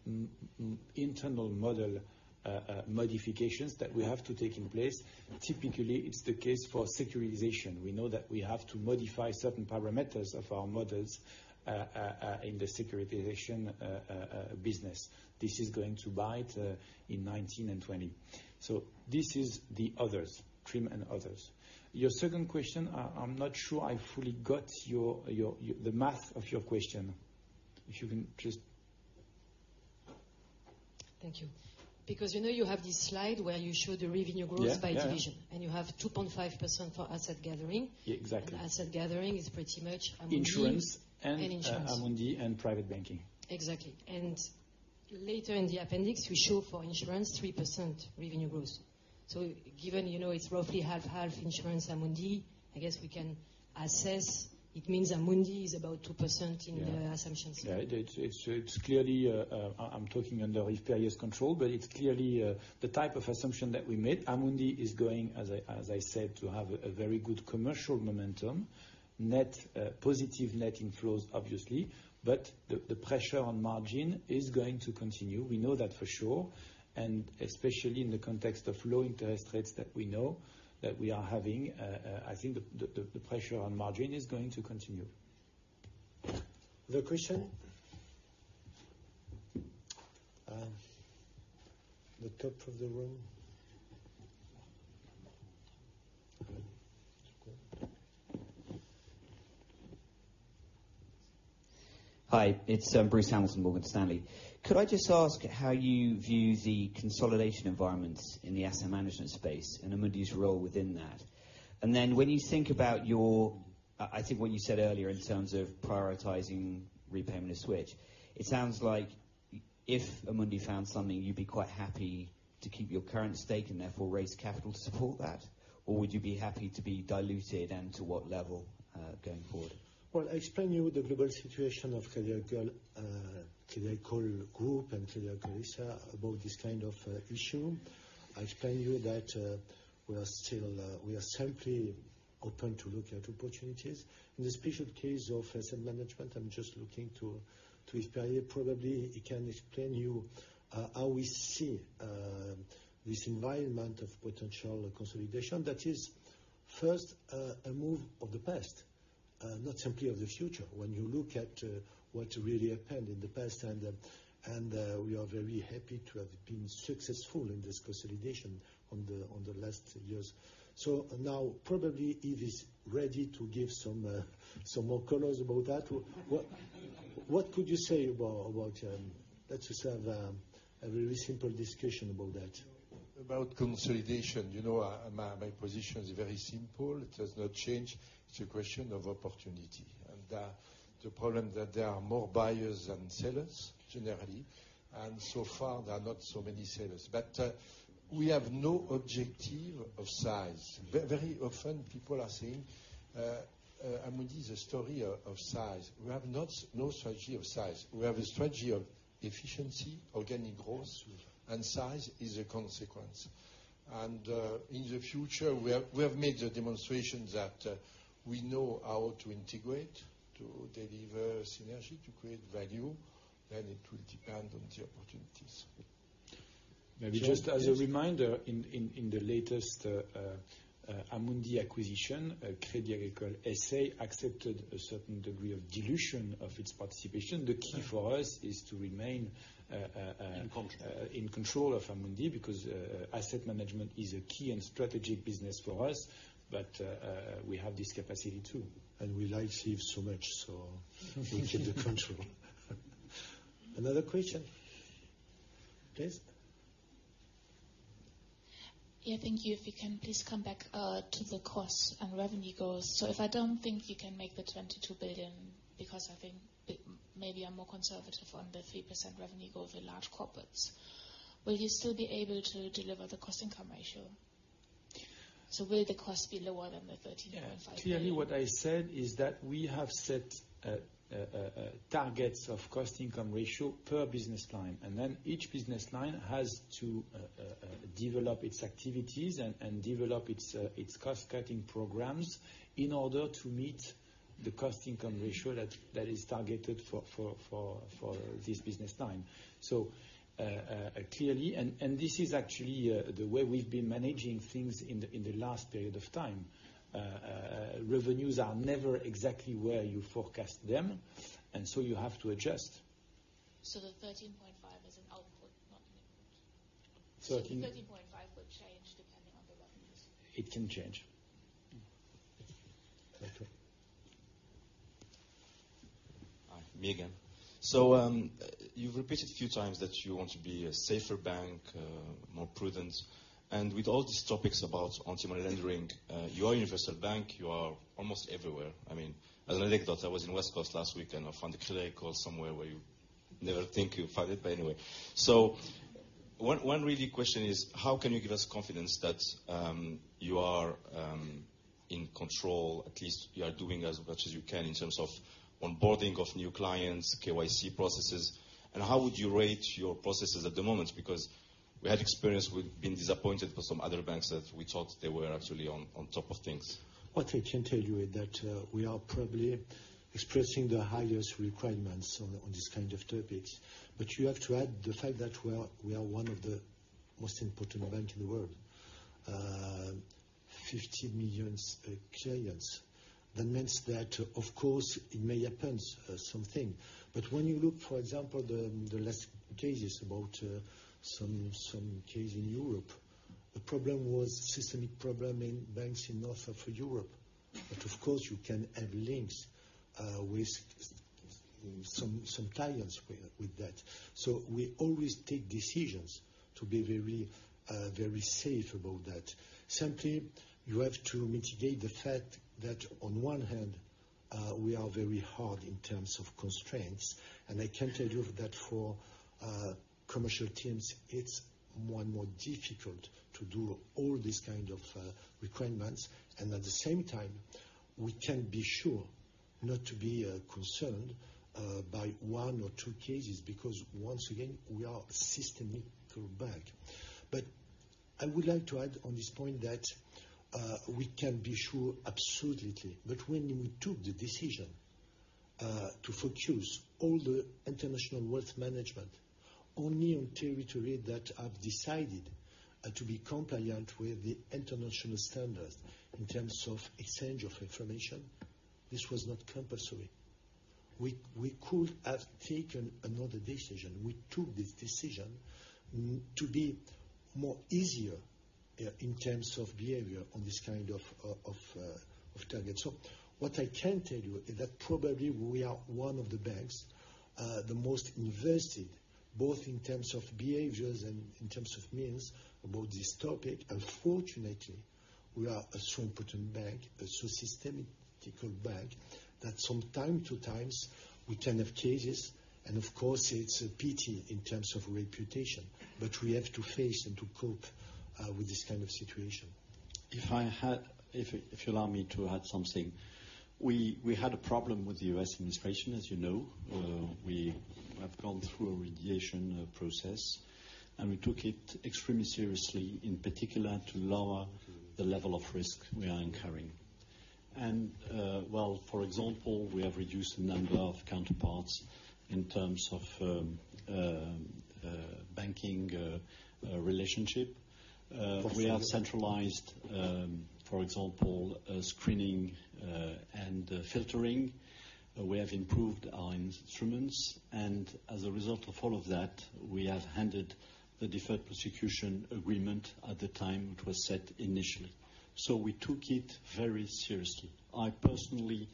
internal model modifications that we have to take in place. Typically, it's the case for securitization. We know that we have to modify certain parameters of our models in the securitization business. This is going to bite in 2019 and 2020. This is the others, TRIM and others. Your second question, I'm not sure I fully got the math of your question. If you can just Thank you. You know you have this slide where you show the revenue growth- Yeah by division, you have 2.5% for asset gathering. Exactly. Asset gathering is pretty much Amundi- Insurance- Insurance. Amundi and private banking. Exactly. Later in the appendix, we show for insurance 3% revenue growth. Given, it is roughly half-half insurance, Amundi, I guess we can assess it means Amundi is about 2% in the assumptions. Yeah. It is clearly, I am talking under Yves Perrier's control, it is clearly the type of assumption that we made. Amundi is going, as I said, to have a very good commercial momentum. Positive net inflows, obviously. The pressure on margin is going to continue. We know that for sure, especially in the context of low interest rates that we know that we are having, I think the pressure on margin is going to continue. Other question? The top of the room. Hi, it's Bruce Hamilton, Morgan Stanley. Could I just ask how you view the consolidation environments in the asset management space, and Amundi's role within that? When you think about your, I think what you said earlier in terms of prioritizing repayment of switch, it sounds like if Amundi found something, you'd be quite happy to keep your current stake and therefore raise capital to support that? Would you be happy to be diluted, and to what level, going forward? Well, I explained you the global situation of Crédit Agricole Group and Crédit Agricole S.A. about this kind of issue. I explained you that. We are simply open to look at opportunities. In the special case of asset management, I'm just looking to Xavier, probably, he can explain you how we see this environment of potential consolidation, that is first a move of the past, not simply of the future. When you look at what really happened in the past, and we are very happy to have been successful in this consolidation on the last years. Probably Yves is ready to give some more colors about that. What could you say about, let's just have a very simple discussion about that. About consolidation. My position is very simple. It has not changed. It's a question of opportunity, and the problem that there are more buyers than sellers, generally, and so far, there are not so many sellers. We have no objective of size. Very often, people are saying Amundi is a story of size. We have no strategy of size. We have a strategy of efficiency, organic growth, and size is a consequence. In the future, we have made the demonstration that we know how to integrate, to deliver synergy, to create value, then it will depend on the opportunities. Maybe just as a reminder, in the latest Amundi acquisition, Crédit Agricole S.A. accepted a certain degree of dilution of its participation. The key for us is to remain- In control In control of Amundi, because asset management is a key and strategic business for us. We have this capacity, too. We like Yves so much. We keep the control. Another question. Please. Yeah, thank you. If you can please come back to the costs and revenue goals. If I don't think you can make the 22 billion, because I think maybe I'm more conservative on the 3% revenue goal for large corporates, will you still be able to deliver the cost-income ratio? Will the cost be lower than the 13.5%? Clearly, what I said is that we have set targets of cost-income ratio per business line, and then each business line has to develop its activities and develop its cost-cutting programs in order to meet the cost-income ratio that is targeted for this business line. Clearly, and this is actually the way we've been managing things in the last period of time. Revenues are never exactly where you forecast them, and so you have to adjust. The 13.5 is an output, not an input. I think. The 13.5 will change depending on the revenues. It can change. Okay. Hi, me again. You've repeated a few times that you want to be a safer bank, more prudent, and with all these topics about anti-money laundering, you are a universal bank. You are almost everywhere. As an anecdote, I was in the West Coast last week, and I found a Crédit Agricole somewhere where you never think you'll find it, but anyway. One really question is how can you give us confidence that you are in control, at least you are doing as much as you can in terms of onboarding of new clients, KYC processes, and how would you rate your processes at the moment? Because we had experience with being disappointed with some other banks that we thought they were actually on top of things. What I can tell you is that we are probably expressing the highest requirements on these kind of topics. You have to add the fact that we are one of the most important banks in the world. 50 million clients. That means that, of course, it may happen, something. When you look, for example, the last cases about some case in Europe, the problem was systemic problem in banks in northern Europe. Of course, you can have links with some clients with that. We always take decisions to be very safe about that. Simply, you have to mitigate the fact that on one hand, we are very hard in terms of constraints, and I can tell you that for commercial teams, it's more and more difficult to do all these kind of requirements. At the same time, we can be sure not to be concerned by one or two cases, because once again, we are a systemic bank. I would like to add on this point that we can be sure, absolutely. When we took the decision to focus all the international wealth management only on territory that have decided to be compliant with the international standards in terms of exchange of information, this was not compulsory. We could have taken another decision. We took this decision to be more easier in terms of behavior on this kind of target. What I can tell you is that probably we are one of the banks the most invested, both in terms of behaviors and in terms of means about this topic. Unfortunately, we are a so important bank, a so systematical bank, that from time to times we can have cases, and of course, it's a pity in terms of reputation, but we have to face and to cope with this kind of situation. If you allow me to add something. We had a problem with the U.S. administration, as you know. We have gone through a remediation process, we took it extremely seriously, in particular, to lower the level of risk we are incurring. Well, for example, we have reduced the number of counterparts in terms of banking relationship. We have centralized, for example, screening and filtering. We have improved our instruments, and as a result of all of that, we have handed the deferred prosecution agreement at the time it was set initially. We took it very seriously. I personally,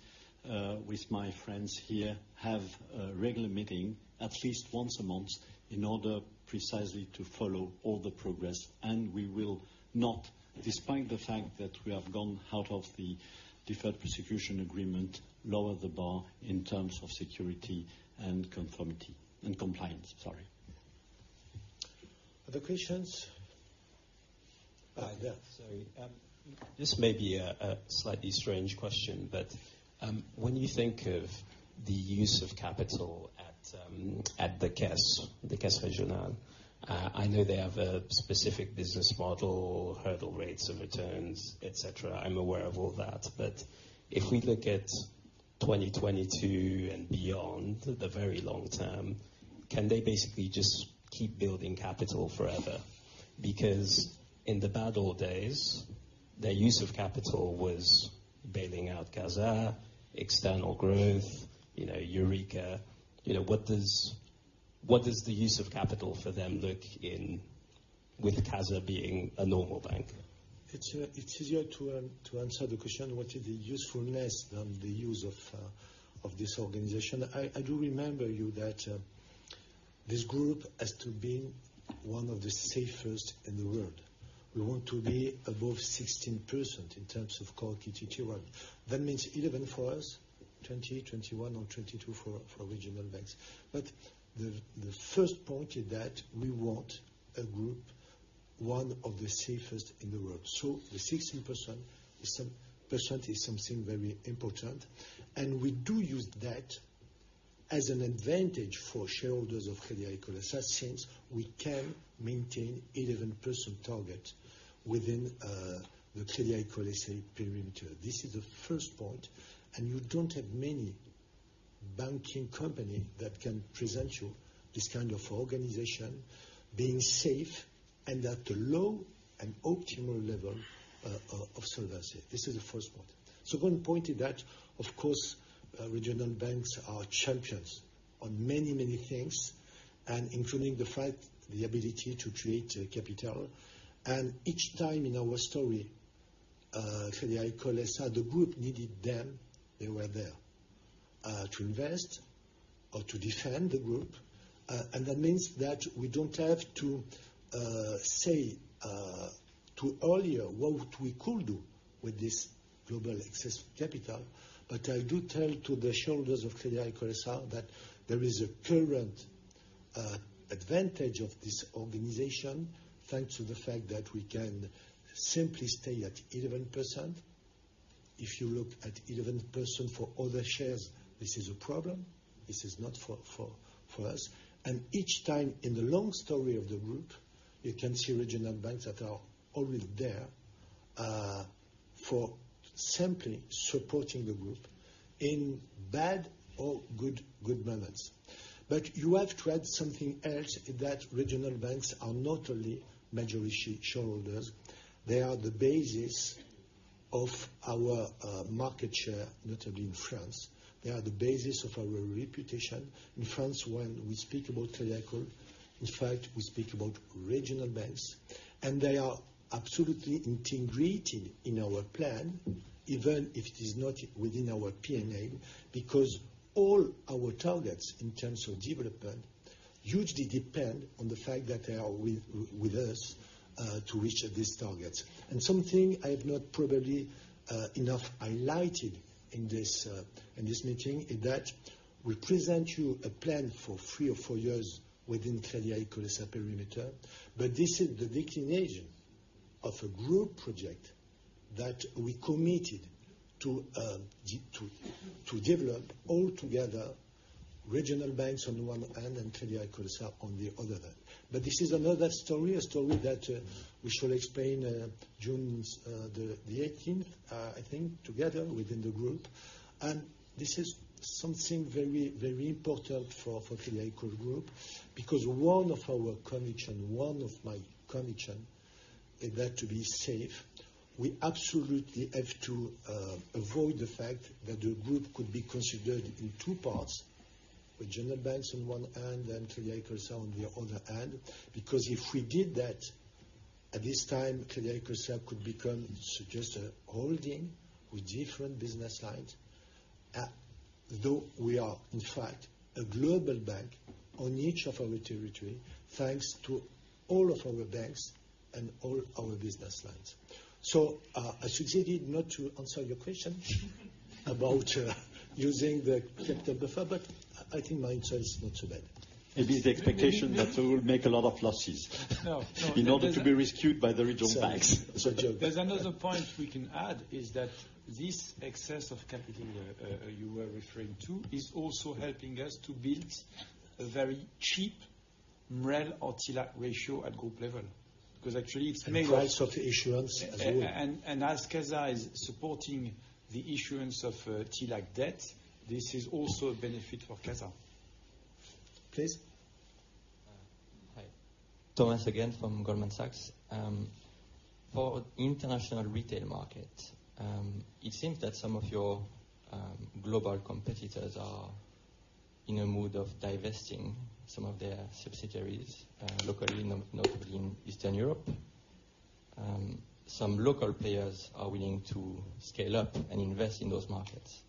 with my friends here, have a regular meeting at least once a month in order precisely to follow all the progress. We will not, despite the fact that we have gone out of the deferred prosecution agreement, lower the bar in terms of security and conformity. Compliance, sorry. Other questions? Yeah, sorry. This may be a slightly strange question, when you think of the use of capital at the Caisse, the Caisse Régionale, I know they have a specific business model, hurdle rates of returns, et cetera. I'm aware of all that. If we look at 2022 and beyond, the very long term, can they basically just keep building capital forever? Because in the bad old days, their use of capital was bailing out CASA, external growth, Eureka. What does the use of capital for them look in with CASA being a normal bank? It's easier to answer the question, what is the usefulness than the use of this organization? I do remember you that this group has to be one of the safest in the world. We want to be above 16% in terms of Core CET1. That means 11 for us, 20, 21 or 22 for regional banks. The first point is that we want a group, one of the safest in the world. So the 16% is something very important, and we do use that as an advantage for shareholders of Crédit Agricole S.A., since we can maintain 11% target within the Crédit Agricole S.A. perimeter. This is the first point. You don't have many banking company that can present you this kind of organization, being safe and at a low and optimal level of solvency. This is the first point. Second point is that, of course, regional banks are champions on many things, including the fact, the ability to create capital. Each time in our story, Crédit Agricole S.A., the group needed them, they were there, to invest or to defend the group. That means that we don't have to say too earlier what we could do with this global excess capital. I do tell to the shareholders of Crédit Agricole S.A., that there is a current advantage of this organization, thanks to the fact that we can simply stay at 11%. If you look at 11% for other shares, this is a problem. This is not for us. Each time in the long story of the group, you can see regional banks that are always there, for simply supporting the group in bad or good moments. You have to add something else, that regional banks are not only major issue shareholders, they are the basis of our market share, notably in France. They are the basis of our reputation in France when we speak about Crédit Agricole, in fact, we speak about regional banks. They are absolutely integrated in our plan, even if it is not within our PNA, because all our targets in terms of development hugely depend on the fact that they are with us, to reach these targets. Something I have not probably enough highlighted in this meeting, is that we present you a plan for three or four years within Crédit Agricole S.A. perimeter, but this is the declination of a group project that we committed to develop altogether, regional banks on one hand, and Crédit Agricole S.A. on the other hand. This is another story, a story that we shall explain June 18th, I think, together within the group. This is something very important for Crédit Agricole Group, because one of our conviction, one of my conviction is that to be safe, we absolutely have to avoid the fact that the group could be considered in two parts, regional banks on one hand, and Crédit Agricole S.A. on the other hand. If we did that, at this time, Crédit Agricole S.A. could become just a holding with different business lines. We are, in fact, a global bank on each of our territory, thanks to all of our banks and all our business lines. I succeeded not to answer your question about using the capital buffer, but I think my answer is not too bad. It is the expectation that we will make a lot of losses. No. In order to be rescued by the regional banks. It's a joke. There's another point we can add, is that this excess of capital you were referring to, is also helping us to build a very cheap MREL or TLAC ratio at group level. Because actually it's made- Price of the issuance as well. As Cassa is supporting the issuance of TLAC debt, this is also a benefit for Cassa. Please. Hi. Thomas again from Goldman Sachs. For international retail market, it seems that some of your global competitors are in a mood of divesting some of their subsidiaries locally, notably in Eastern Europe. Some local players are willing to scale up and invest in those markets.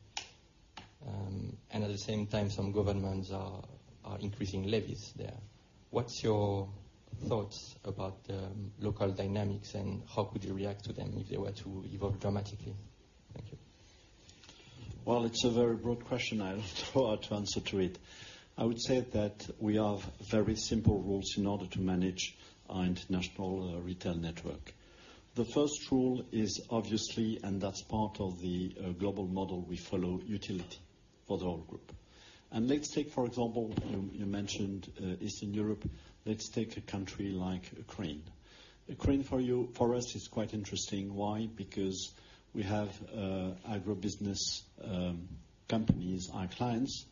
At the same time, some governments are increasing levies there. What's your thoughts about the local dynamics, and how could you react to them if they were to evolve dramatically? Thank you. Well, it's a very broad question. I don't know how to answer to it. I would say that we have very simple rules in order to manage our international retail network. The first rule is obviously, and that's part of the global model we follow, utility for the whole group. Let's take, for example, you mentioned Eastern Europe. Let's take a country like Ukraine. Ukraine for us is quite interesting. Why? Because we have agribusiness companies, our clients,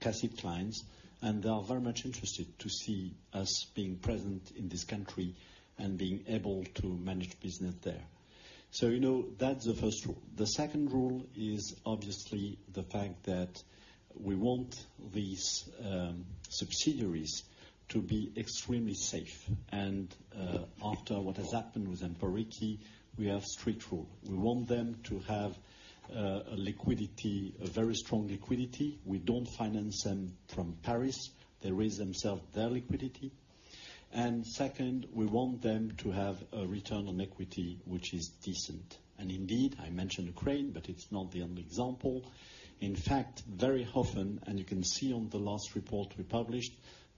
classic clients, they are very much interested to see us being present in this country and being able to manage business there. You know, that's the first rule. The second rule is obviously the fact that we want these subsidiaries to be extremely safe. After what has happened with Emporiki, we have strict rule. We want them to have a very strong liquidity. We don't finance them from Paris. They raise themselves their liquidity. Second, we want them to have a return on equity which is decent. Indeed, I mentioned Ukraine, but it's not the only example. In fact, very often, and you can see on the last report we published,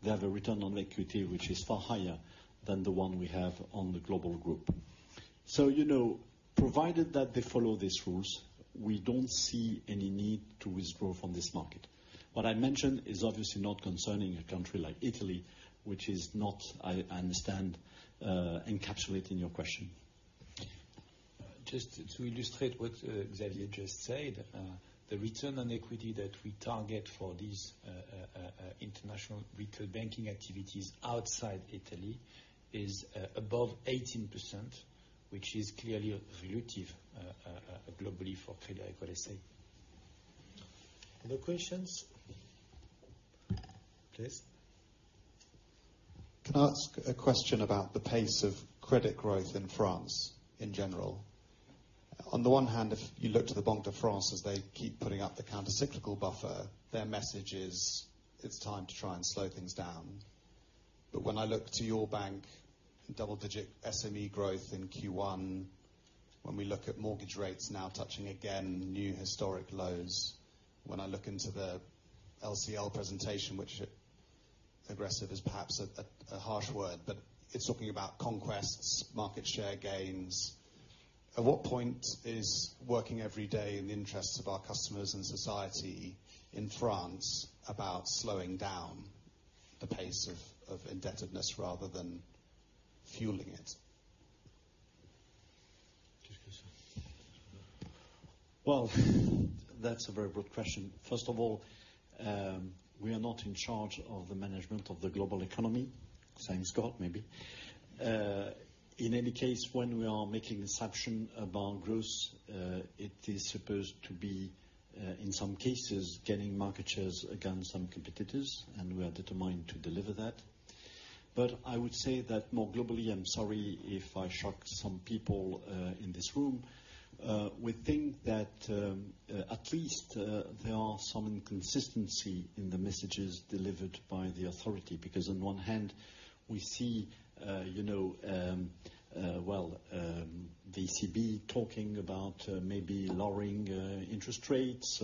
they have a return on equity which is far higher than the one we have on the global group. Provided that they follow these rules, we don't see any need to withdraw from this market. What I mentioned is obviously not concerning a country like Italy, which is not, I understand, encapsulated in your question. Just to illustrate what Xavier just said, the return on equity that we target for these international retail banking activities outside Italy is above 18%, which is clearly relative globally for Crédit Agricole S.A. Other questions? Please. Can I ask a question about the pace of credit growth in France in general? On the one hand, if you look to the Banque de France, as they keep putting up the counter-cyclical buffer, their message is, it's time to try and slow things down. When I look to your bank, double-digit SME growth in Q1, when we look at mortgage rates now touching again new historic lows, when I look into the LCL presentation, which aggressive is perhaps a harsh word, but it's talking about conquests, market share gains. At what point is working every day in the interests of our customers and society in France about slowing down the pace of indebtedness rather than fueling it? Just go, sir. Well, that's a very broad question. First of all, we are not in charge of the management of the global economy. Thank God, maybe. In any case, when we are making assumption about growth, it is supposed to be, in some cases, getting market shares against some competitors, and we are determined to deliver that. I would say that more globally, I'm sorry if I shock some people in this room. We think that at least there are some inconsistency in the messages delivered by the authority. Because on one hand, we see the ECB talking about maybe lowering interest rates,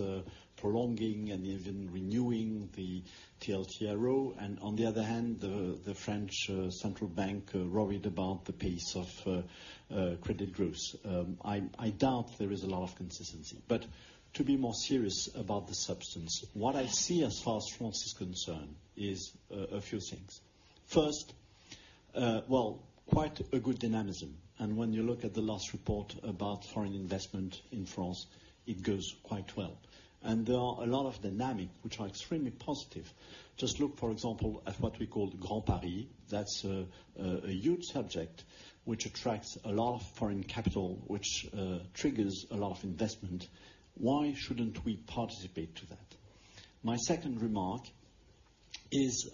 prolonging and even renewing the TLTRO. On the other hand, the French Central Bank worried about the pace of credit growth. I doubt there is a lot of consistency. To be more serious about the substance, what I see as far as France is concerned is a few things. First, well, quite a good dynamism. When you look at the last report about foreign investment in France, it goes quite well. There are a lot of dynamics which are extremely positive. Just look, for example, at what we call the Grand Paris. That's a huge subject, which attracts a lot of foreign capital, which triggers a lot of investment. Why shouldn't we participate to that? My second remark is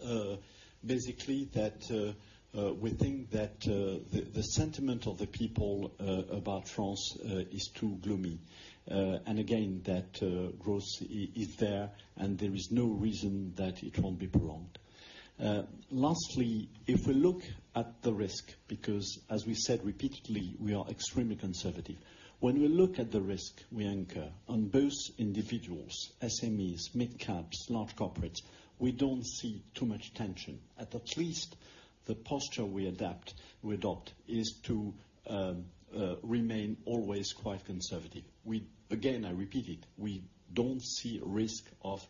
basically that we think that the sentiment of the people about France is too gloomy. Again, that growth is there, and there is no reason that it won't be prolonged. Lastly, if we look at the risk, because as we said repeatedly, we are extremely conservative. When we look at the risk we incur on both individuals, SMEs, midcaps, large corporates, we don't see too much tension. At least, the posture we adopt is to remain always quite conservative. Again, I repeat it, we don't see risk of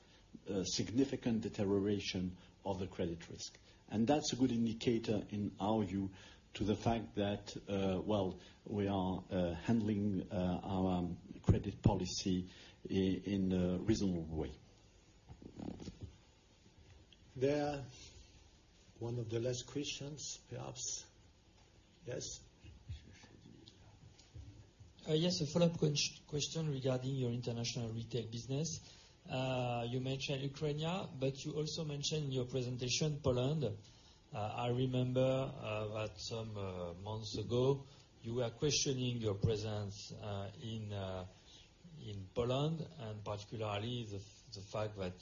significant deterioration of the credit risk. That's a good indicator, in our view, to the fact that, well, we are handling our credit policy in a reasonable way. There, one of the last questions, perhaps. Yes. Yes. A follow-up question regarding your international retail business. You mentioned Ukraine, you also mentioned in your presentation Poland. I remember that some months ago, you were questioning your presence in Poland, and particularly the fact that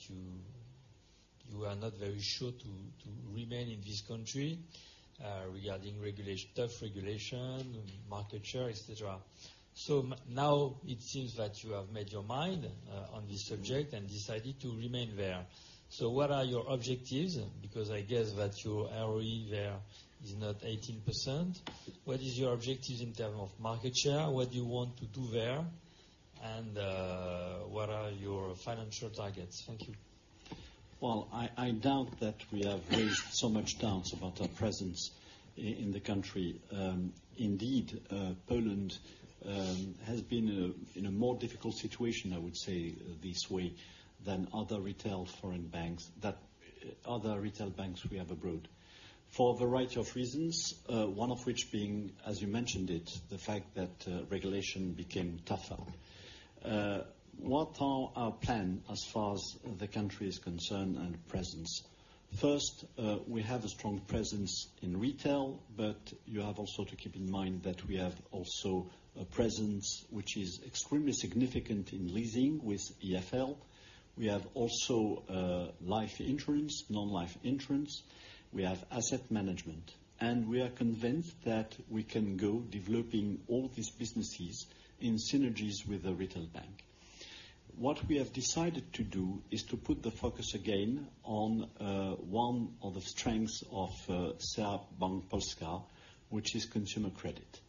you are not very sure to remain in this country regarding tough regulation, market share, et cetera. Now it seems that you have made your mind on this subject and decided to remain there. What are your objectives? Because I guess that your ROE there is not 18%. What is your objective in term of market share? What do you want to do there? What are your financial targets? Thank you. Well, I doubt that we have raised so much doubts about our presence in the country. Indeed, Poland has been in a more difficult situation, I would say this way, than other retail foreign banks we have abroad. For a variety of reasons, one of which being, as you mentioned it, the fact that regulation became tougher. What are our plan as far as the country is concerned and presence? First, we have a strong presence in retail, you have also to keep in mind that we have also a presence, which is extremely significant in leasing with EFL. We have also life insurance, non-life insurance. We have asset management. We are convinced that we can go developing all these businesses in synergies with the retail bank. What we have decided to do is to put the focus again on one of the strengths of Crédit Agricole Bank Polska, which is consumer credit.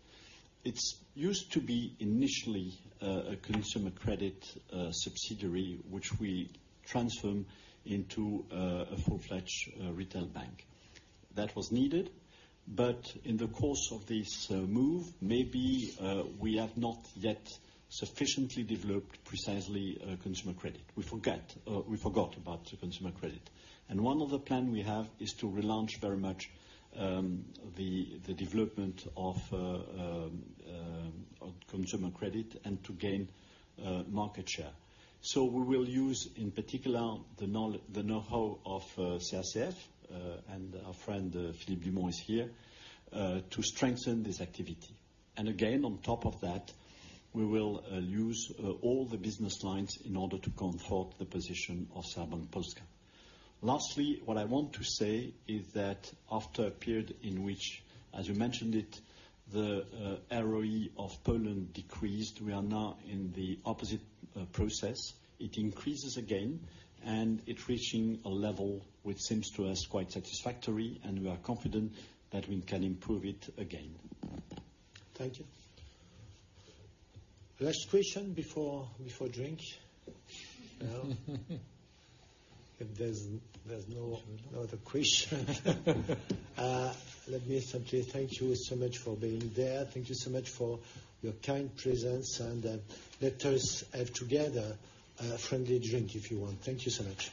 It used to be initially a consumer credit subsidiary, which we transformed into a full-fledged retail bank. That was needed, but in the course of this move, maybe we have not yet sufficiently developed precisely consumer credit. We forgot about consumer credit. One of the plans we have is to relaunch very much the development of consumer credit and to gain market share. We will use, in particular, the knowhow of CACF, and our friend Philippe Beaumont is here, to strengthen this activity. Again, on top of that, we will use all the business lines in order to comfort the position of Crédit Agricole Bank Polska. Lastly, what I want to say is that after a period in which, as you mentioned it, the ROE of Poland decreased, we are now in the opposite process. It increases again, it is reaching a level which seems to us quite satisfactory, and we are confident that we can improve it again. Thank you. Last question before drink. If there is no other question. Let me simply thank you so much for being there. Thank you so much for your kind presence, let us have together a friendly drink if you want. Thank you so much.